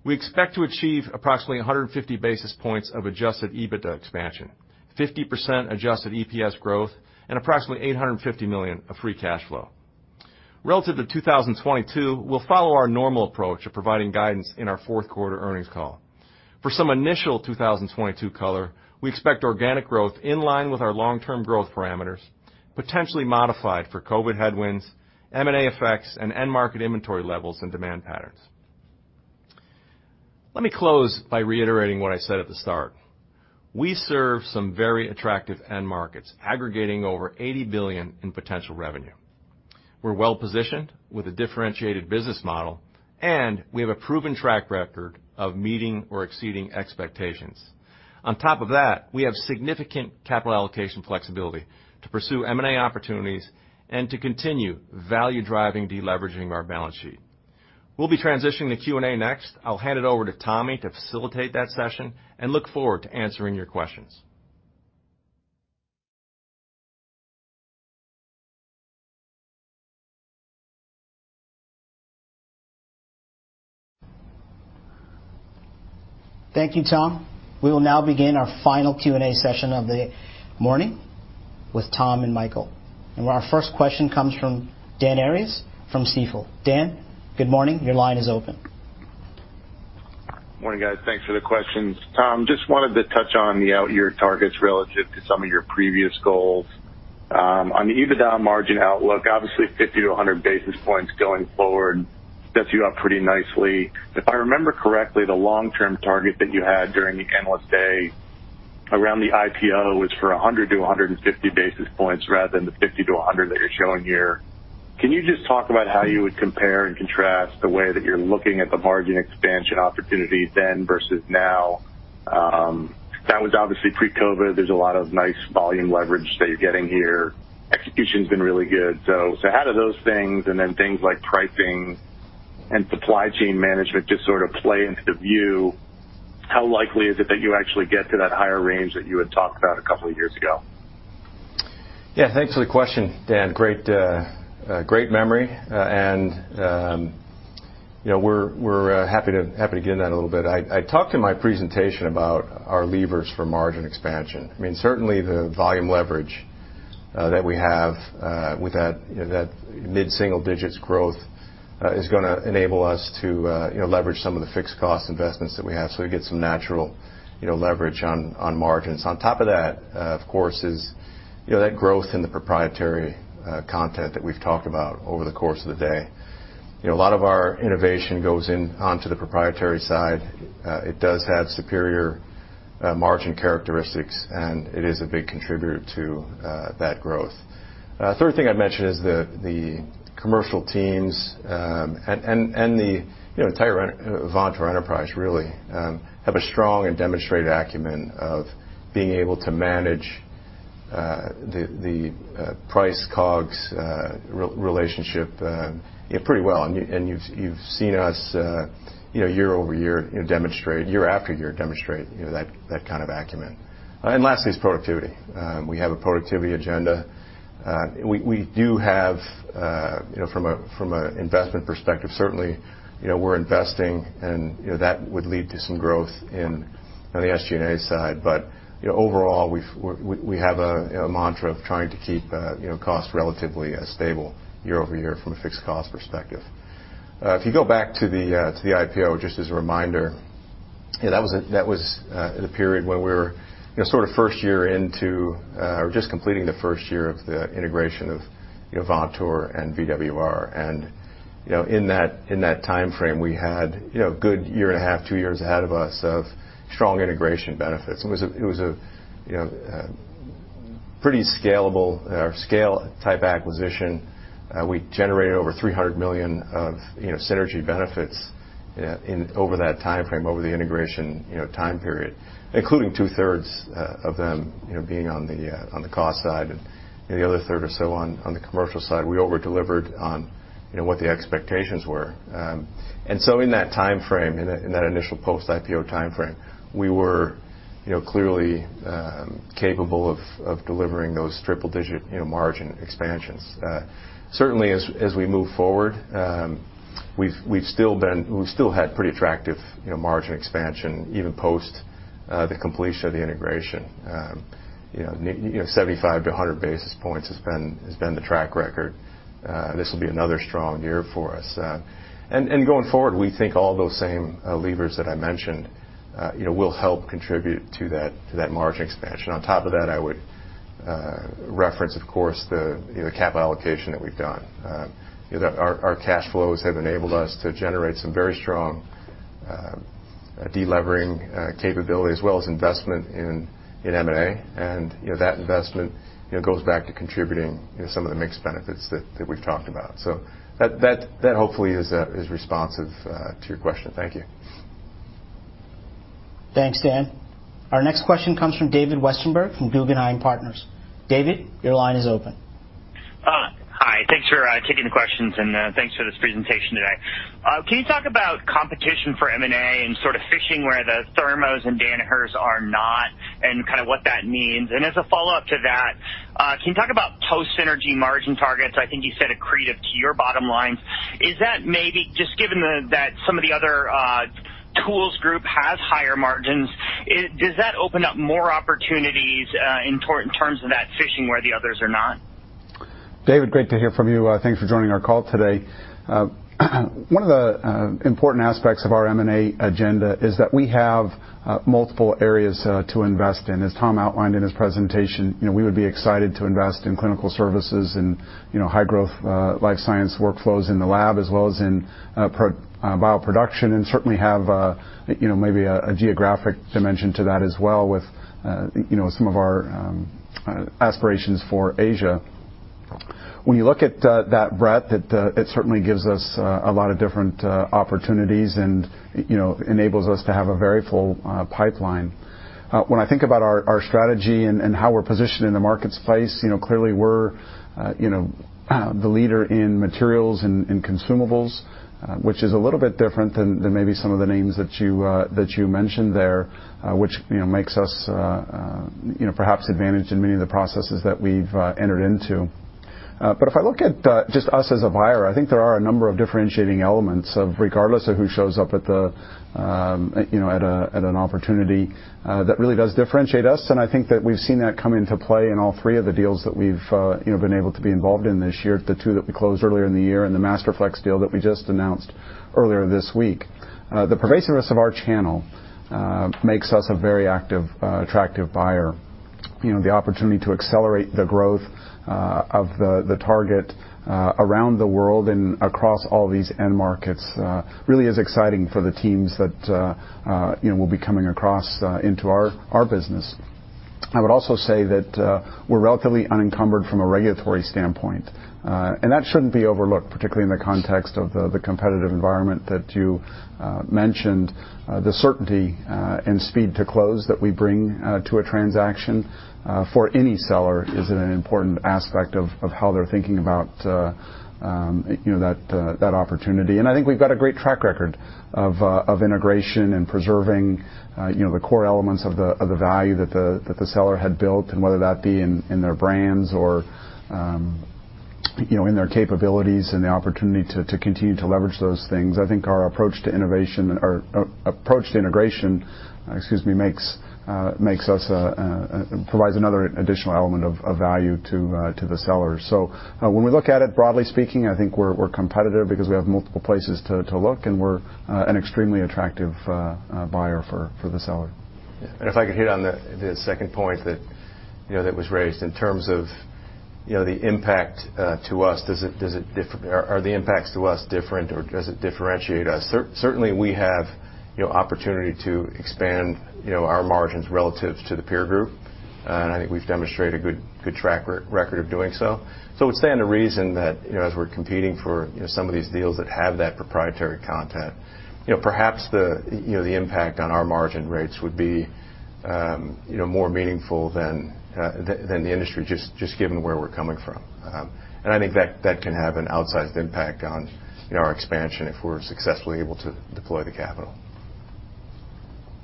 We expect to achieve approximately 150 basis points of adjusted EBITDA expansion, 50% adjusted EPS growth, and approximately $850 million of free cash flow. Relative to 2022, we'll follow our normal approach of providing guidance in our fourth quarter earnings call. For some initial 2022 color, we expect organic growth in line with our long-term growth parameters, potentially modified for COVID headwinds, M&A effects, and end market inventory levels and demand patterns. Let me close by reiterating what I said at the start. We serve some very attractive end markets, aggregating over $80 billion in potential revenue. We're well-positioned with a differentiated business model, and we have a proven track record of meeting or exceeding expectations. On top of that, we have significant capital allocation flexibility to pursue M&A opportunities and to continue value-driving de-leveraging of our balance sheet. We'll be transitioning to Q&A next. I'll hand it over to Tommy to facilitate that session and look forward to answering your questions. Thank you, Tom. We will now begin our final Q&A session of the morning with Tom and Michael. Our first question comes from Dan Arias from Stifel. Dan, good morning. Your line is open. Morning, guys. Thanks for the questions. Tom, just wanted to touch on the out-year targets relative to some of your previous goals. On the EBITDA margin outlook, obviously 50 to 100 basis points going forward sets you up pretty nicely. If I remember correctly, the long-term target that you had during the Analyst Day around the IPO was for 100 to 150 basis points rather than the 50 to 100 that you're showing here. Can you just talk about how you would compare and contrast the way that you're looking at the margin expansion opportunity then versus now? That was obviously pre-COVID. There's a lot of nice volume leverage that you're getting here. Execution's been really good. How do those things and then things like pricing and supply chain management just sort of play into the view? How likely is it that you actually get to that higher range that you had talked about a couple of years ago? Yeah. Thanks for the question, Dan. Great memory. We're happy to get in that a little bit. I talked in my presentation about our levers for margin expansion. Certainly, the volume leverage that we have with that mid-single digits growth is going to enable us to leverage some of the fixed cost investments that we have so we get some natural leverage on margins. On top of that, of course, is that growth in the proprietary content that we've talked about over the course of the day. A lot of our innovation goes onto the proprietary side. It does have superior margin characteristics, and it is a big contributor to that growth. Third thing I'd mention is the commercial teams, and the entire Avantor enterprise really have a strong and demonstrated acumen of being able to manage the price COGS relationship pretty well. You've seen us year after year demonstrate that kind of acumen. Lastly is productivity. We have a productivity agenda. We do have from an investment perspective, certainly, we're investing and that would lead to some growth in the SG&A side. Overall, we have a mantra of trying to keep costs relatively stable year-over-year from a fixed cost perspective. If you go back to the IPO, just as a reminder, that was at a period when we were sort of first year into or just completing the first year of the integration of Avantor and VWR. In that timeframe, we had good one and a half, two years ahead of us of strong integration benefits. It was a pretty scalable or scale type acquisition. We generated over $300 million of synergy benefits over that timeframe, over the integration time period, including two-thirds of them being on the cost side and the other third or so on the commercial side. We over-delivered on what the expectations were. In that timeframe, in that initial post-IPO timeframe, we were clearly capable of delivering those triple-digit margin expansions. Certainly, as we move forward, we've still had pretty attractive margin expansion, even post the completion of the integration. 75 to 100 basis points has been the track record. This will be another strong year for us. Going forward, we think all those same levers that I mentioned will help contribute to that margin expansion. On top of that, I would reference, of course, the capital allocation that we've done. Our cash flows have enabled us to generate some very strong de-levering capability as well as investment in M&A. That investment goes back to contributing some of the mix benefits that we've talked about. That hopefully is responsive to your question. Thank you. Thanks, Dan. Our next question comes from David Westenberg from Guggenheim Partners. David, your line is open. Hi. Thanks for taking the questions, and thanks for this presentation today. Can you talk about competition for M&A and sort of fishing where the Thermos and Danahers are not, and kind of what that means? As a follow-up to that, can you talk about post-synergy margin targets? I think you said accretive to your bottom line. Is that maybe just given that some of the other tools group has higher margins, does that open up more opportunities in terms of that fishing where the others are not? David, great to hear from you. Thanks for joining our call today. One of the important aspects of our M&A agenda is that we have multiple areas to invest in. As Tom outlined in his presentation, we would be excited to invest in clinical services and high growth life science workflows in the lab, as well as in bioproduction, and certainly have maybe a geographic dimension to that as well with some of our aspirations for Asia. When you look at that breadth, it certainly gives us a lot of different opportunities and enables us to have a very full pipeline. When I think about our strategy and how we're positioned in the marketplace, clearly we're the leader in materials and consumables, which is a little bit different than maybe some of the names that you mentioned there, which makes us perhaps advantaged in many of the processes that we've entered into. If I look at just us as a buyer, I think there are a number of differentiating elements, regardless of who shows up at an opportunity that really does differentiate us, and I think that we've seen that come into play in all three of the deals that we've been able to be involved in this year, the two that we closed earlier in the year and the Masterflex deal that we just announced earlier this week. The pervasiveness of our channel makes us a very active, attractive buyer. The opportunity to accelerate the growth of the target around the world and across all these end markets really is exciting for the teams that will be coming across into our business. I would also say that we're relatively unencumbered from a regulatory standpoint. That shouldn't be overlooked, particularly in the context of the competitive environment that you mentioned. The certainty and speed to close that we bring to a transaction for any seller is an important aspect of how they're thinking about that opportunity. I think we've got a great track record of integration and preserving the core elements of the value that the seller had built, and whether that be in their brands or in their capabilities and the opportunity to continue to leverage those things. I think our approach to integration provides another additional element of value to the seller. When we look at it, broadly speaking, I think we're competitive because we have multiple places to look, and we're an extremely attractive buyer for the seller. If I could hit on the second point that was raised in terms of the impact to us, are the impacts to us different or does it differentiate us? Certainly, we have opportunity to expand our margins relative to the peer group. I think we've demonstrated a good track record of doing so. I would say on the reason that as we're competing for some of these deals that have that proprietary content, perhaps the impact on our margin rates would be more meaningful than the industry, just given where we're coming from. I think that can have an outsized impact on our expansion if we're successfully able to deploy the capital.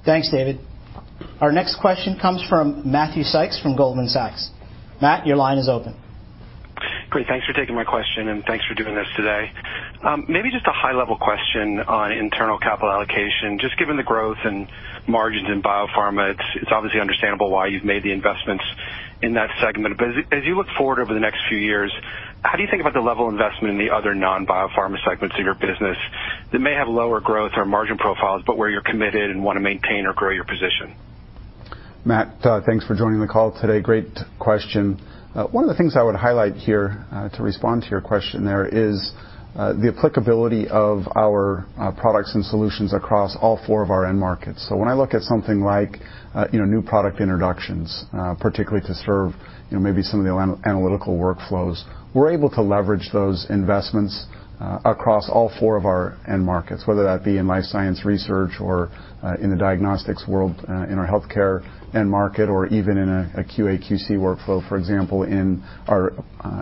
Thanks, David. Our next question comes from Matthew Sykes from Goldman Sachs. Matt, your line is open. Great. Thanks for taking my question, and thanks for doing this today. Maybe just a high-level question on internal capital allocation. Just given the growth and margins in biopharma, it's obviously understandable why you've made the investments in that segment. As you look forward over the next few years, how do you think about the level of investment in the other non-biopharma segments of your business that may have lower growth or margin profiles, but where you're committed and want to maintain or grow your position? Matt, thanks for joining the call today. Great question. One of the things I would highlight here to respond to your question there is the applicability of our products and solutions across all four of our end markets. When I look at something like new product introductions, particularly to serve maybe some of the analytical workflows, we're able to leverage those investments across all four of our end markets, whether that be in life science research or in the diagnostics world, in our healthcare end market or even in a QA/QC workflow, for example, in our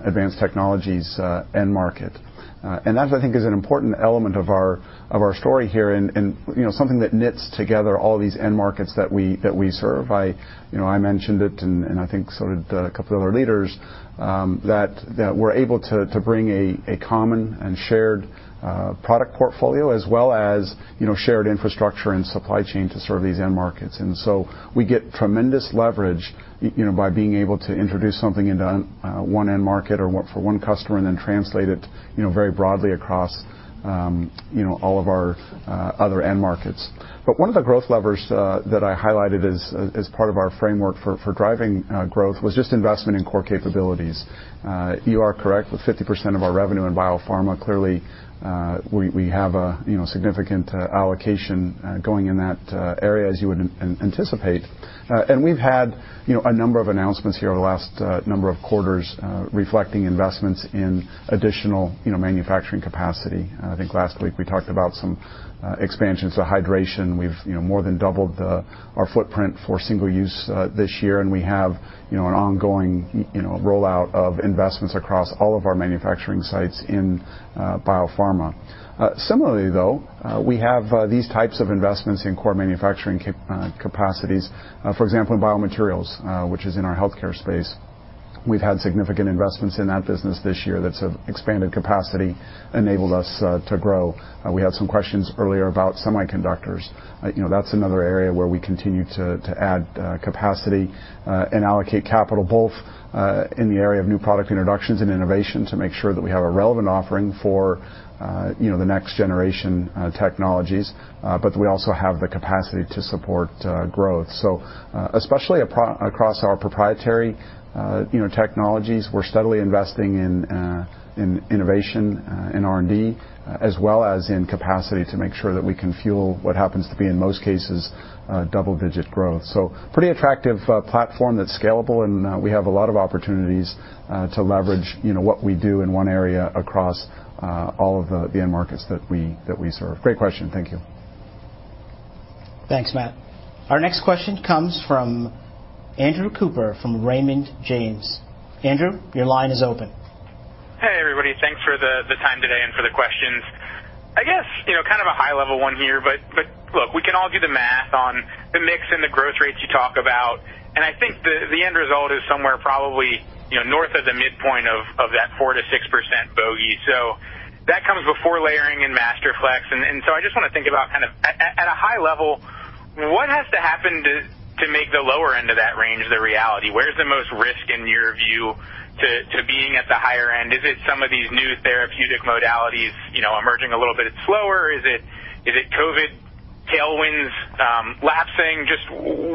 advanced technologies end market. That, I think, is an important element of our story here and something that knits together all these end markets that we serve. I mentioned it, I think so did a couple of our leaders, that we're able to bring a common and shared product portfolio as well as shared infrastructure and supply chain to serve these end markets. We get tremendous leverage by being able to introduce something into one end market or for one customer and then translate it very broadly across all of our other end markets. One of the growth levers that I highlighted as part of our framework for driving growth was just investment in core capabilities. You are correct, with 50% of our revenue in biopharma, clearly, we have a significant allocation going in that area as you would anticipate. We've had a number of announcements here over the last number of quarters reflecting investments in additional manufacturing capacity. I think last week we talked about some expansions to hydration. We've more than doubled our footprint for single use this year, and we have an ongoing rollout of investments across all of our manufacturing sites in biopharma. Similarly, though, we have these types of investments in core manufacturing capacities, for example, in biomaterials, which is in our healthcare space. We've had significant investments in that business this year that's expanded capacity, enabled us to grow. We had some questions earlier about semiconductors. That's another area where we continue to add capacity and allocate capital, both in the area of new product introductions and innovation to make sure that we have a relevant offering for the next generation technologies, but we also have the capacity to support growth. Especially across our proprietary technologies, we're steadily investing in innovation, in R&D, as well as in capacity to make sure that we can fuel what happens to be, in most cases, double-digit growth. Pretty attractive platform that's scalable, and we have a lot of opportunities to leverage what we do in one area across all of the end markets that we serve. Great question. Thank you. Thanks, Matt. Our next question comes from Andrew Cooper from Raymond James. Andrew, your line is open. Hey, everybody. Thanks for the time today and for the questions. I guess, kind of a high level one here, but look, we can all do the math on the mix and the growth rates you talk about, and I think the end result is somewhere probably north of the midpoint of that 4%-6% bogey. That comes before layering in Masterflex. I just want to think about, at a high level, what has to happen to make the lower end of that range the reality? Where is the most risk, in your view, to being at the higher end? Is it some of these new therapeutic modalities emerging a little bit slower? Is it COVID tailwinds lapsing? Just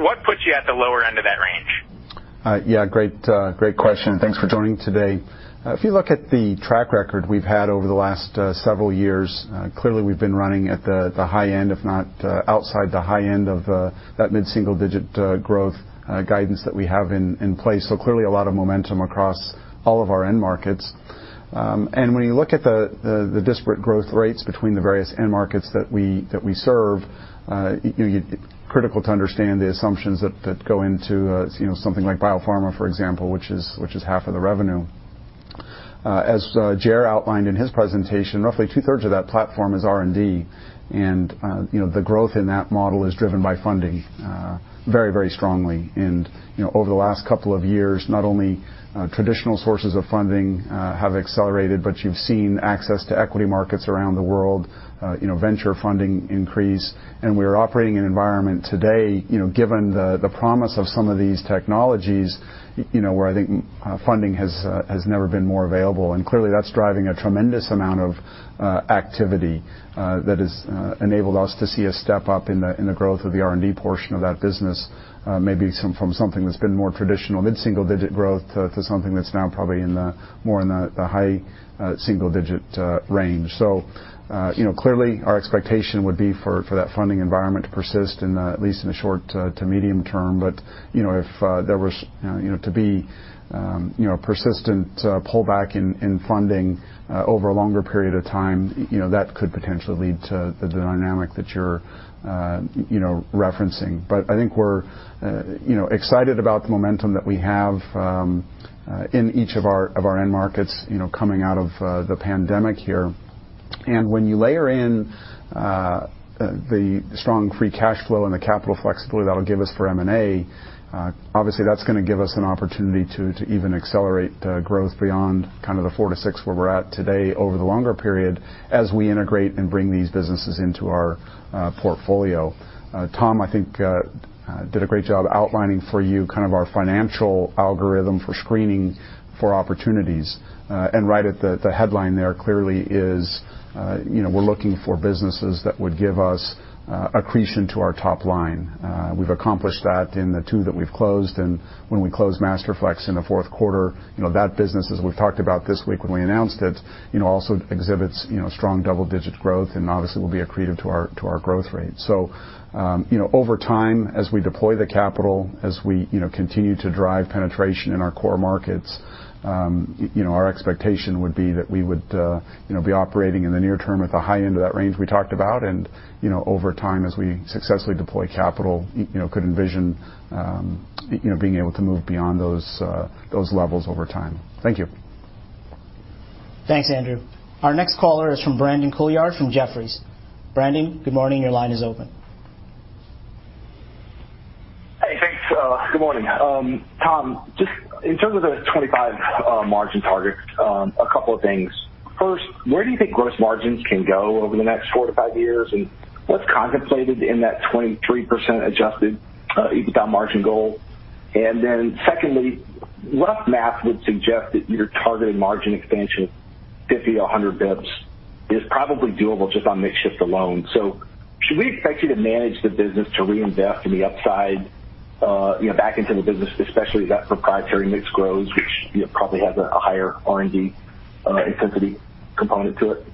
what puts you at the lower end of that range? Yeah. Great question. Thanks for joining today. If you look at the track record we've had over the last several years, clearly we've been running at the high end, if not outside the high end of that mid-single digit growth guidance that we have in place. Clearly, a lot of momentum across all of our end markets. When you look at the disparate growth rates between the various end markets that we serve, critical to understand the assumptions that go into something like biopharma, for example, which is half of the revenue. As Ger outlined in his presentation, roughly two-thirds of that platform is R&D, the growth in that model is driven by funding very, very strongly. Over the last couple of years, not only traditional sources of funding have accelerated, but you've seen access to equity markets around the world, venture funding increase, and we are operating in an environment today, given the promise of some of these technologies, where I think funding has never been more available. Clearly, that's driving a tremendous amount of activity that has enabled us to see a step-up in the growth of the R&D portion of that business. Maybe from something that's been more traditional mid-single digit growth to something that's now probably more in the high single digit range. Clearly, our expectation would be for that funding environment to persist, at least in the short to medium term. If there was to be a persistent pullback in funding over a longer period of time, that could potentially lead to the dynamic that you're referencing. I think we're excited about the momentum that we have in each of our end markets coming out of the pandemic here. When you layer in the strong free cash flow and the capital flexibility that'll give us for M&A, obviously that's going to give us an opportunity to even accelerate growth beyond kind of the 4%-6% where we're at today over the longer period, as we integrate and bring these businesses into our portfolio. Tom, I think, did a great job outlining for you our financial algorithm for screening for opportunities. Right at the headline there clearly is we're looking for businesses that would give us accretion to our top line. We've accomplished that in the two that we've closed, and when we close Masterflex in the fourth quarter, that business, as we've talked about this week when we announced it, also exhibits strong double-digit growth and obviously will be accretive to our growth rate. Over time, as we deploy the capital, as we continue to drive penetration in our core markets, our expectation would be that we would be operating in the near term at the high end of that range we talked about. Over time, as we successfully deploy capital, could envision being able to move beyond those levels over time. Thank you. Thanks, Andrew. Our next caller is from Brandon Couillard from Jefferies. Brandon, good morning. Your line is open. Hey, thanks. Good morning. Tom, just in terms of the 25% margin target, a couple of things. First, where do you think gross margins can go over the next four to five years, and what's contemplated in that 23% adjusted EBITDA margin goal? Secondly, rough math would suggest that your targeted margin expansion of 50-100 basis points is probably doable just on mix shift alone. Should we expect you to manage the business to reinvest in the upside back into the business, especially as that proprietary mix grows, which probably has a higher R&D intensity component to it?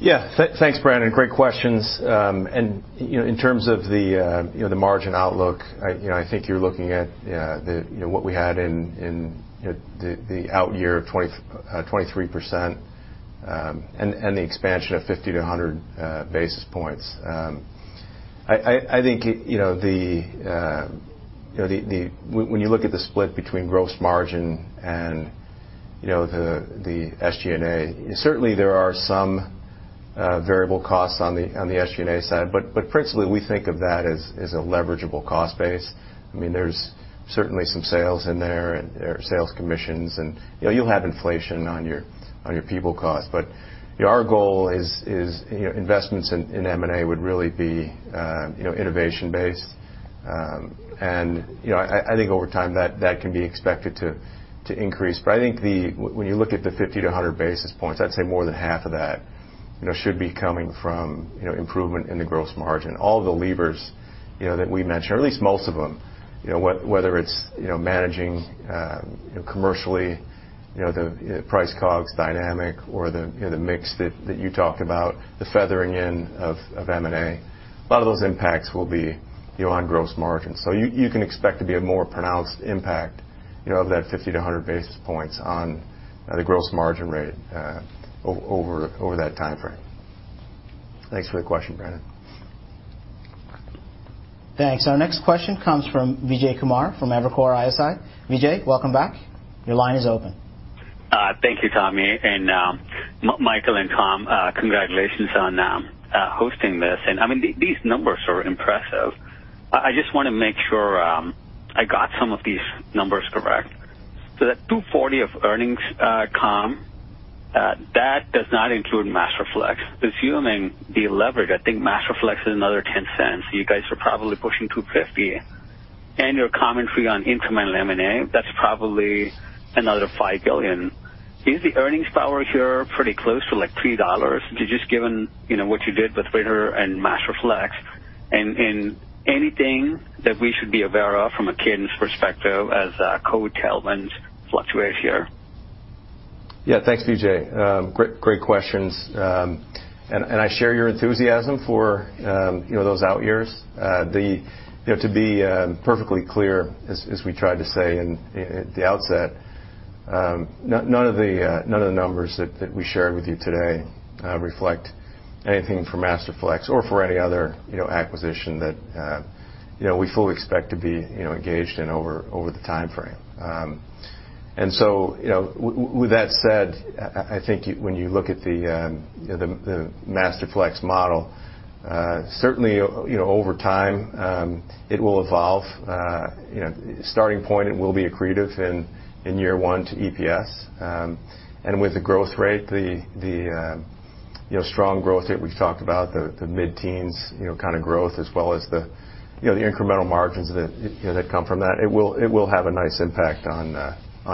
Yeah. Thanks, Brandon. Great questions. In terms of the margin outlook, I think you're looking at what we had in the out year of 23% and the expansion of 50 to 100 basis points. I think when you look at the split between gross margin and the SG&A, certainly there are some Variable costs on the SG&A side. Principally, we think of that as a leverageable cost base. There's certainly some sales in there and sales commissions, and you'll have inflation on your people cost. Our goal is investments in M&A would really be innovation based. I think over time, that can be expected to increase. I think when you look at the 50 to 100 basis points, I'd say more than half of that should be coming from improvement in the gross margin. All the levers that we mentioned, or at least most of them, whether it's managing commercially the price COGS dynamic or the mix that you talked about, the feathering in of M&A, a lot of those impacts will be on gross margin. You can expect to be a more pronounced impact of that 50-100 basis points on the gross margin rate over that time frame. Thanks for the question, Brandon. Thanks. Our next question comes from Vijay Kumar from Evercore ISI. Vijay, welcome back. Your line is open. Thank you, Tommy, and Michael and Tom, congratulations on hosting this. These numbers are impressive. I just want to make sure I got some of these numbers correct. That $2.40 of earnings, Tom, that does not include Masterflex. Assuming the leverage, I think Masterflex is another $0.10. You guys are probably pushing $2.50. Your commentary on incremental M&A, that's probably another $5 billion. Is the earnings power here pretty close to like $3? Just given what you did with Ritter and Masterflex, and anything that we should be aware of from a cadence perspective as COVID tailwinds fluctuate here? Yeah, thanks, Vijay. Great questions. I share your enthusiasm for those out years. To be perfectly clear, as we tried to say in the outset, none of the numbers that we shared with you today reflect anything for Masterflex or for any other acquisition that we fully expect to be engaged in over the time frame. With that said, I think when you look at the Masterflex model, certainly over time, it will evolve. Starting point, it will be accretive in year one to EPS. With the growth rate, the strong growth rate we've talked about, the mid-teens kind of growth, as well as the incremental margins that come from that, it will have a nice impact on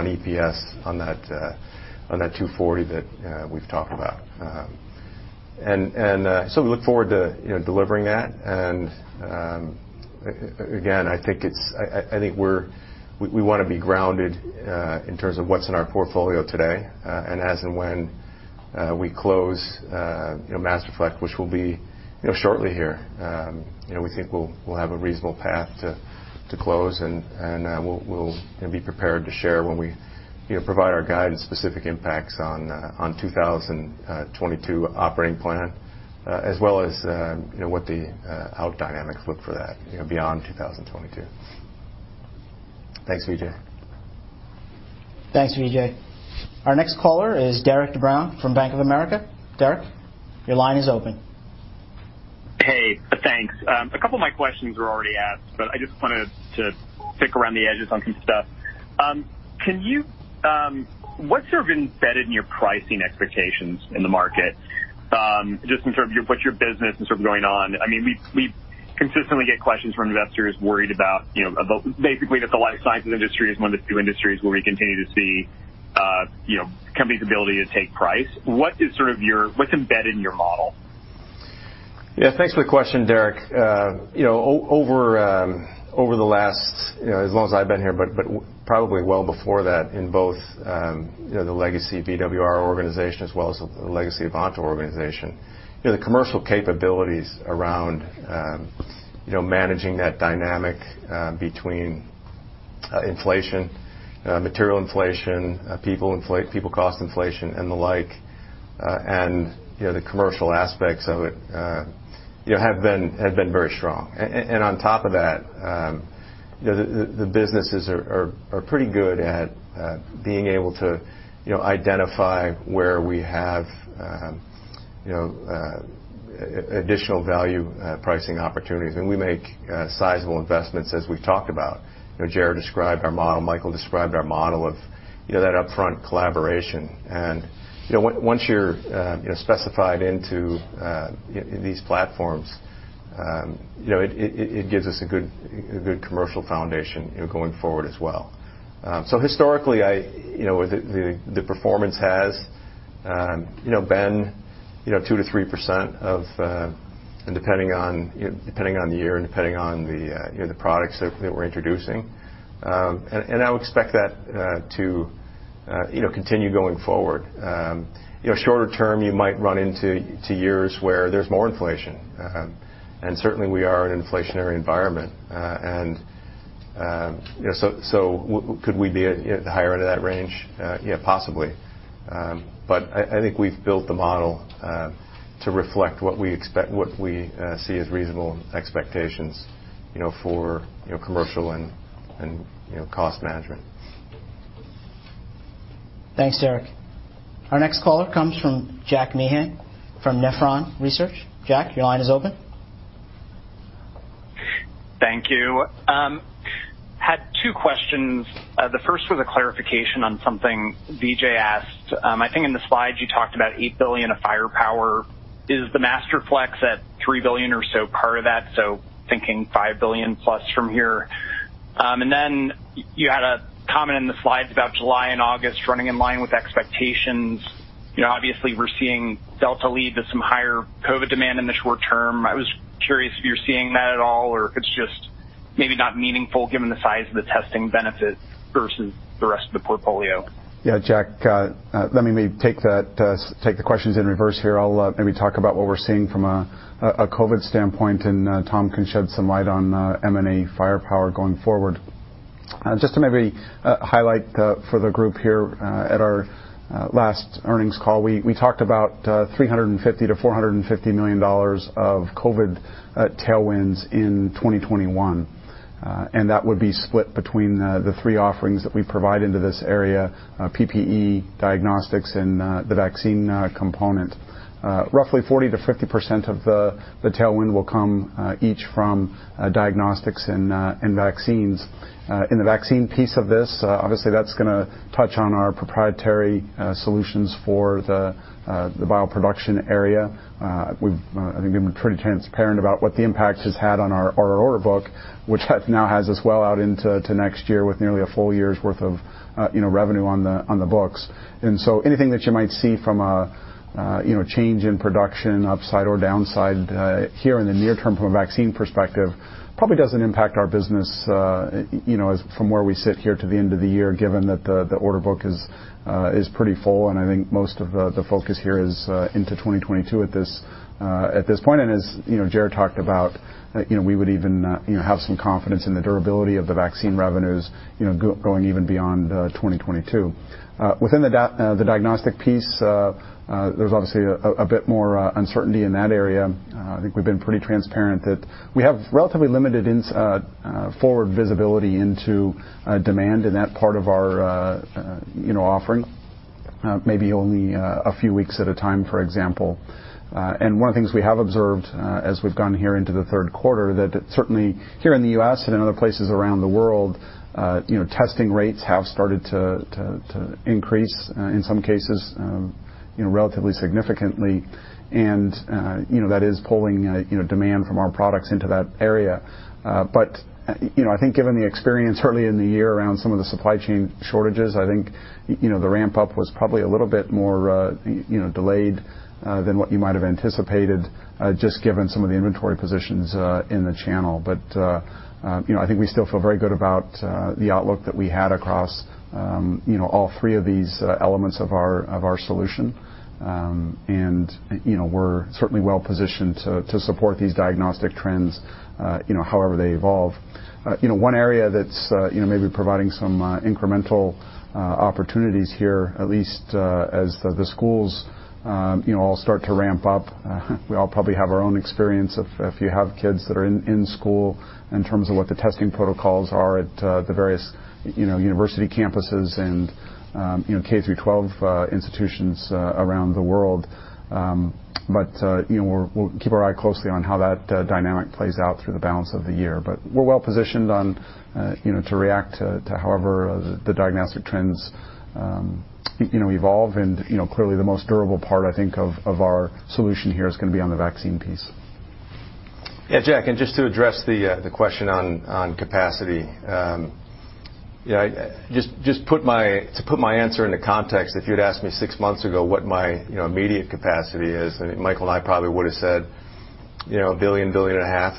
EPS on that $240 that we've talked about. We look forward to delivering that. Again, I think we want to be grounded in terms of what's in our portfolio today. As and when we close Masterflex, which will be shortly here, we think we'll have a reasonable path to close, and we'll be prepared to share when we provide our guidance specific impacts on 2022 operating plan, as well as what the out dynamics look for that beyond 2022. Thanks, Vijay. Thanks, Vijay. Our next caller is Derik de Bruin from Bank of America. Derik, your line is open. Hey, thanks. A couple of my questions were already asked, but I just wanted to pick around the edges on some stuff. What's sort of embedded in your pricing expectations in the market? Just in terms of what's your business and sort of going on. We consistently get questions from investors worried about basically just the life sciences industry as one of the few industries where we continue to see companies' ability to take price. What's embedded in your model? Thanks for the question, Derik. Over the last, as long as I've been here, but probably well before that in both the legacy VWR organization as well as the legacy Avantor organization, the commercial capabilities around managing that dynamic between inflation, material inflation, people cost inflation, and the like, and the commercial aspects of it have been very strong. On top of that, the businesses are pretty good at being able to identify where we have additional value pricing opportunities. We make sizable investments, as we've talked about. Ger described our model, Michael described our model of that upfront collaboration. Once you're specified into these platforms, it gives us a good commercial foundation going forward as well. Historically, the performance has been 2%-3% depending on the year and depending on the products that we're introducing. I would expect that to continue going forward. Shorter term, you might run into years where there's more inflation. Certainly, we are in an inflationary environment. Could we be higher out of that range? Possibly. I think we've built the model to reflect what we see as reasonable expectations for commercial and cost management. Thanks, Derik. Our next caller comes from Jack Meehan from Nephron Research. Jack, your line is open. Thank you. Had two questions. The first was a clarification on something Vijay asked. I think in the slides you talked about $8 billion of firepower. Is the Masterflex at $3 billion or so part of that? Thinking $5 billion plus from here. You had a comment in the slides about July and August running in line with expectations. Obviously, we're seeing Delta lead to some higher COVID demand in the short term. I was curious if you're seeing that at all or if it's just maybe not meaningful given the size of the testing benefit versus the rest of the portfolio. Yeah, Jack, let me maybe take the questions in reverse here. I'll maybe talk about what we're seeing from a COVID standpoint, Tom can shed some light on M&A firepower going forward. Just to maybe highlight for the group here, at our last earnings call, we talked about $350 million-$450 million of COVID tailwinds in 2021. That would be split between the three offerings that we provide into this area, PPE, diagnostics, and the vaccine component. Roughly 40%-50% of the tailwind will come each from diagnostics and vaccines. In the vaccine piece of this, obviously that's going to touch on our proprietary solutions for the bioproduction area. I think we've been pretty transparent about what the impact has had on our order book, which now has us well out into next year with nearly a full year's worth of revenue on the books. Anything that you might see from a change in production, upside or downside here in the near term from a vaccine perspective, probably doesn't impact our business from where we sit here to the end of the year, given that the order book is pretty full. I think most of the focus here is into 2022 at this point. As Ger talked about, we would even have some confidence in the durability of the vaccine revenues going even beyond 2022. Within the diagnostic piece, there's obviously a bit more uncertainty in that area. I think we've been pretty transparent that we have relatively limited forward visibility into demand in that part of our offering. Maybe only a few weeks at a time, for example. One of the things we have observed as we've gone here into the third quarter, that certainly here in the U.S. and in other places around the world testing rates have started to increase, in some cases, relatively significantly. That is pulling demand from our products into that area. I think given the experience early in the year around some of the supply chain shortages, I think the ramp-up was probably a little bit more delayed than what you might have anticipated just given some of the inventory positions in the channel. I think we still feel very good about the outlook that we had across all three of these elements of our solution. We're certainly well positioned to support these diagnostic trends however they evolve. One area that's maybe providing some incremental opportunities here, at least as the schools all start to ramp up. We all probably have our own experience of if you have kids that are in school in terms of what the testing protocols are at the various university campuses and K-12 institutions around the world. We'll keep our eye closely on how that dynamic plays out through the balance of the year. We're well positioned to react to however the diagnostic trends evolve. Clearly the most durable part, I think, of our solution here is going to be on the vaccine piece. Jack, just to address the question on capacity. To put my answer into context, if you'd asked me six months ago what my immediate capacity is, Michael and I probably would have said $1 billion-$1.5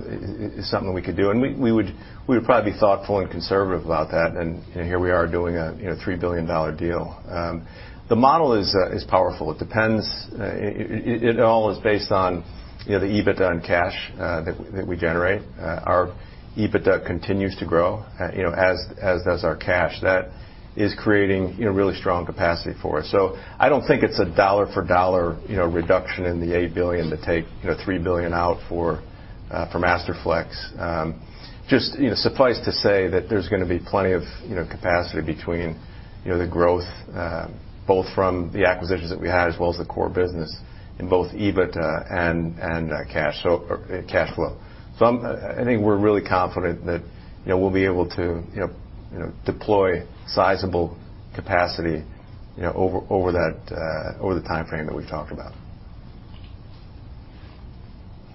billion is something we could do. We would probably be thoughtful and conservative about that. Here we are doing a $3 billion deal. The model is powerful. It all is based on the EBITDA and cash that we generate. Our EBITDA continues to grow as does our cash. That is creating really strong capacity for us. I don't think it's a dollar for dollar reduction in the $8 billion to take $3 billion out for Masterflex. Just suffice to say that there's going to be plenty of capacity between the growth, both from the acquisitions that we had as well as the core business in both EBITDA and cash flow. I think we're really confident that we'll be able to deploy sizable capacity over the timeframe that we've talked about.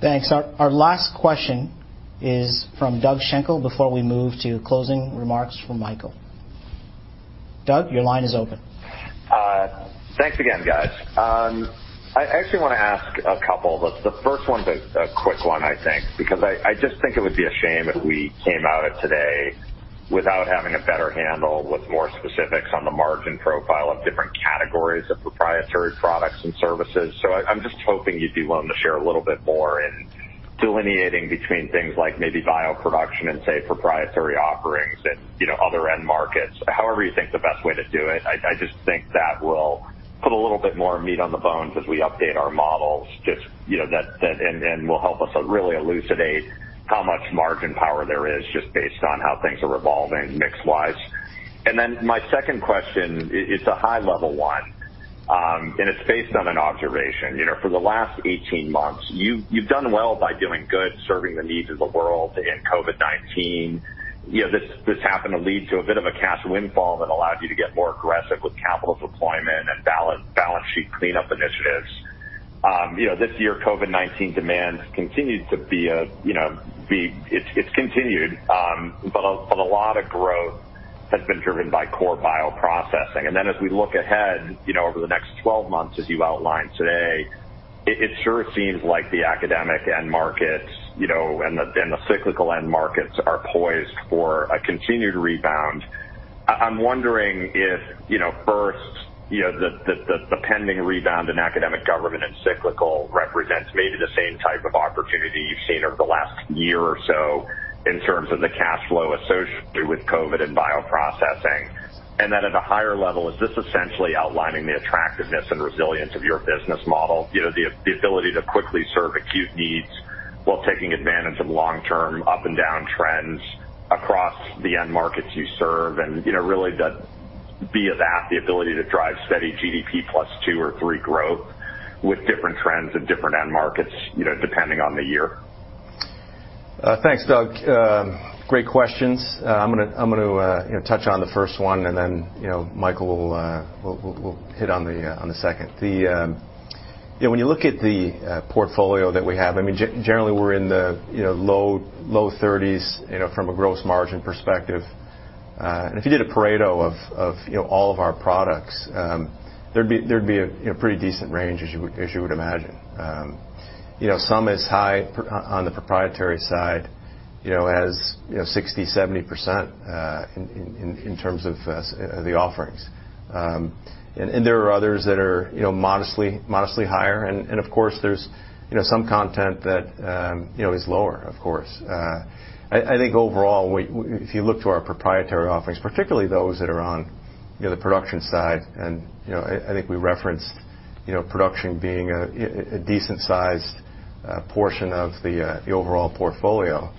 Thanks. Our last question is from Douglas Schenkel before we move to closing remarks from Michael. Doug, your line is open. Thanks again, guys. I actually want to ask a couple. The first one's a quick one, I think, because I just think it would be a shame if we came out of today without having a better handle with more specifics on the margin profile of different categories of proprietary products and services. I'm just hoping you'd be willing to share a little bit more in delineating between things like maybe bioproduction and, say, proprietary offerings and other end markets. However you think the best way to do it. I just think that will put a little bit more meat on the bones as we update our models, and will help us really elucidate how much margin power there is just based on how things are evolving mix-wise. My second question, it's a high level one, and it's based on an observation. For the last 18 months, you've done well by doing good, serving the needs of the world in COVID-19. This happened to lead to a bit of a cash windfall that allowed you to get more aggressive with capital deployment and balance sheet cleanup initiatives. This year, COVID-19 demand continued, a lot of growth has been driven by core bioprocessing. As we look ahead, over the next 12 months as you outlined today, it sure seems like the academic end markets, and the cyclical end markets are poised for a continued rebound. I'm wondering if, first, the pending rebound in academic, government, and cyclical represents maybe the same type of opportunity you've seen over the last year or so in terms of the cash flow associated with COVID and bioprocessing. Then at a higher level, is this essentially outlining the attractiveness and resilience of your business model, the ability to quickly serve acute needs while taking advantage of long-term up and down trends across the end markets you serve, and really the, via that, the ability to drive steady GDP plus two or three growth with different trends and different end markets, depending on the year. Thanks, Doug. Great questions. I'm going to touch on the first one, then Michael will hit on the second. When you look at the portfolio that we have, generally we're in the low 30s from a gross margin perspective. If you did a Pareto of all of our products, there'd be a pretty decent range as you would imagine. Some is high on the proprietary side, as 60%-70% in terms of the offerings. There are others that are modestly higher, and of course there's some content that is lower, of course. I think overall, if you look to our proprietary offerings, particularly those that are on the production side, I think we referenced production being a decent sized portion of the overall portfolio.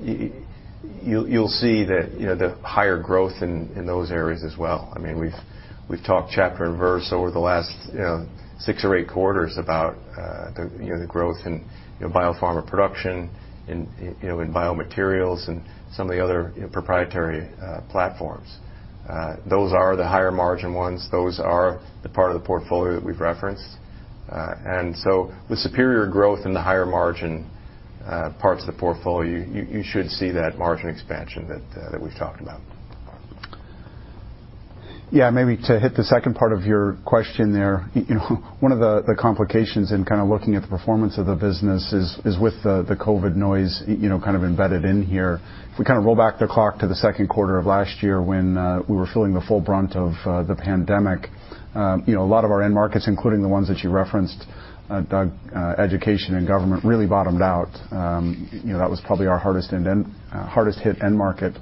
You'll see the higher growth in those areas as well. We've talked chapter and verse over the last six or eight quarters about the growth in biopharma production, in biomaterials, and some of the other proprietary platforms. Those are the higher margin ones. Those are the part of the portfolio that we've referenced. With superior growth in the higher margin parts of the portfolio, you should see that margin expansion that we've talked about. Yeah, maybe to hit the second part of your question there. One of the complications in kind of looking at the performance of the business is with the COVID noise kind of embedded in here. If we kind of roll back the clock to the second quarter of last year when we were feeling the full brunt of the pandemic, a lot of our end markets, including the ones that you referenced, Doug, education and government really bottomed out. That was probably our hardest hit end market.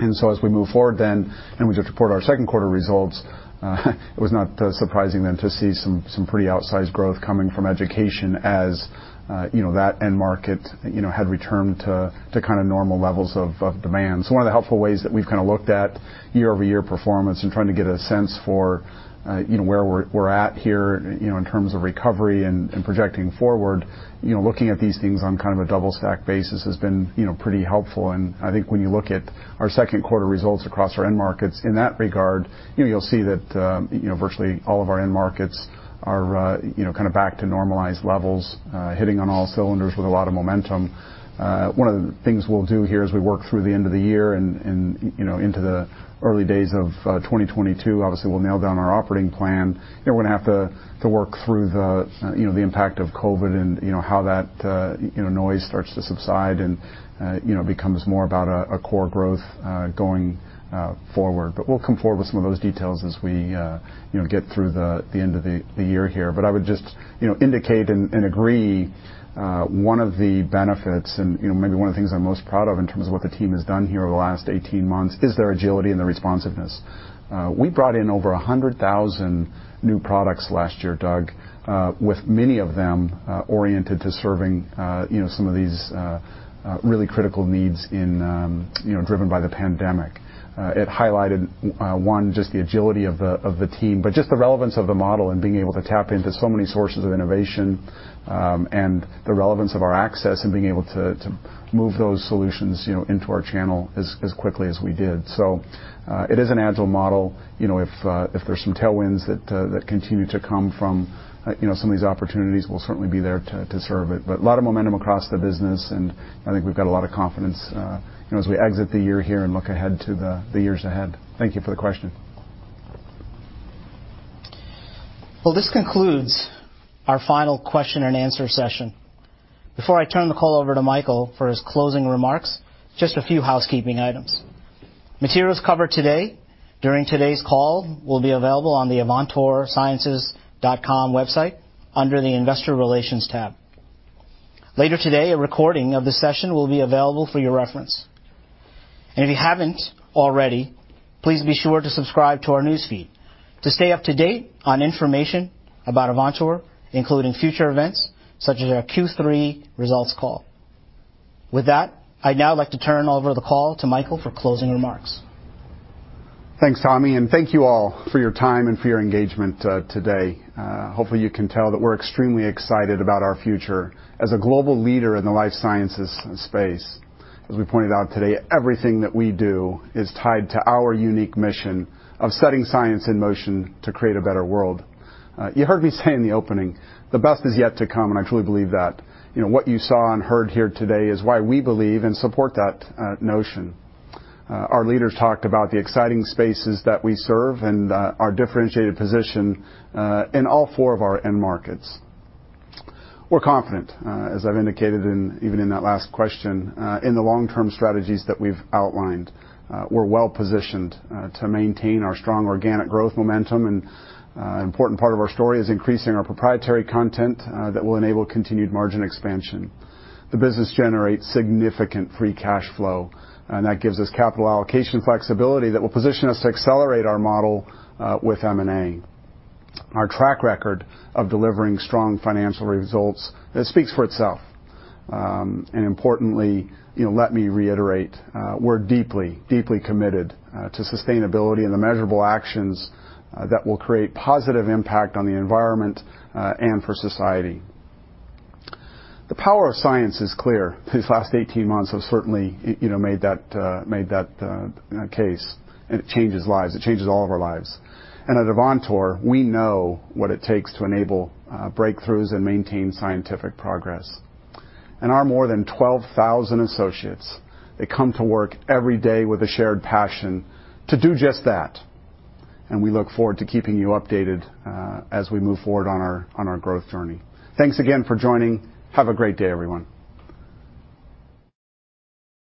As we move forward then, and we just reported our second quarter results, it was not surprising then to see some pretty outsized growth coming from education as that end market had returned to kind of normal levels of demand. One of the helpful ways that we've kind of looked at year-over-year performance and trying to get a sense for where we're at here in terms of recovery and projecting forward, looking at these things on kind of a double stack basis has been pretty helpful. I think when you look at our second quarter results across our end markets, in that regard, you'll see that virtually all of our end markets are kind of back to normalized levels, hitting on all cylinders with a lot of momentum. One of the things we'll do here as we work through the end of the year and into the early days of 2022, obviously we'll nail down our operating plan. We're going to have to work through the impact of COVID-19 and how that noise starts to subside and becomes more about a core growth going forward. We'll come forward with some of those details as we get through the end of the year here. I would just indicate and agree, one of the benefits and maybe one of the things I'm most proud of in terms of what the team has done here over the last 18 months is their agility and their responsiveness. We brought in over 100,000 new products last year, Doug, with many of them oriented to serving some of these really critical needs driven by the pandemic. It highlighted, one, just the agility of the team, but just the relevance of the model and being able to tap into so many sources of innovation, and the relevance of our access and being able to move those solutions into our channel as quickly as we did. It is an agile model. If there's some tailwinds that continue to come from some of these opportunities, we'll certainly be there to serve it. A lot of momentum across the business, and I think we've got a lot of confidence as we exit the year here and look ahead to the years ahead. Thank you for the question. Well, this concludes our final question and answer session. Before I turn the call over to Michael for his closing remarks, just a few housekeeping items. Materials covered today during today's call will be available on the avantorsciences.com website under the Investor Relations tab. Later today, a recording of the session will be available for your reference. If you haven't already, please be sure to subscribe to our news feed to stay up to date on information about Avantor, including future events such as our Q3 results call. With that, I'd now like to turn over the call to Michael for closing remarks. Thanks, Tommy. Thank you all for your time and for your engagement today. Hopefully, you can tell that we're extremely excited about our future as a global leader in the life sciences space. As we pointed out today, everything that we do is tied to our unique mission of setting science in motion to create a better world. You heard me say in the opening, the best is yet to come. I truly believe that. What you saw and heard here today is why we believe and support that notion. Our leaders talked about the exciting spaces that we serve and our differentiated position in all four of our end markets. We're confident, as I've indicated even in that last question, in the long-term strategies that we've outlined. We're well-positioned to maintain our strong organic growth momentum, and an important part of our story is increasing our proprietary content that will enable continued margin expansion. The business generates significant free cash flow, and that gives us capital allocation flexibility that will position us to accelerate our model with M&A. Our track record of delivering strong financial results, it speaks for itself. Importantly, let me reiterate, we're deeply committed to sustainability and the measurable actions that will create positive impact on the environment and for society. The power of science is clear. These last 18 months have certainly made that case, and it changes lives. It changes all of our lives. At Avantor, we know what it takes to enable breakthroughs and maintain scientific progress. Our more than 12,000 associates, they come to work every day with a shared passion to do just that, and we look forward to keeping you updated as we move forward on our growth journey. Thanks again for joining. Have a great day, everyone.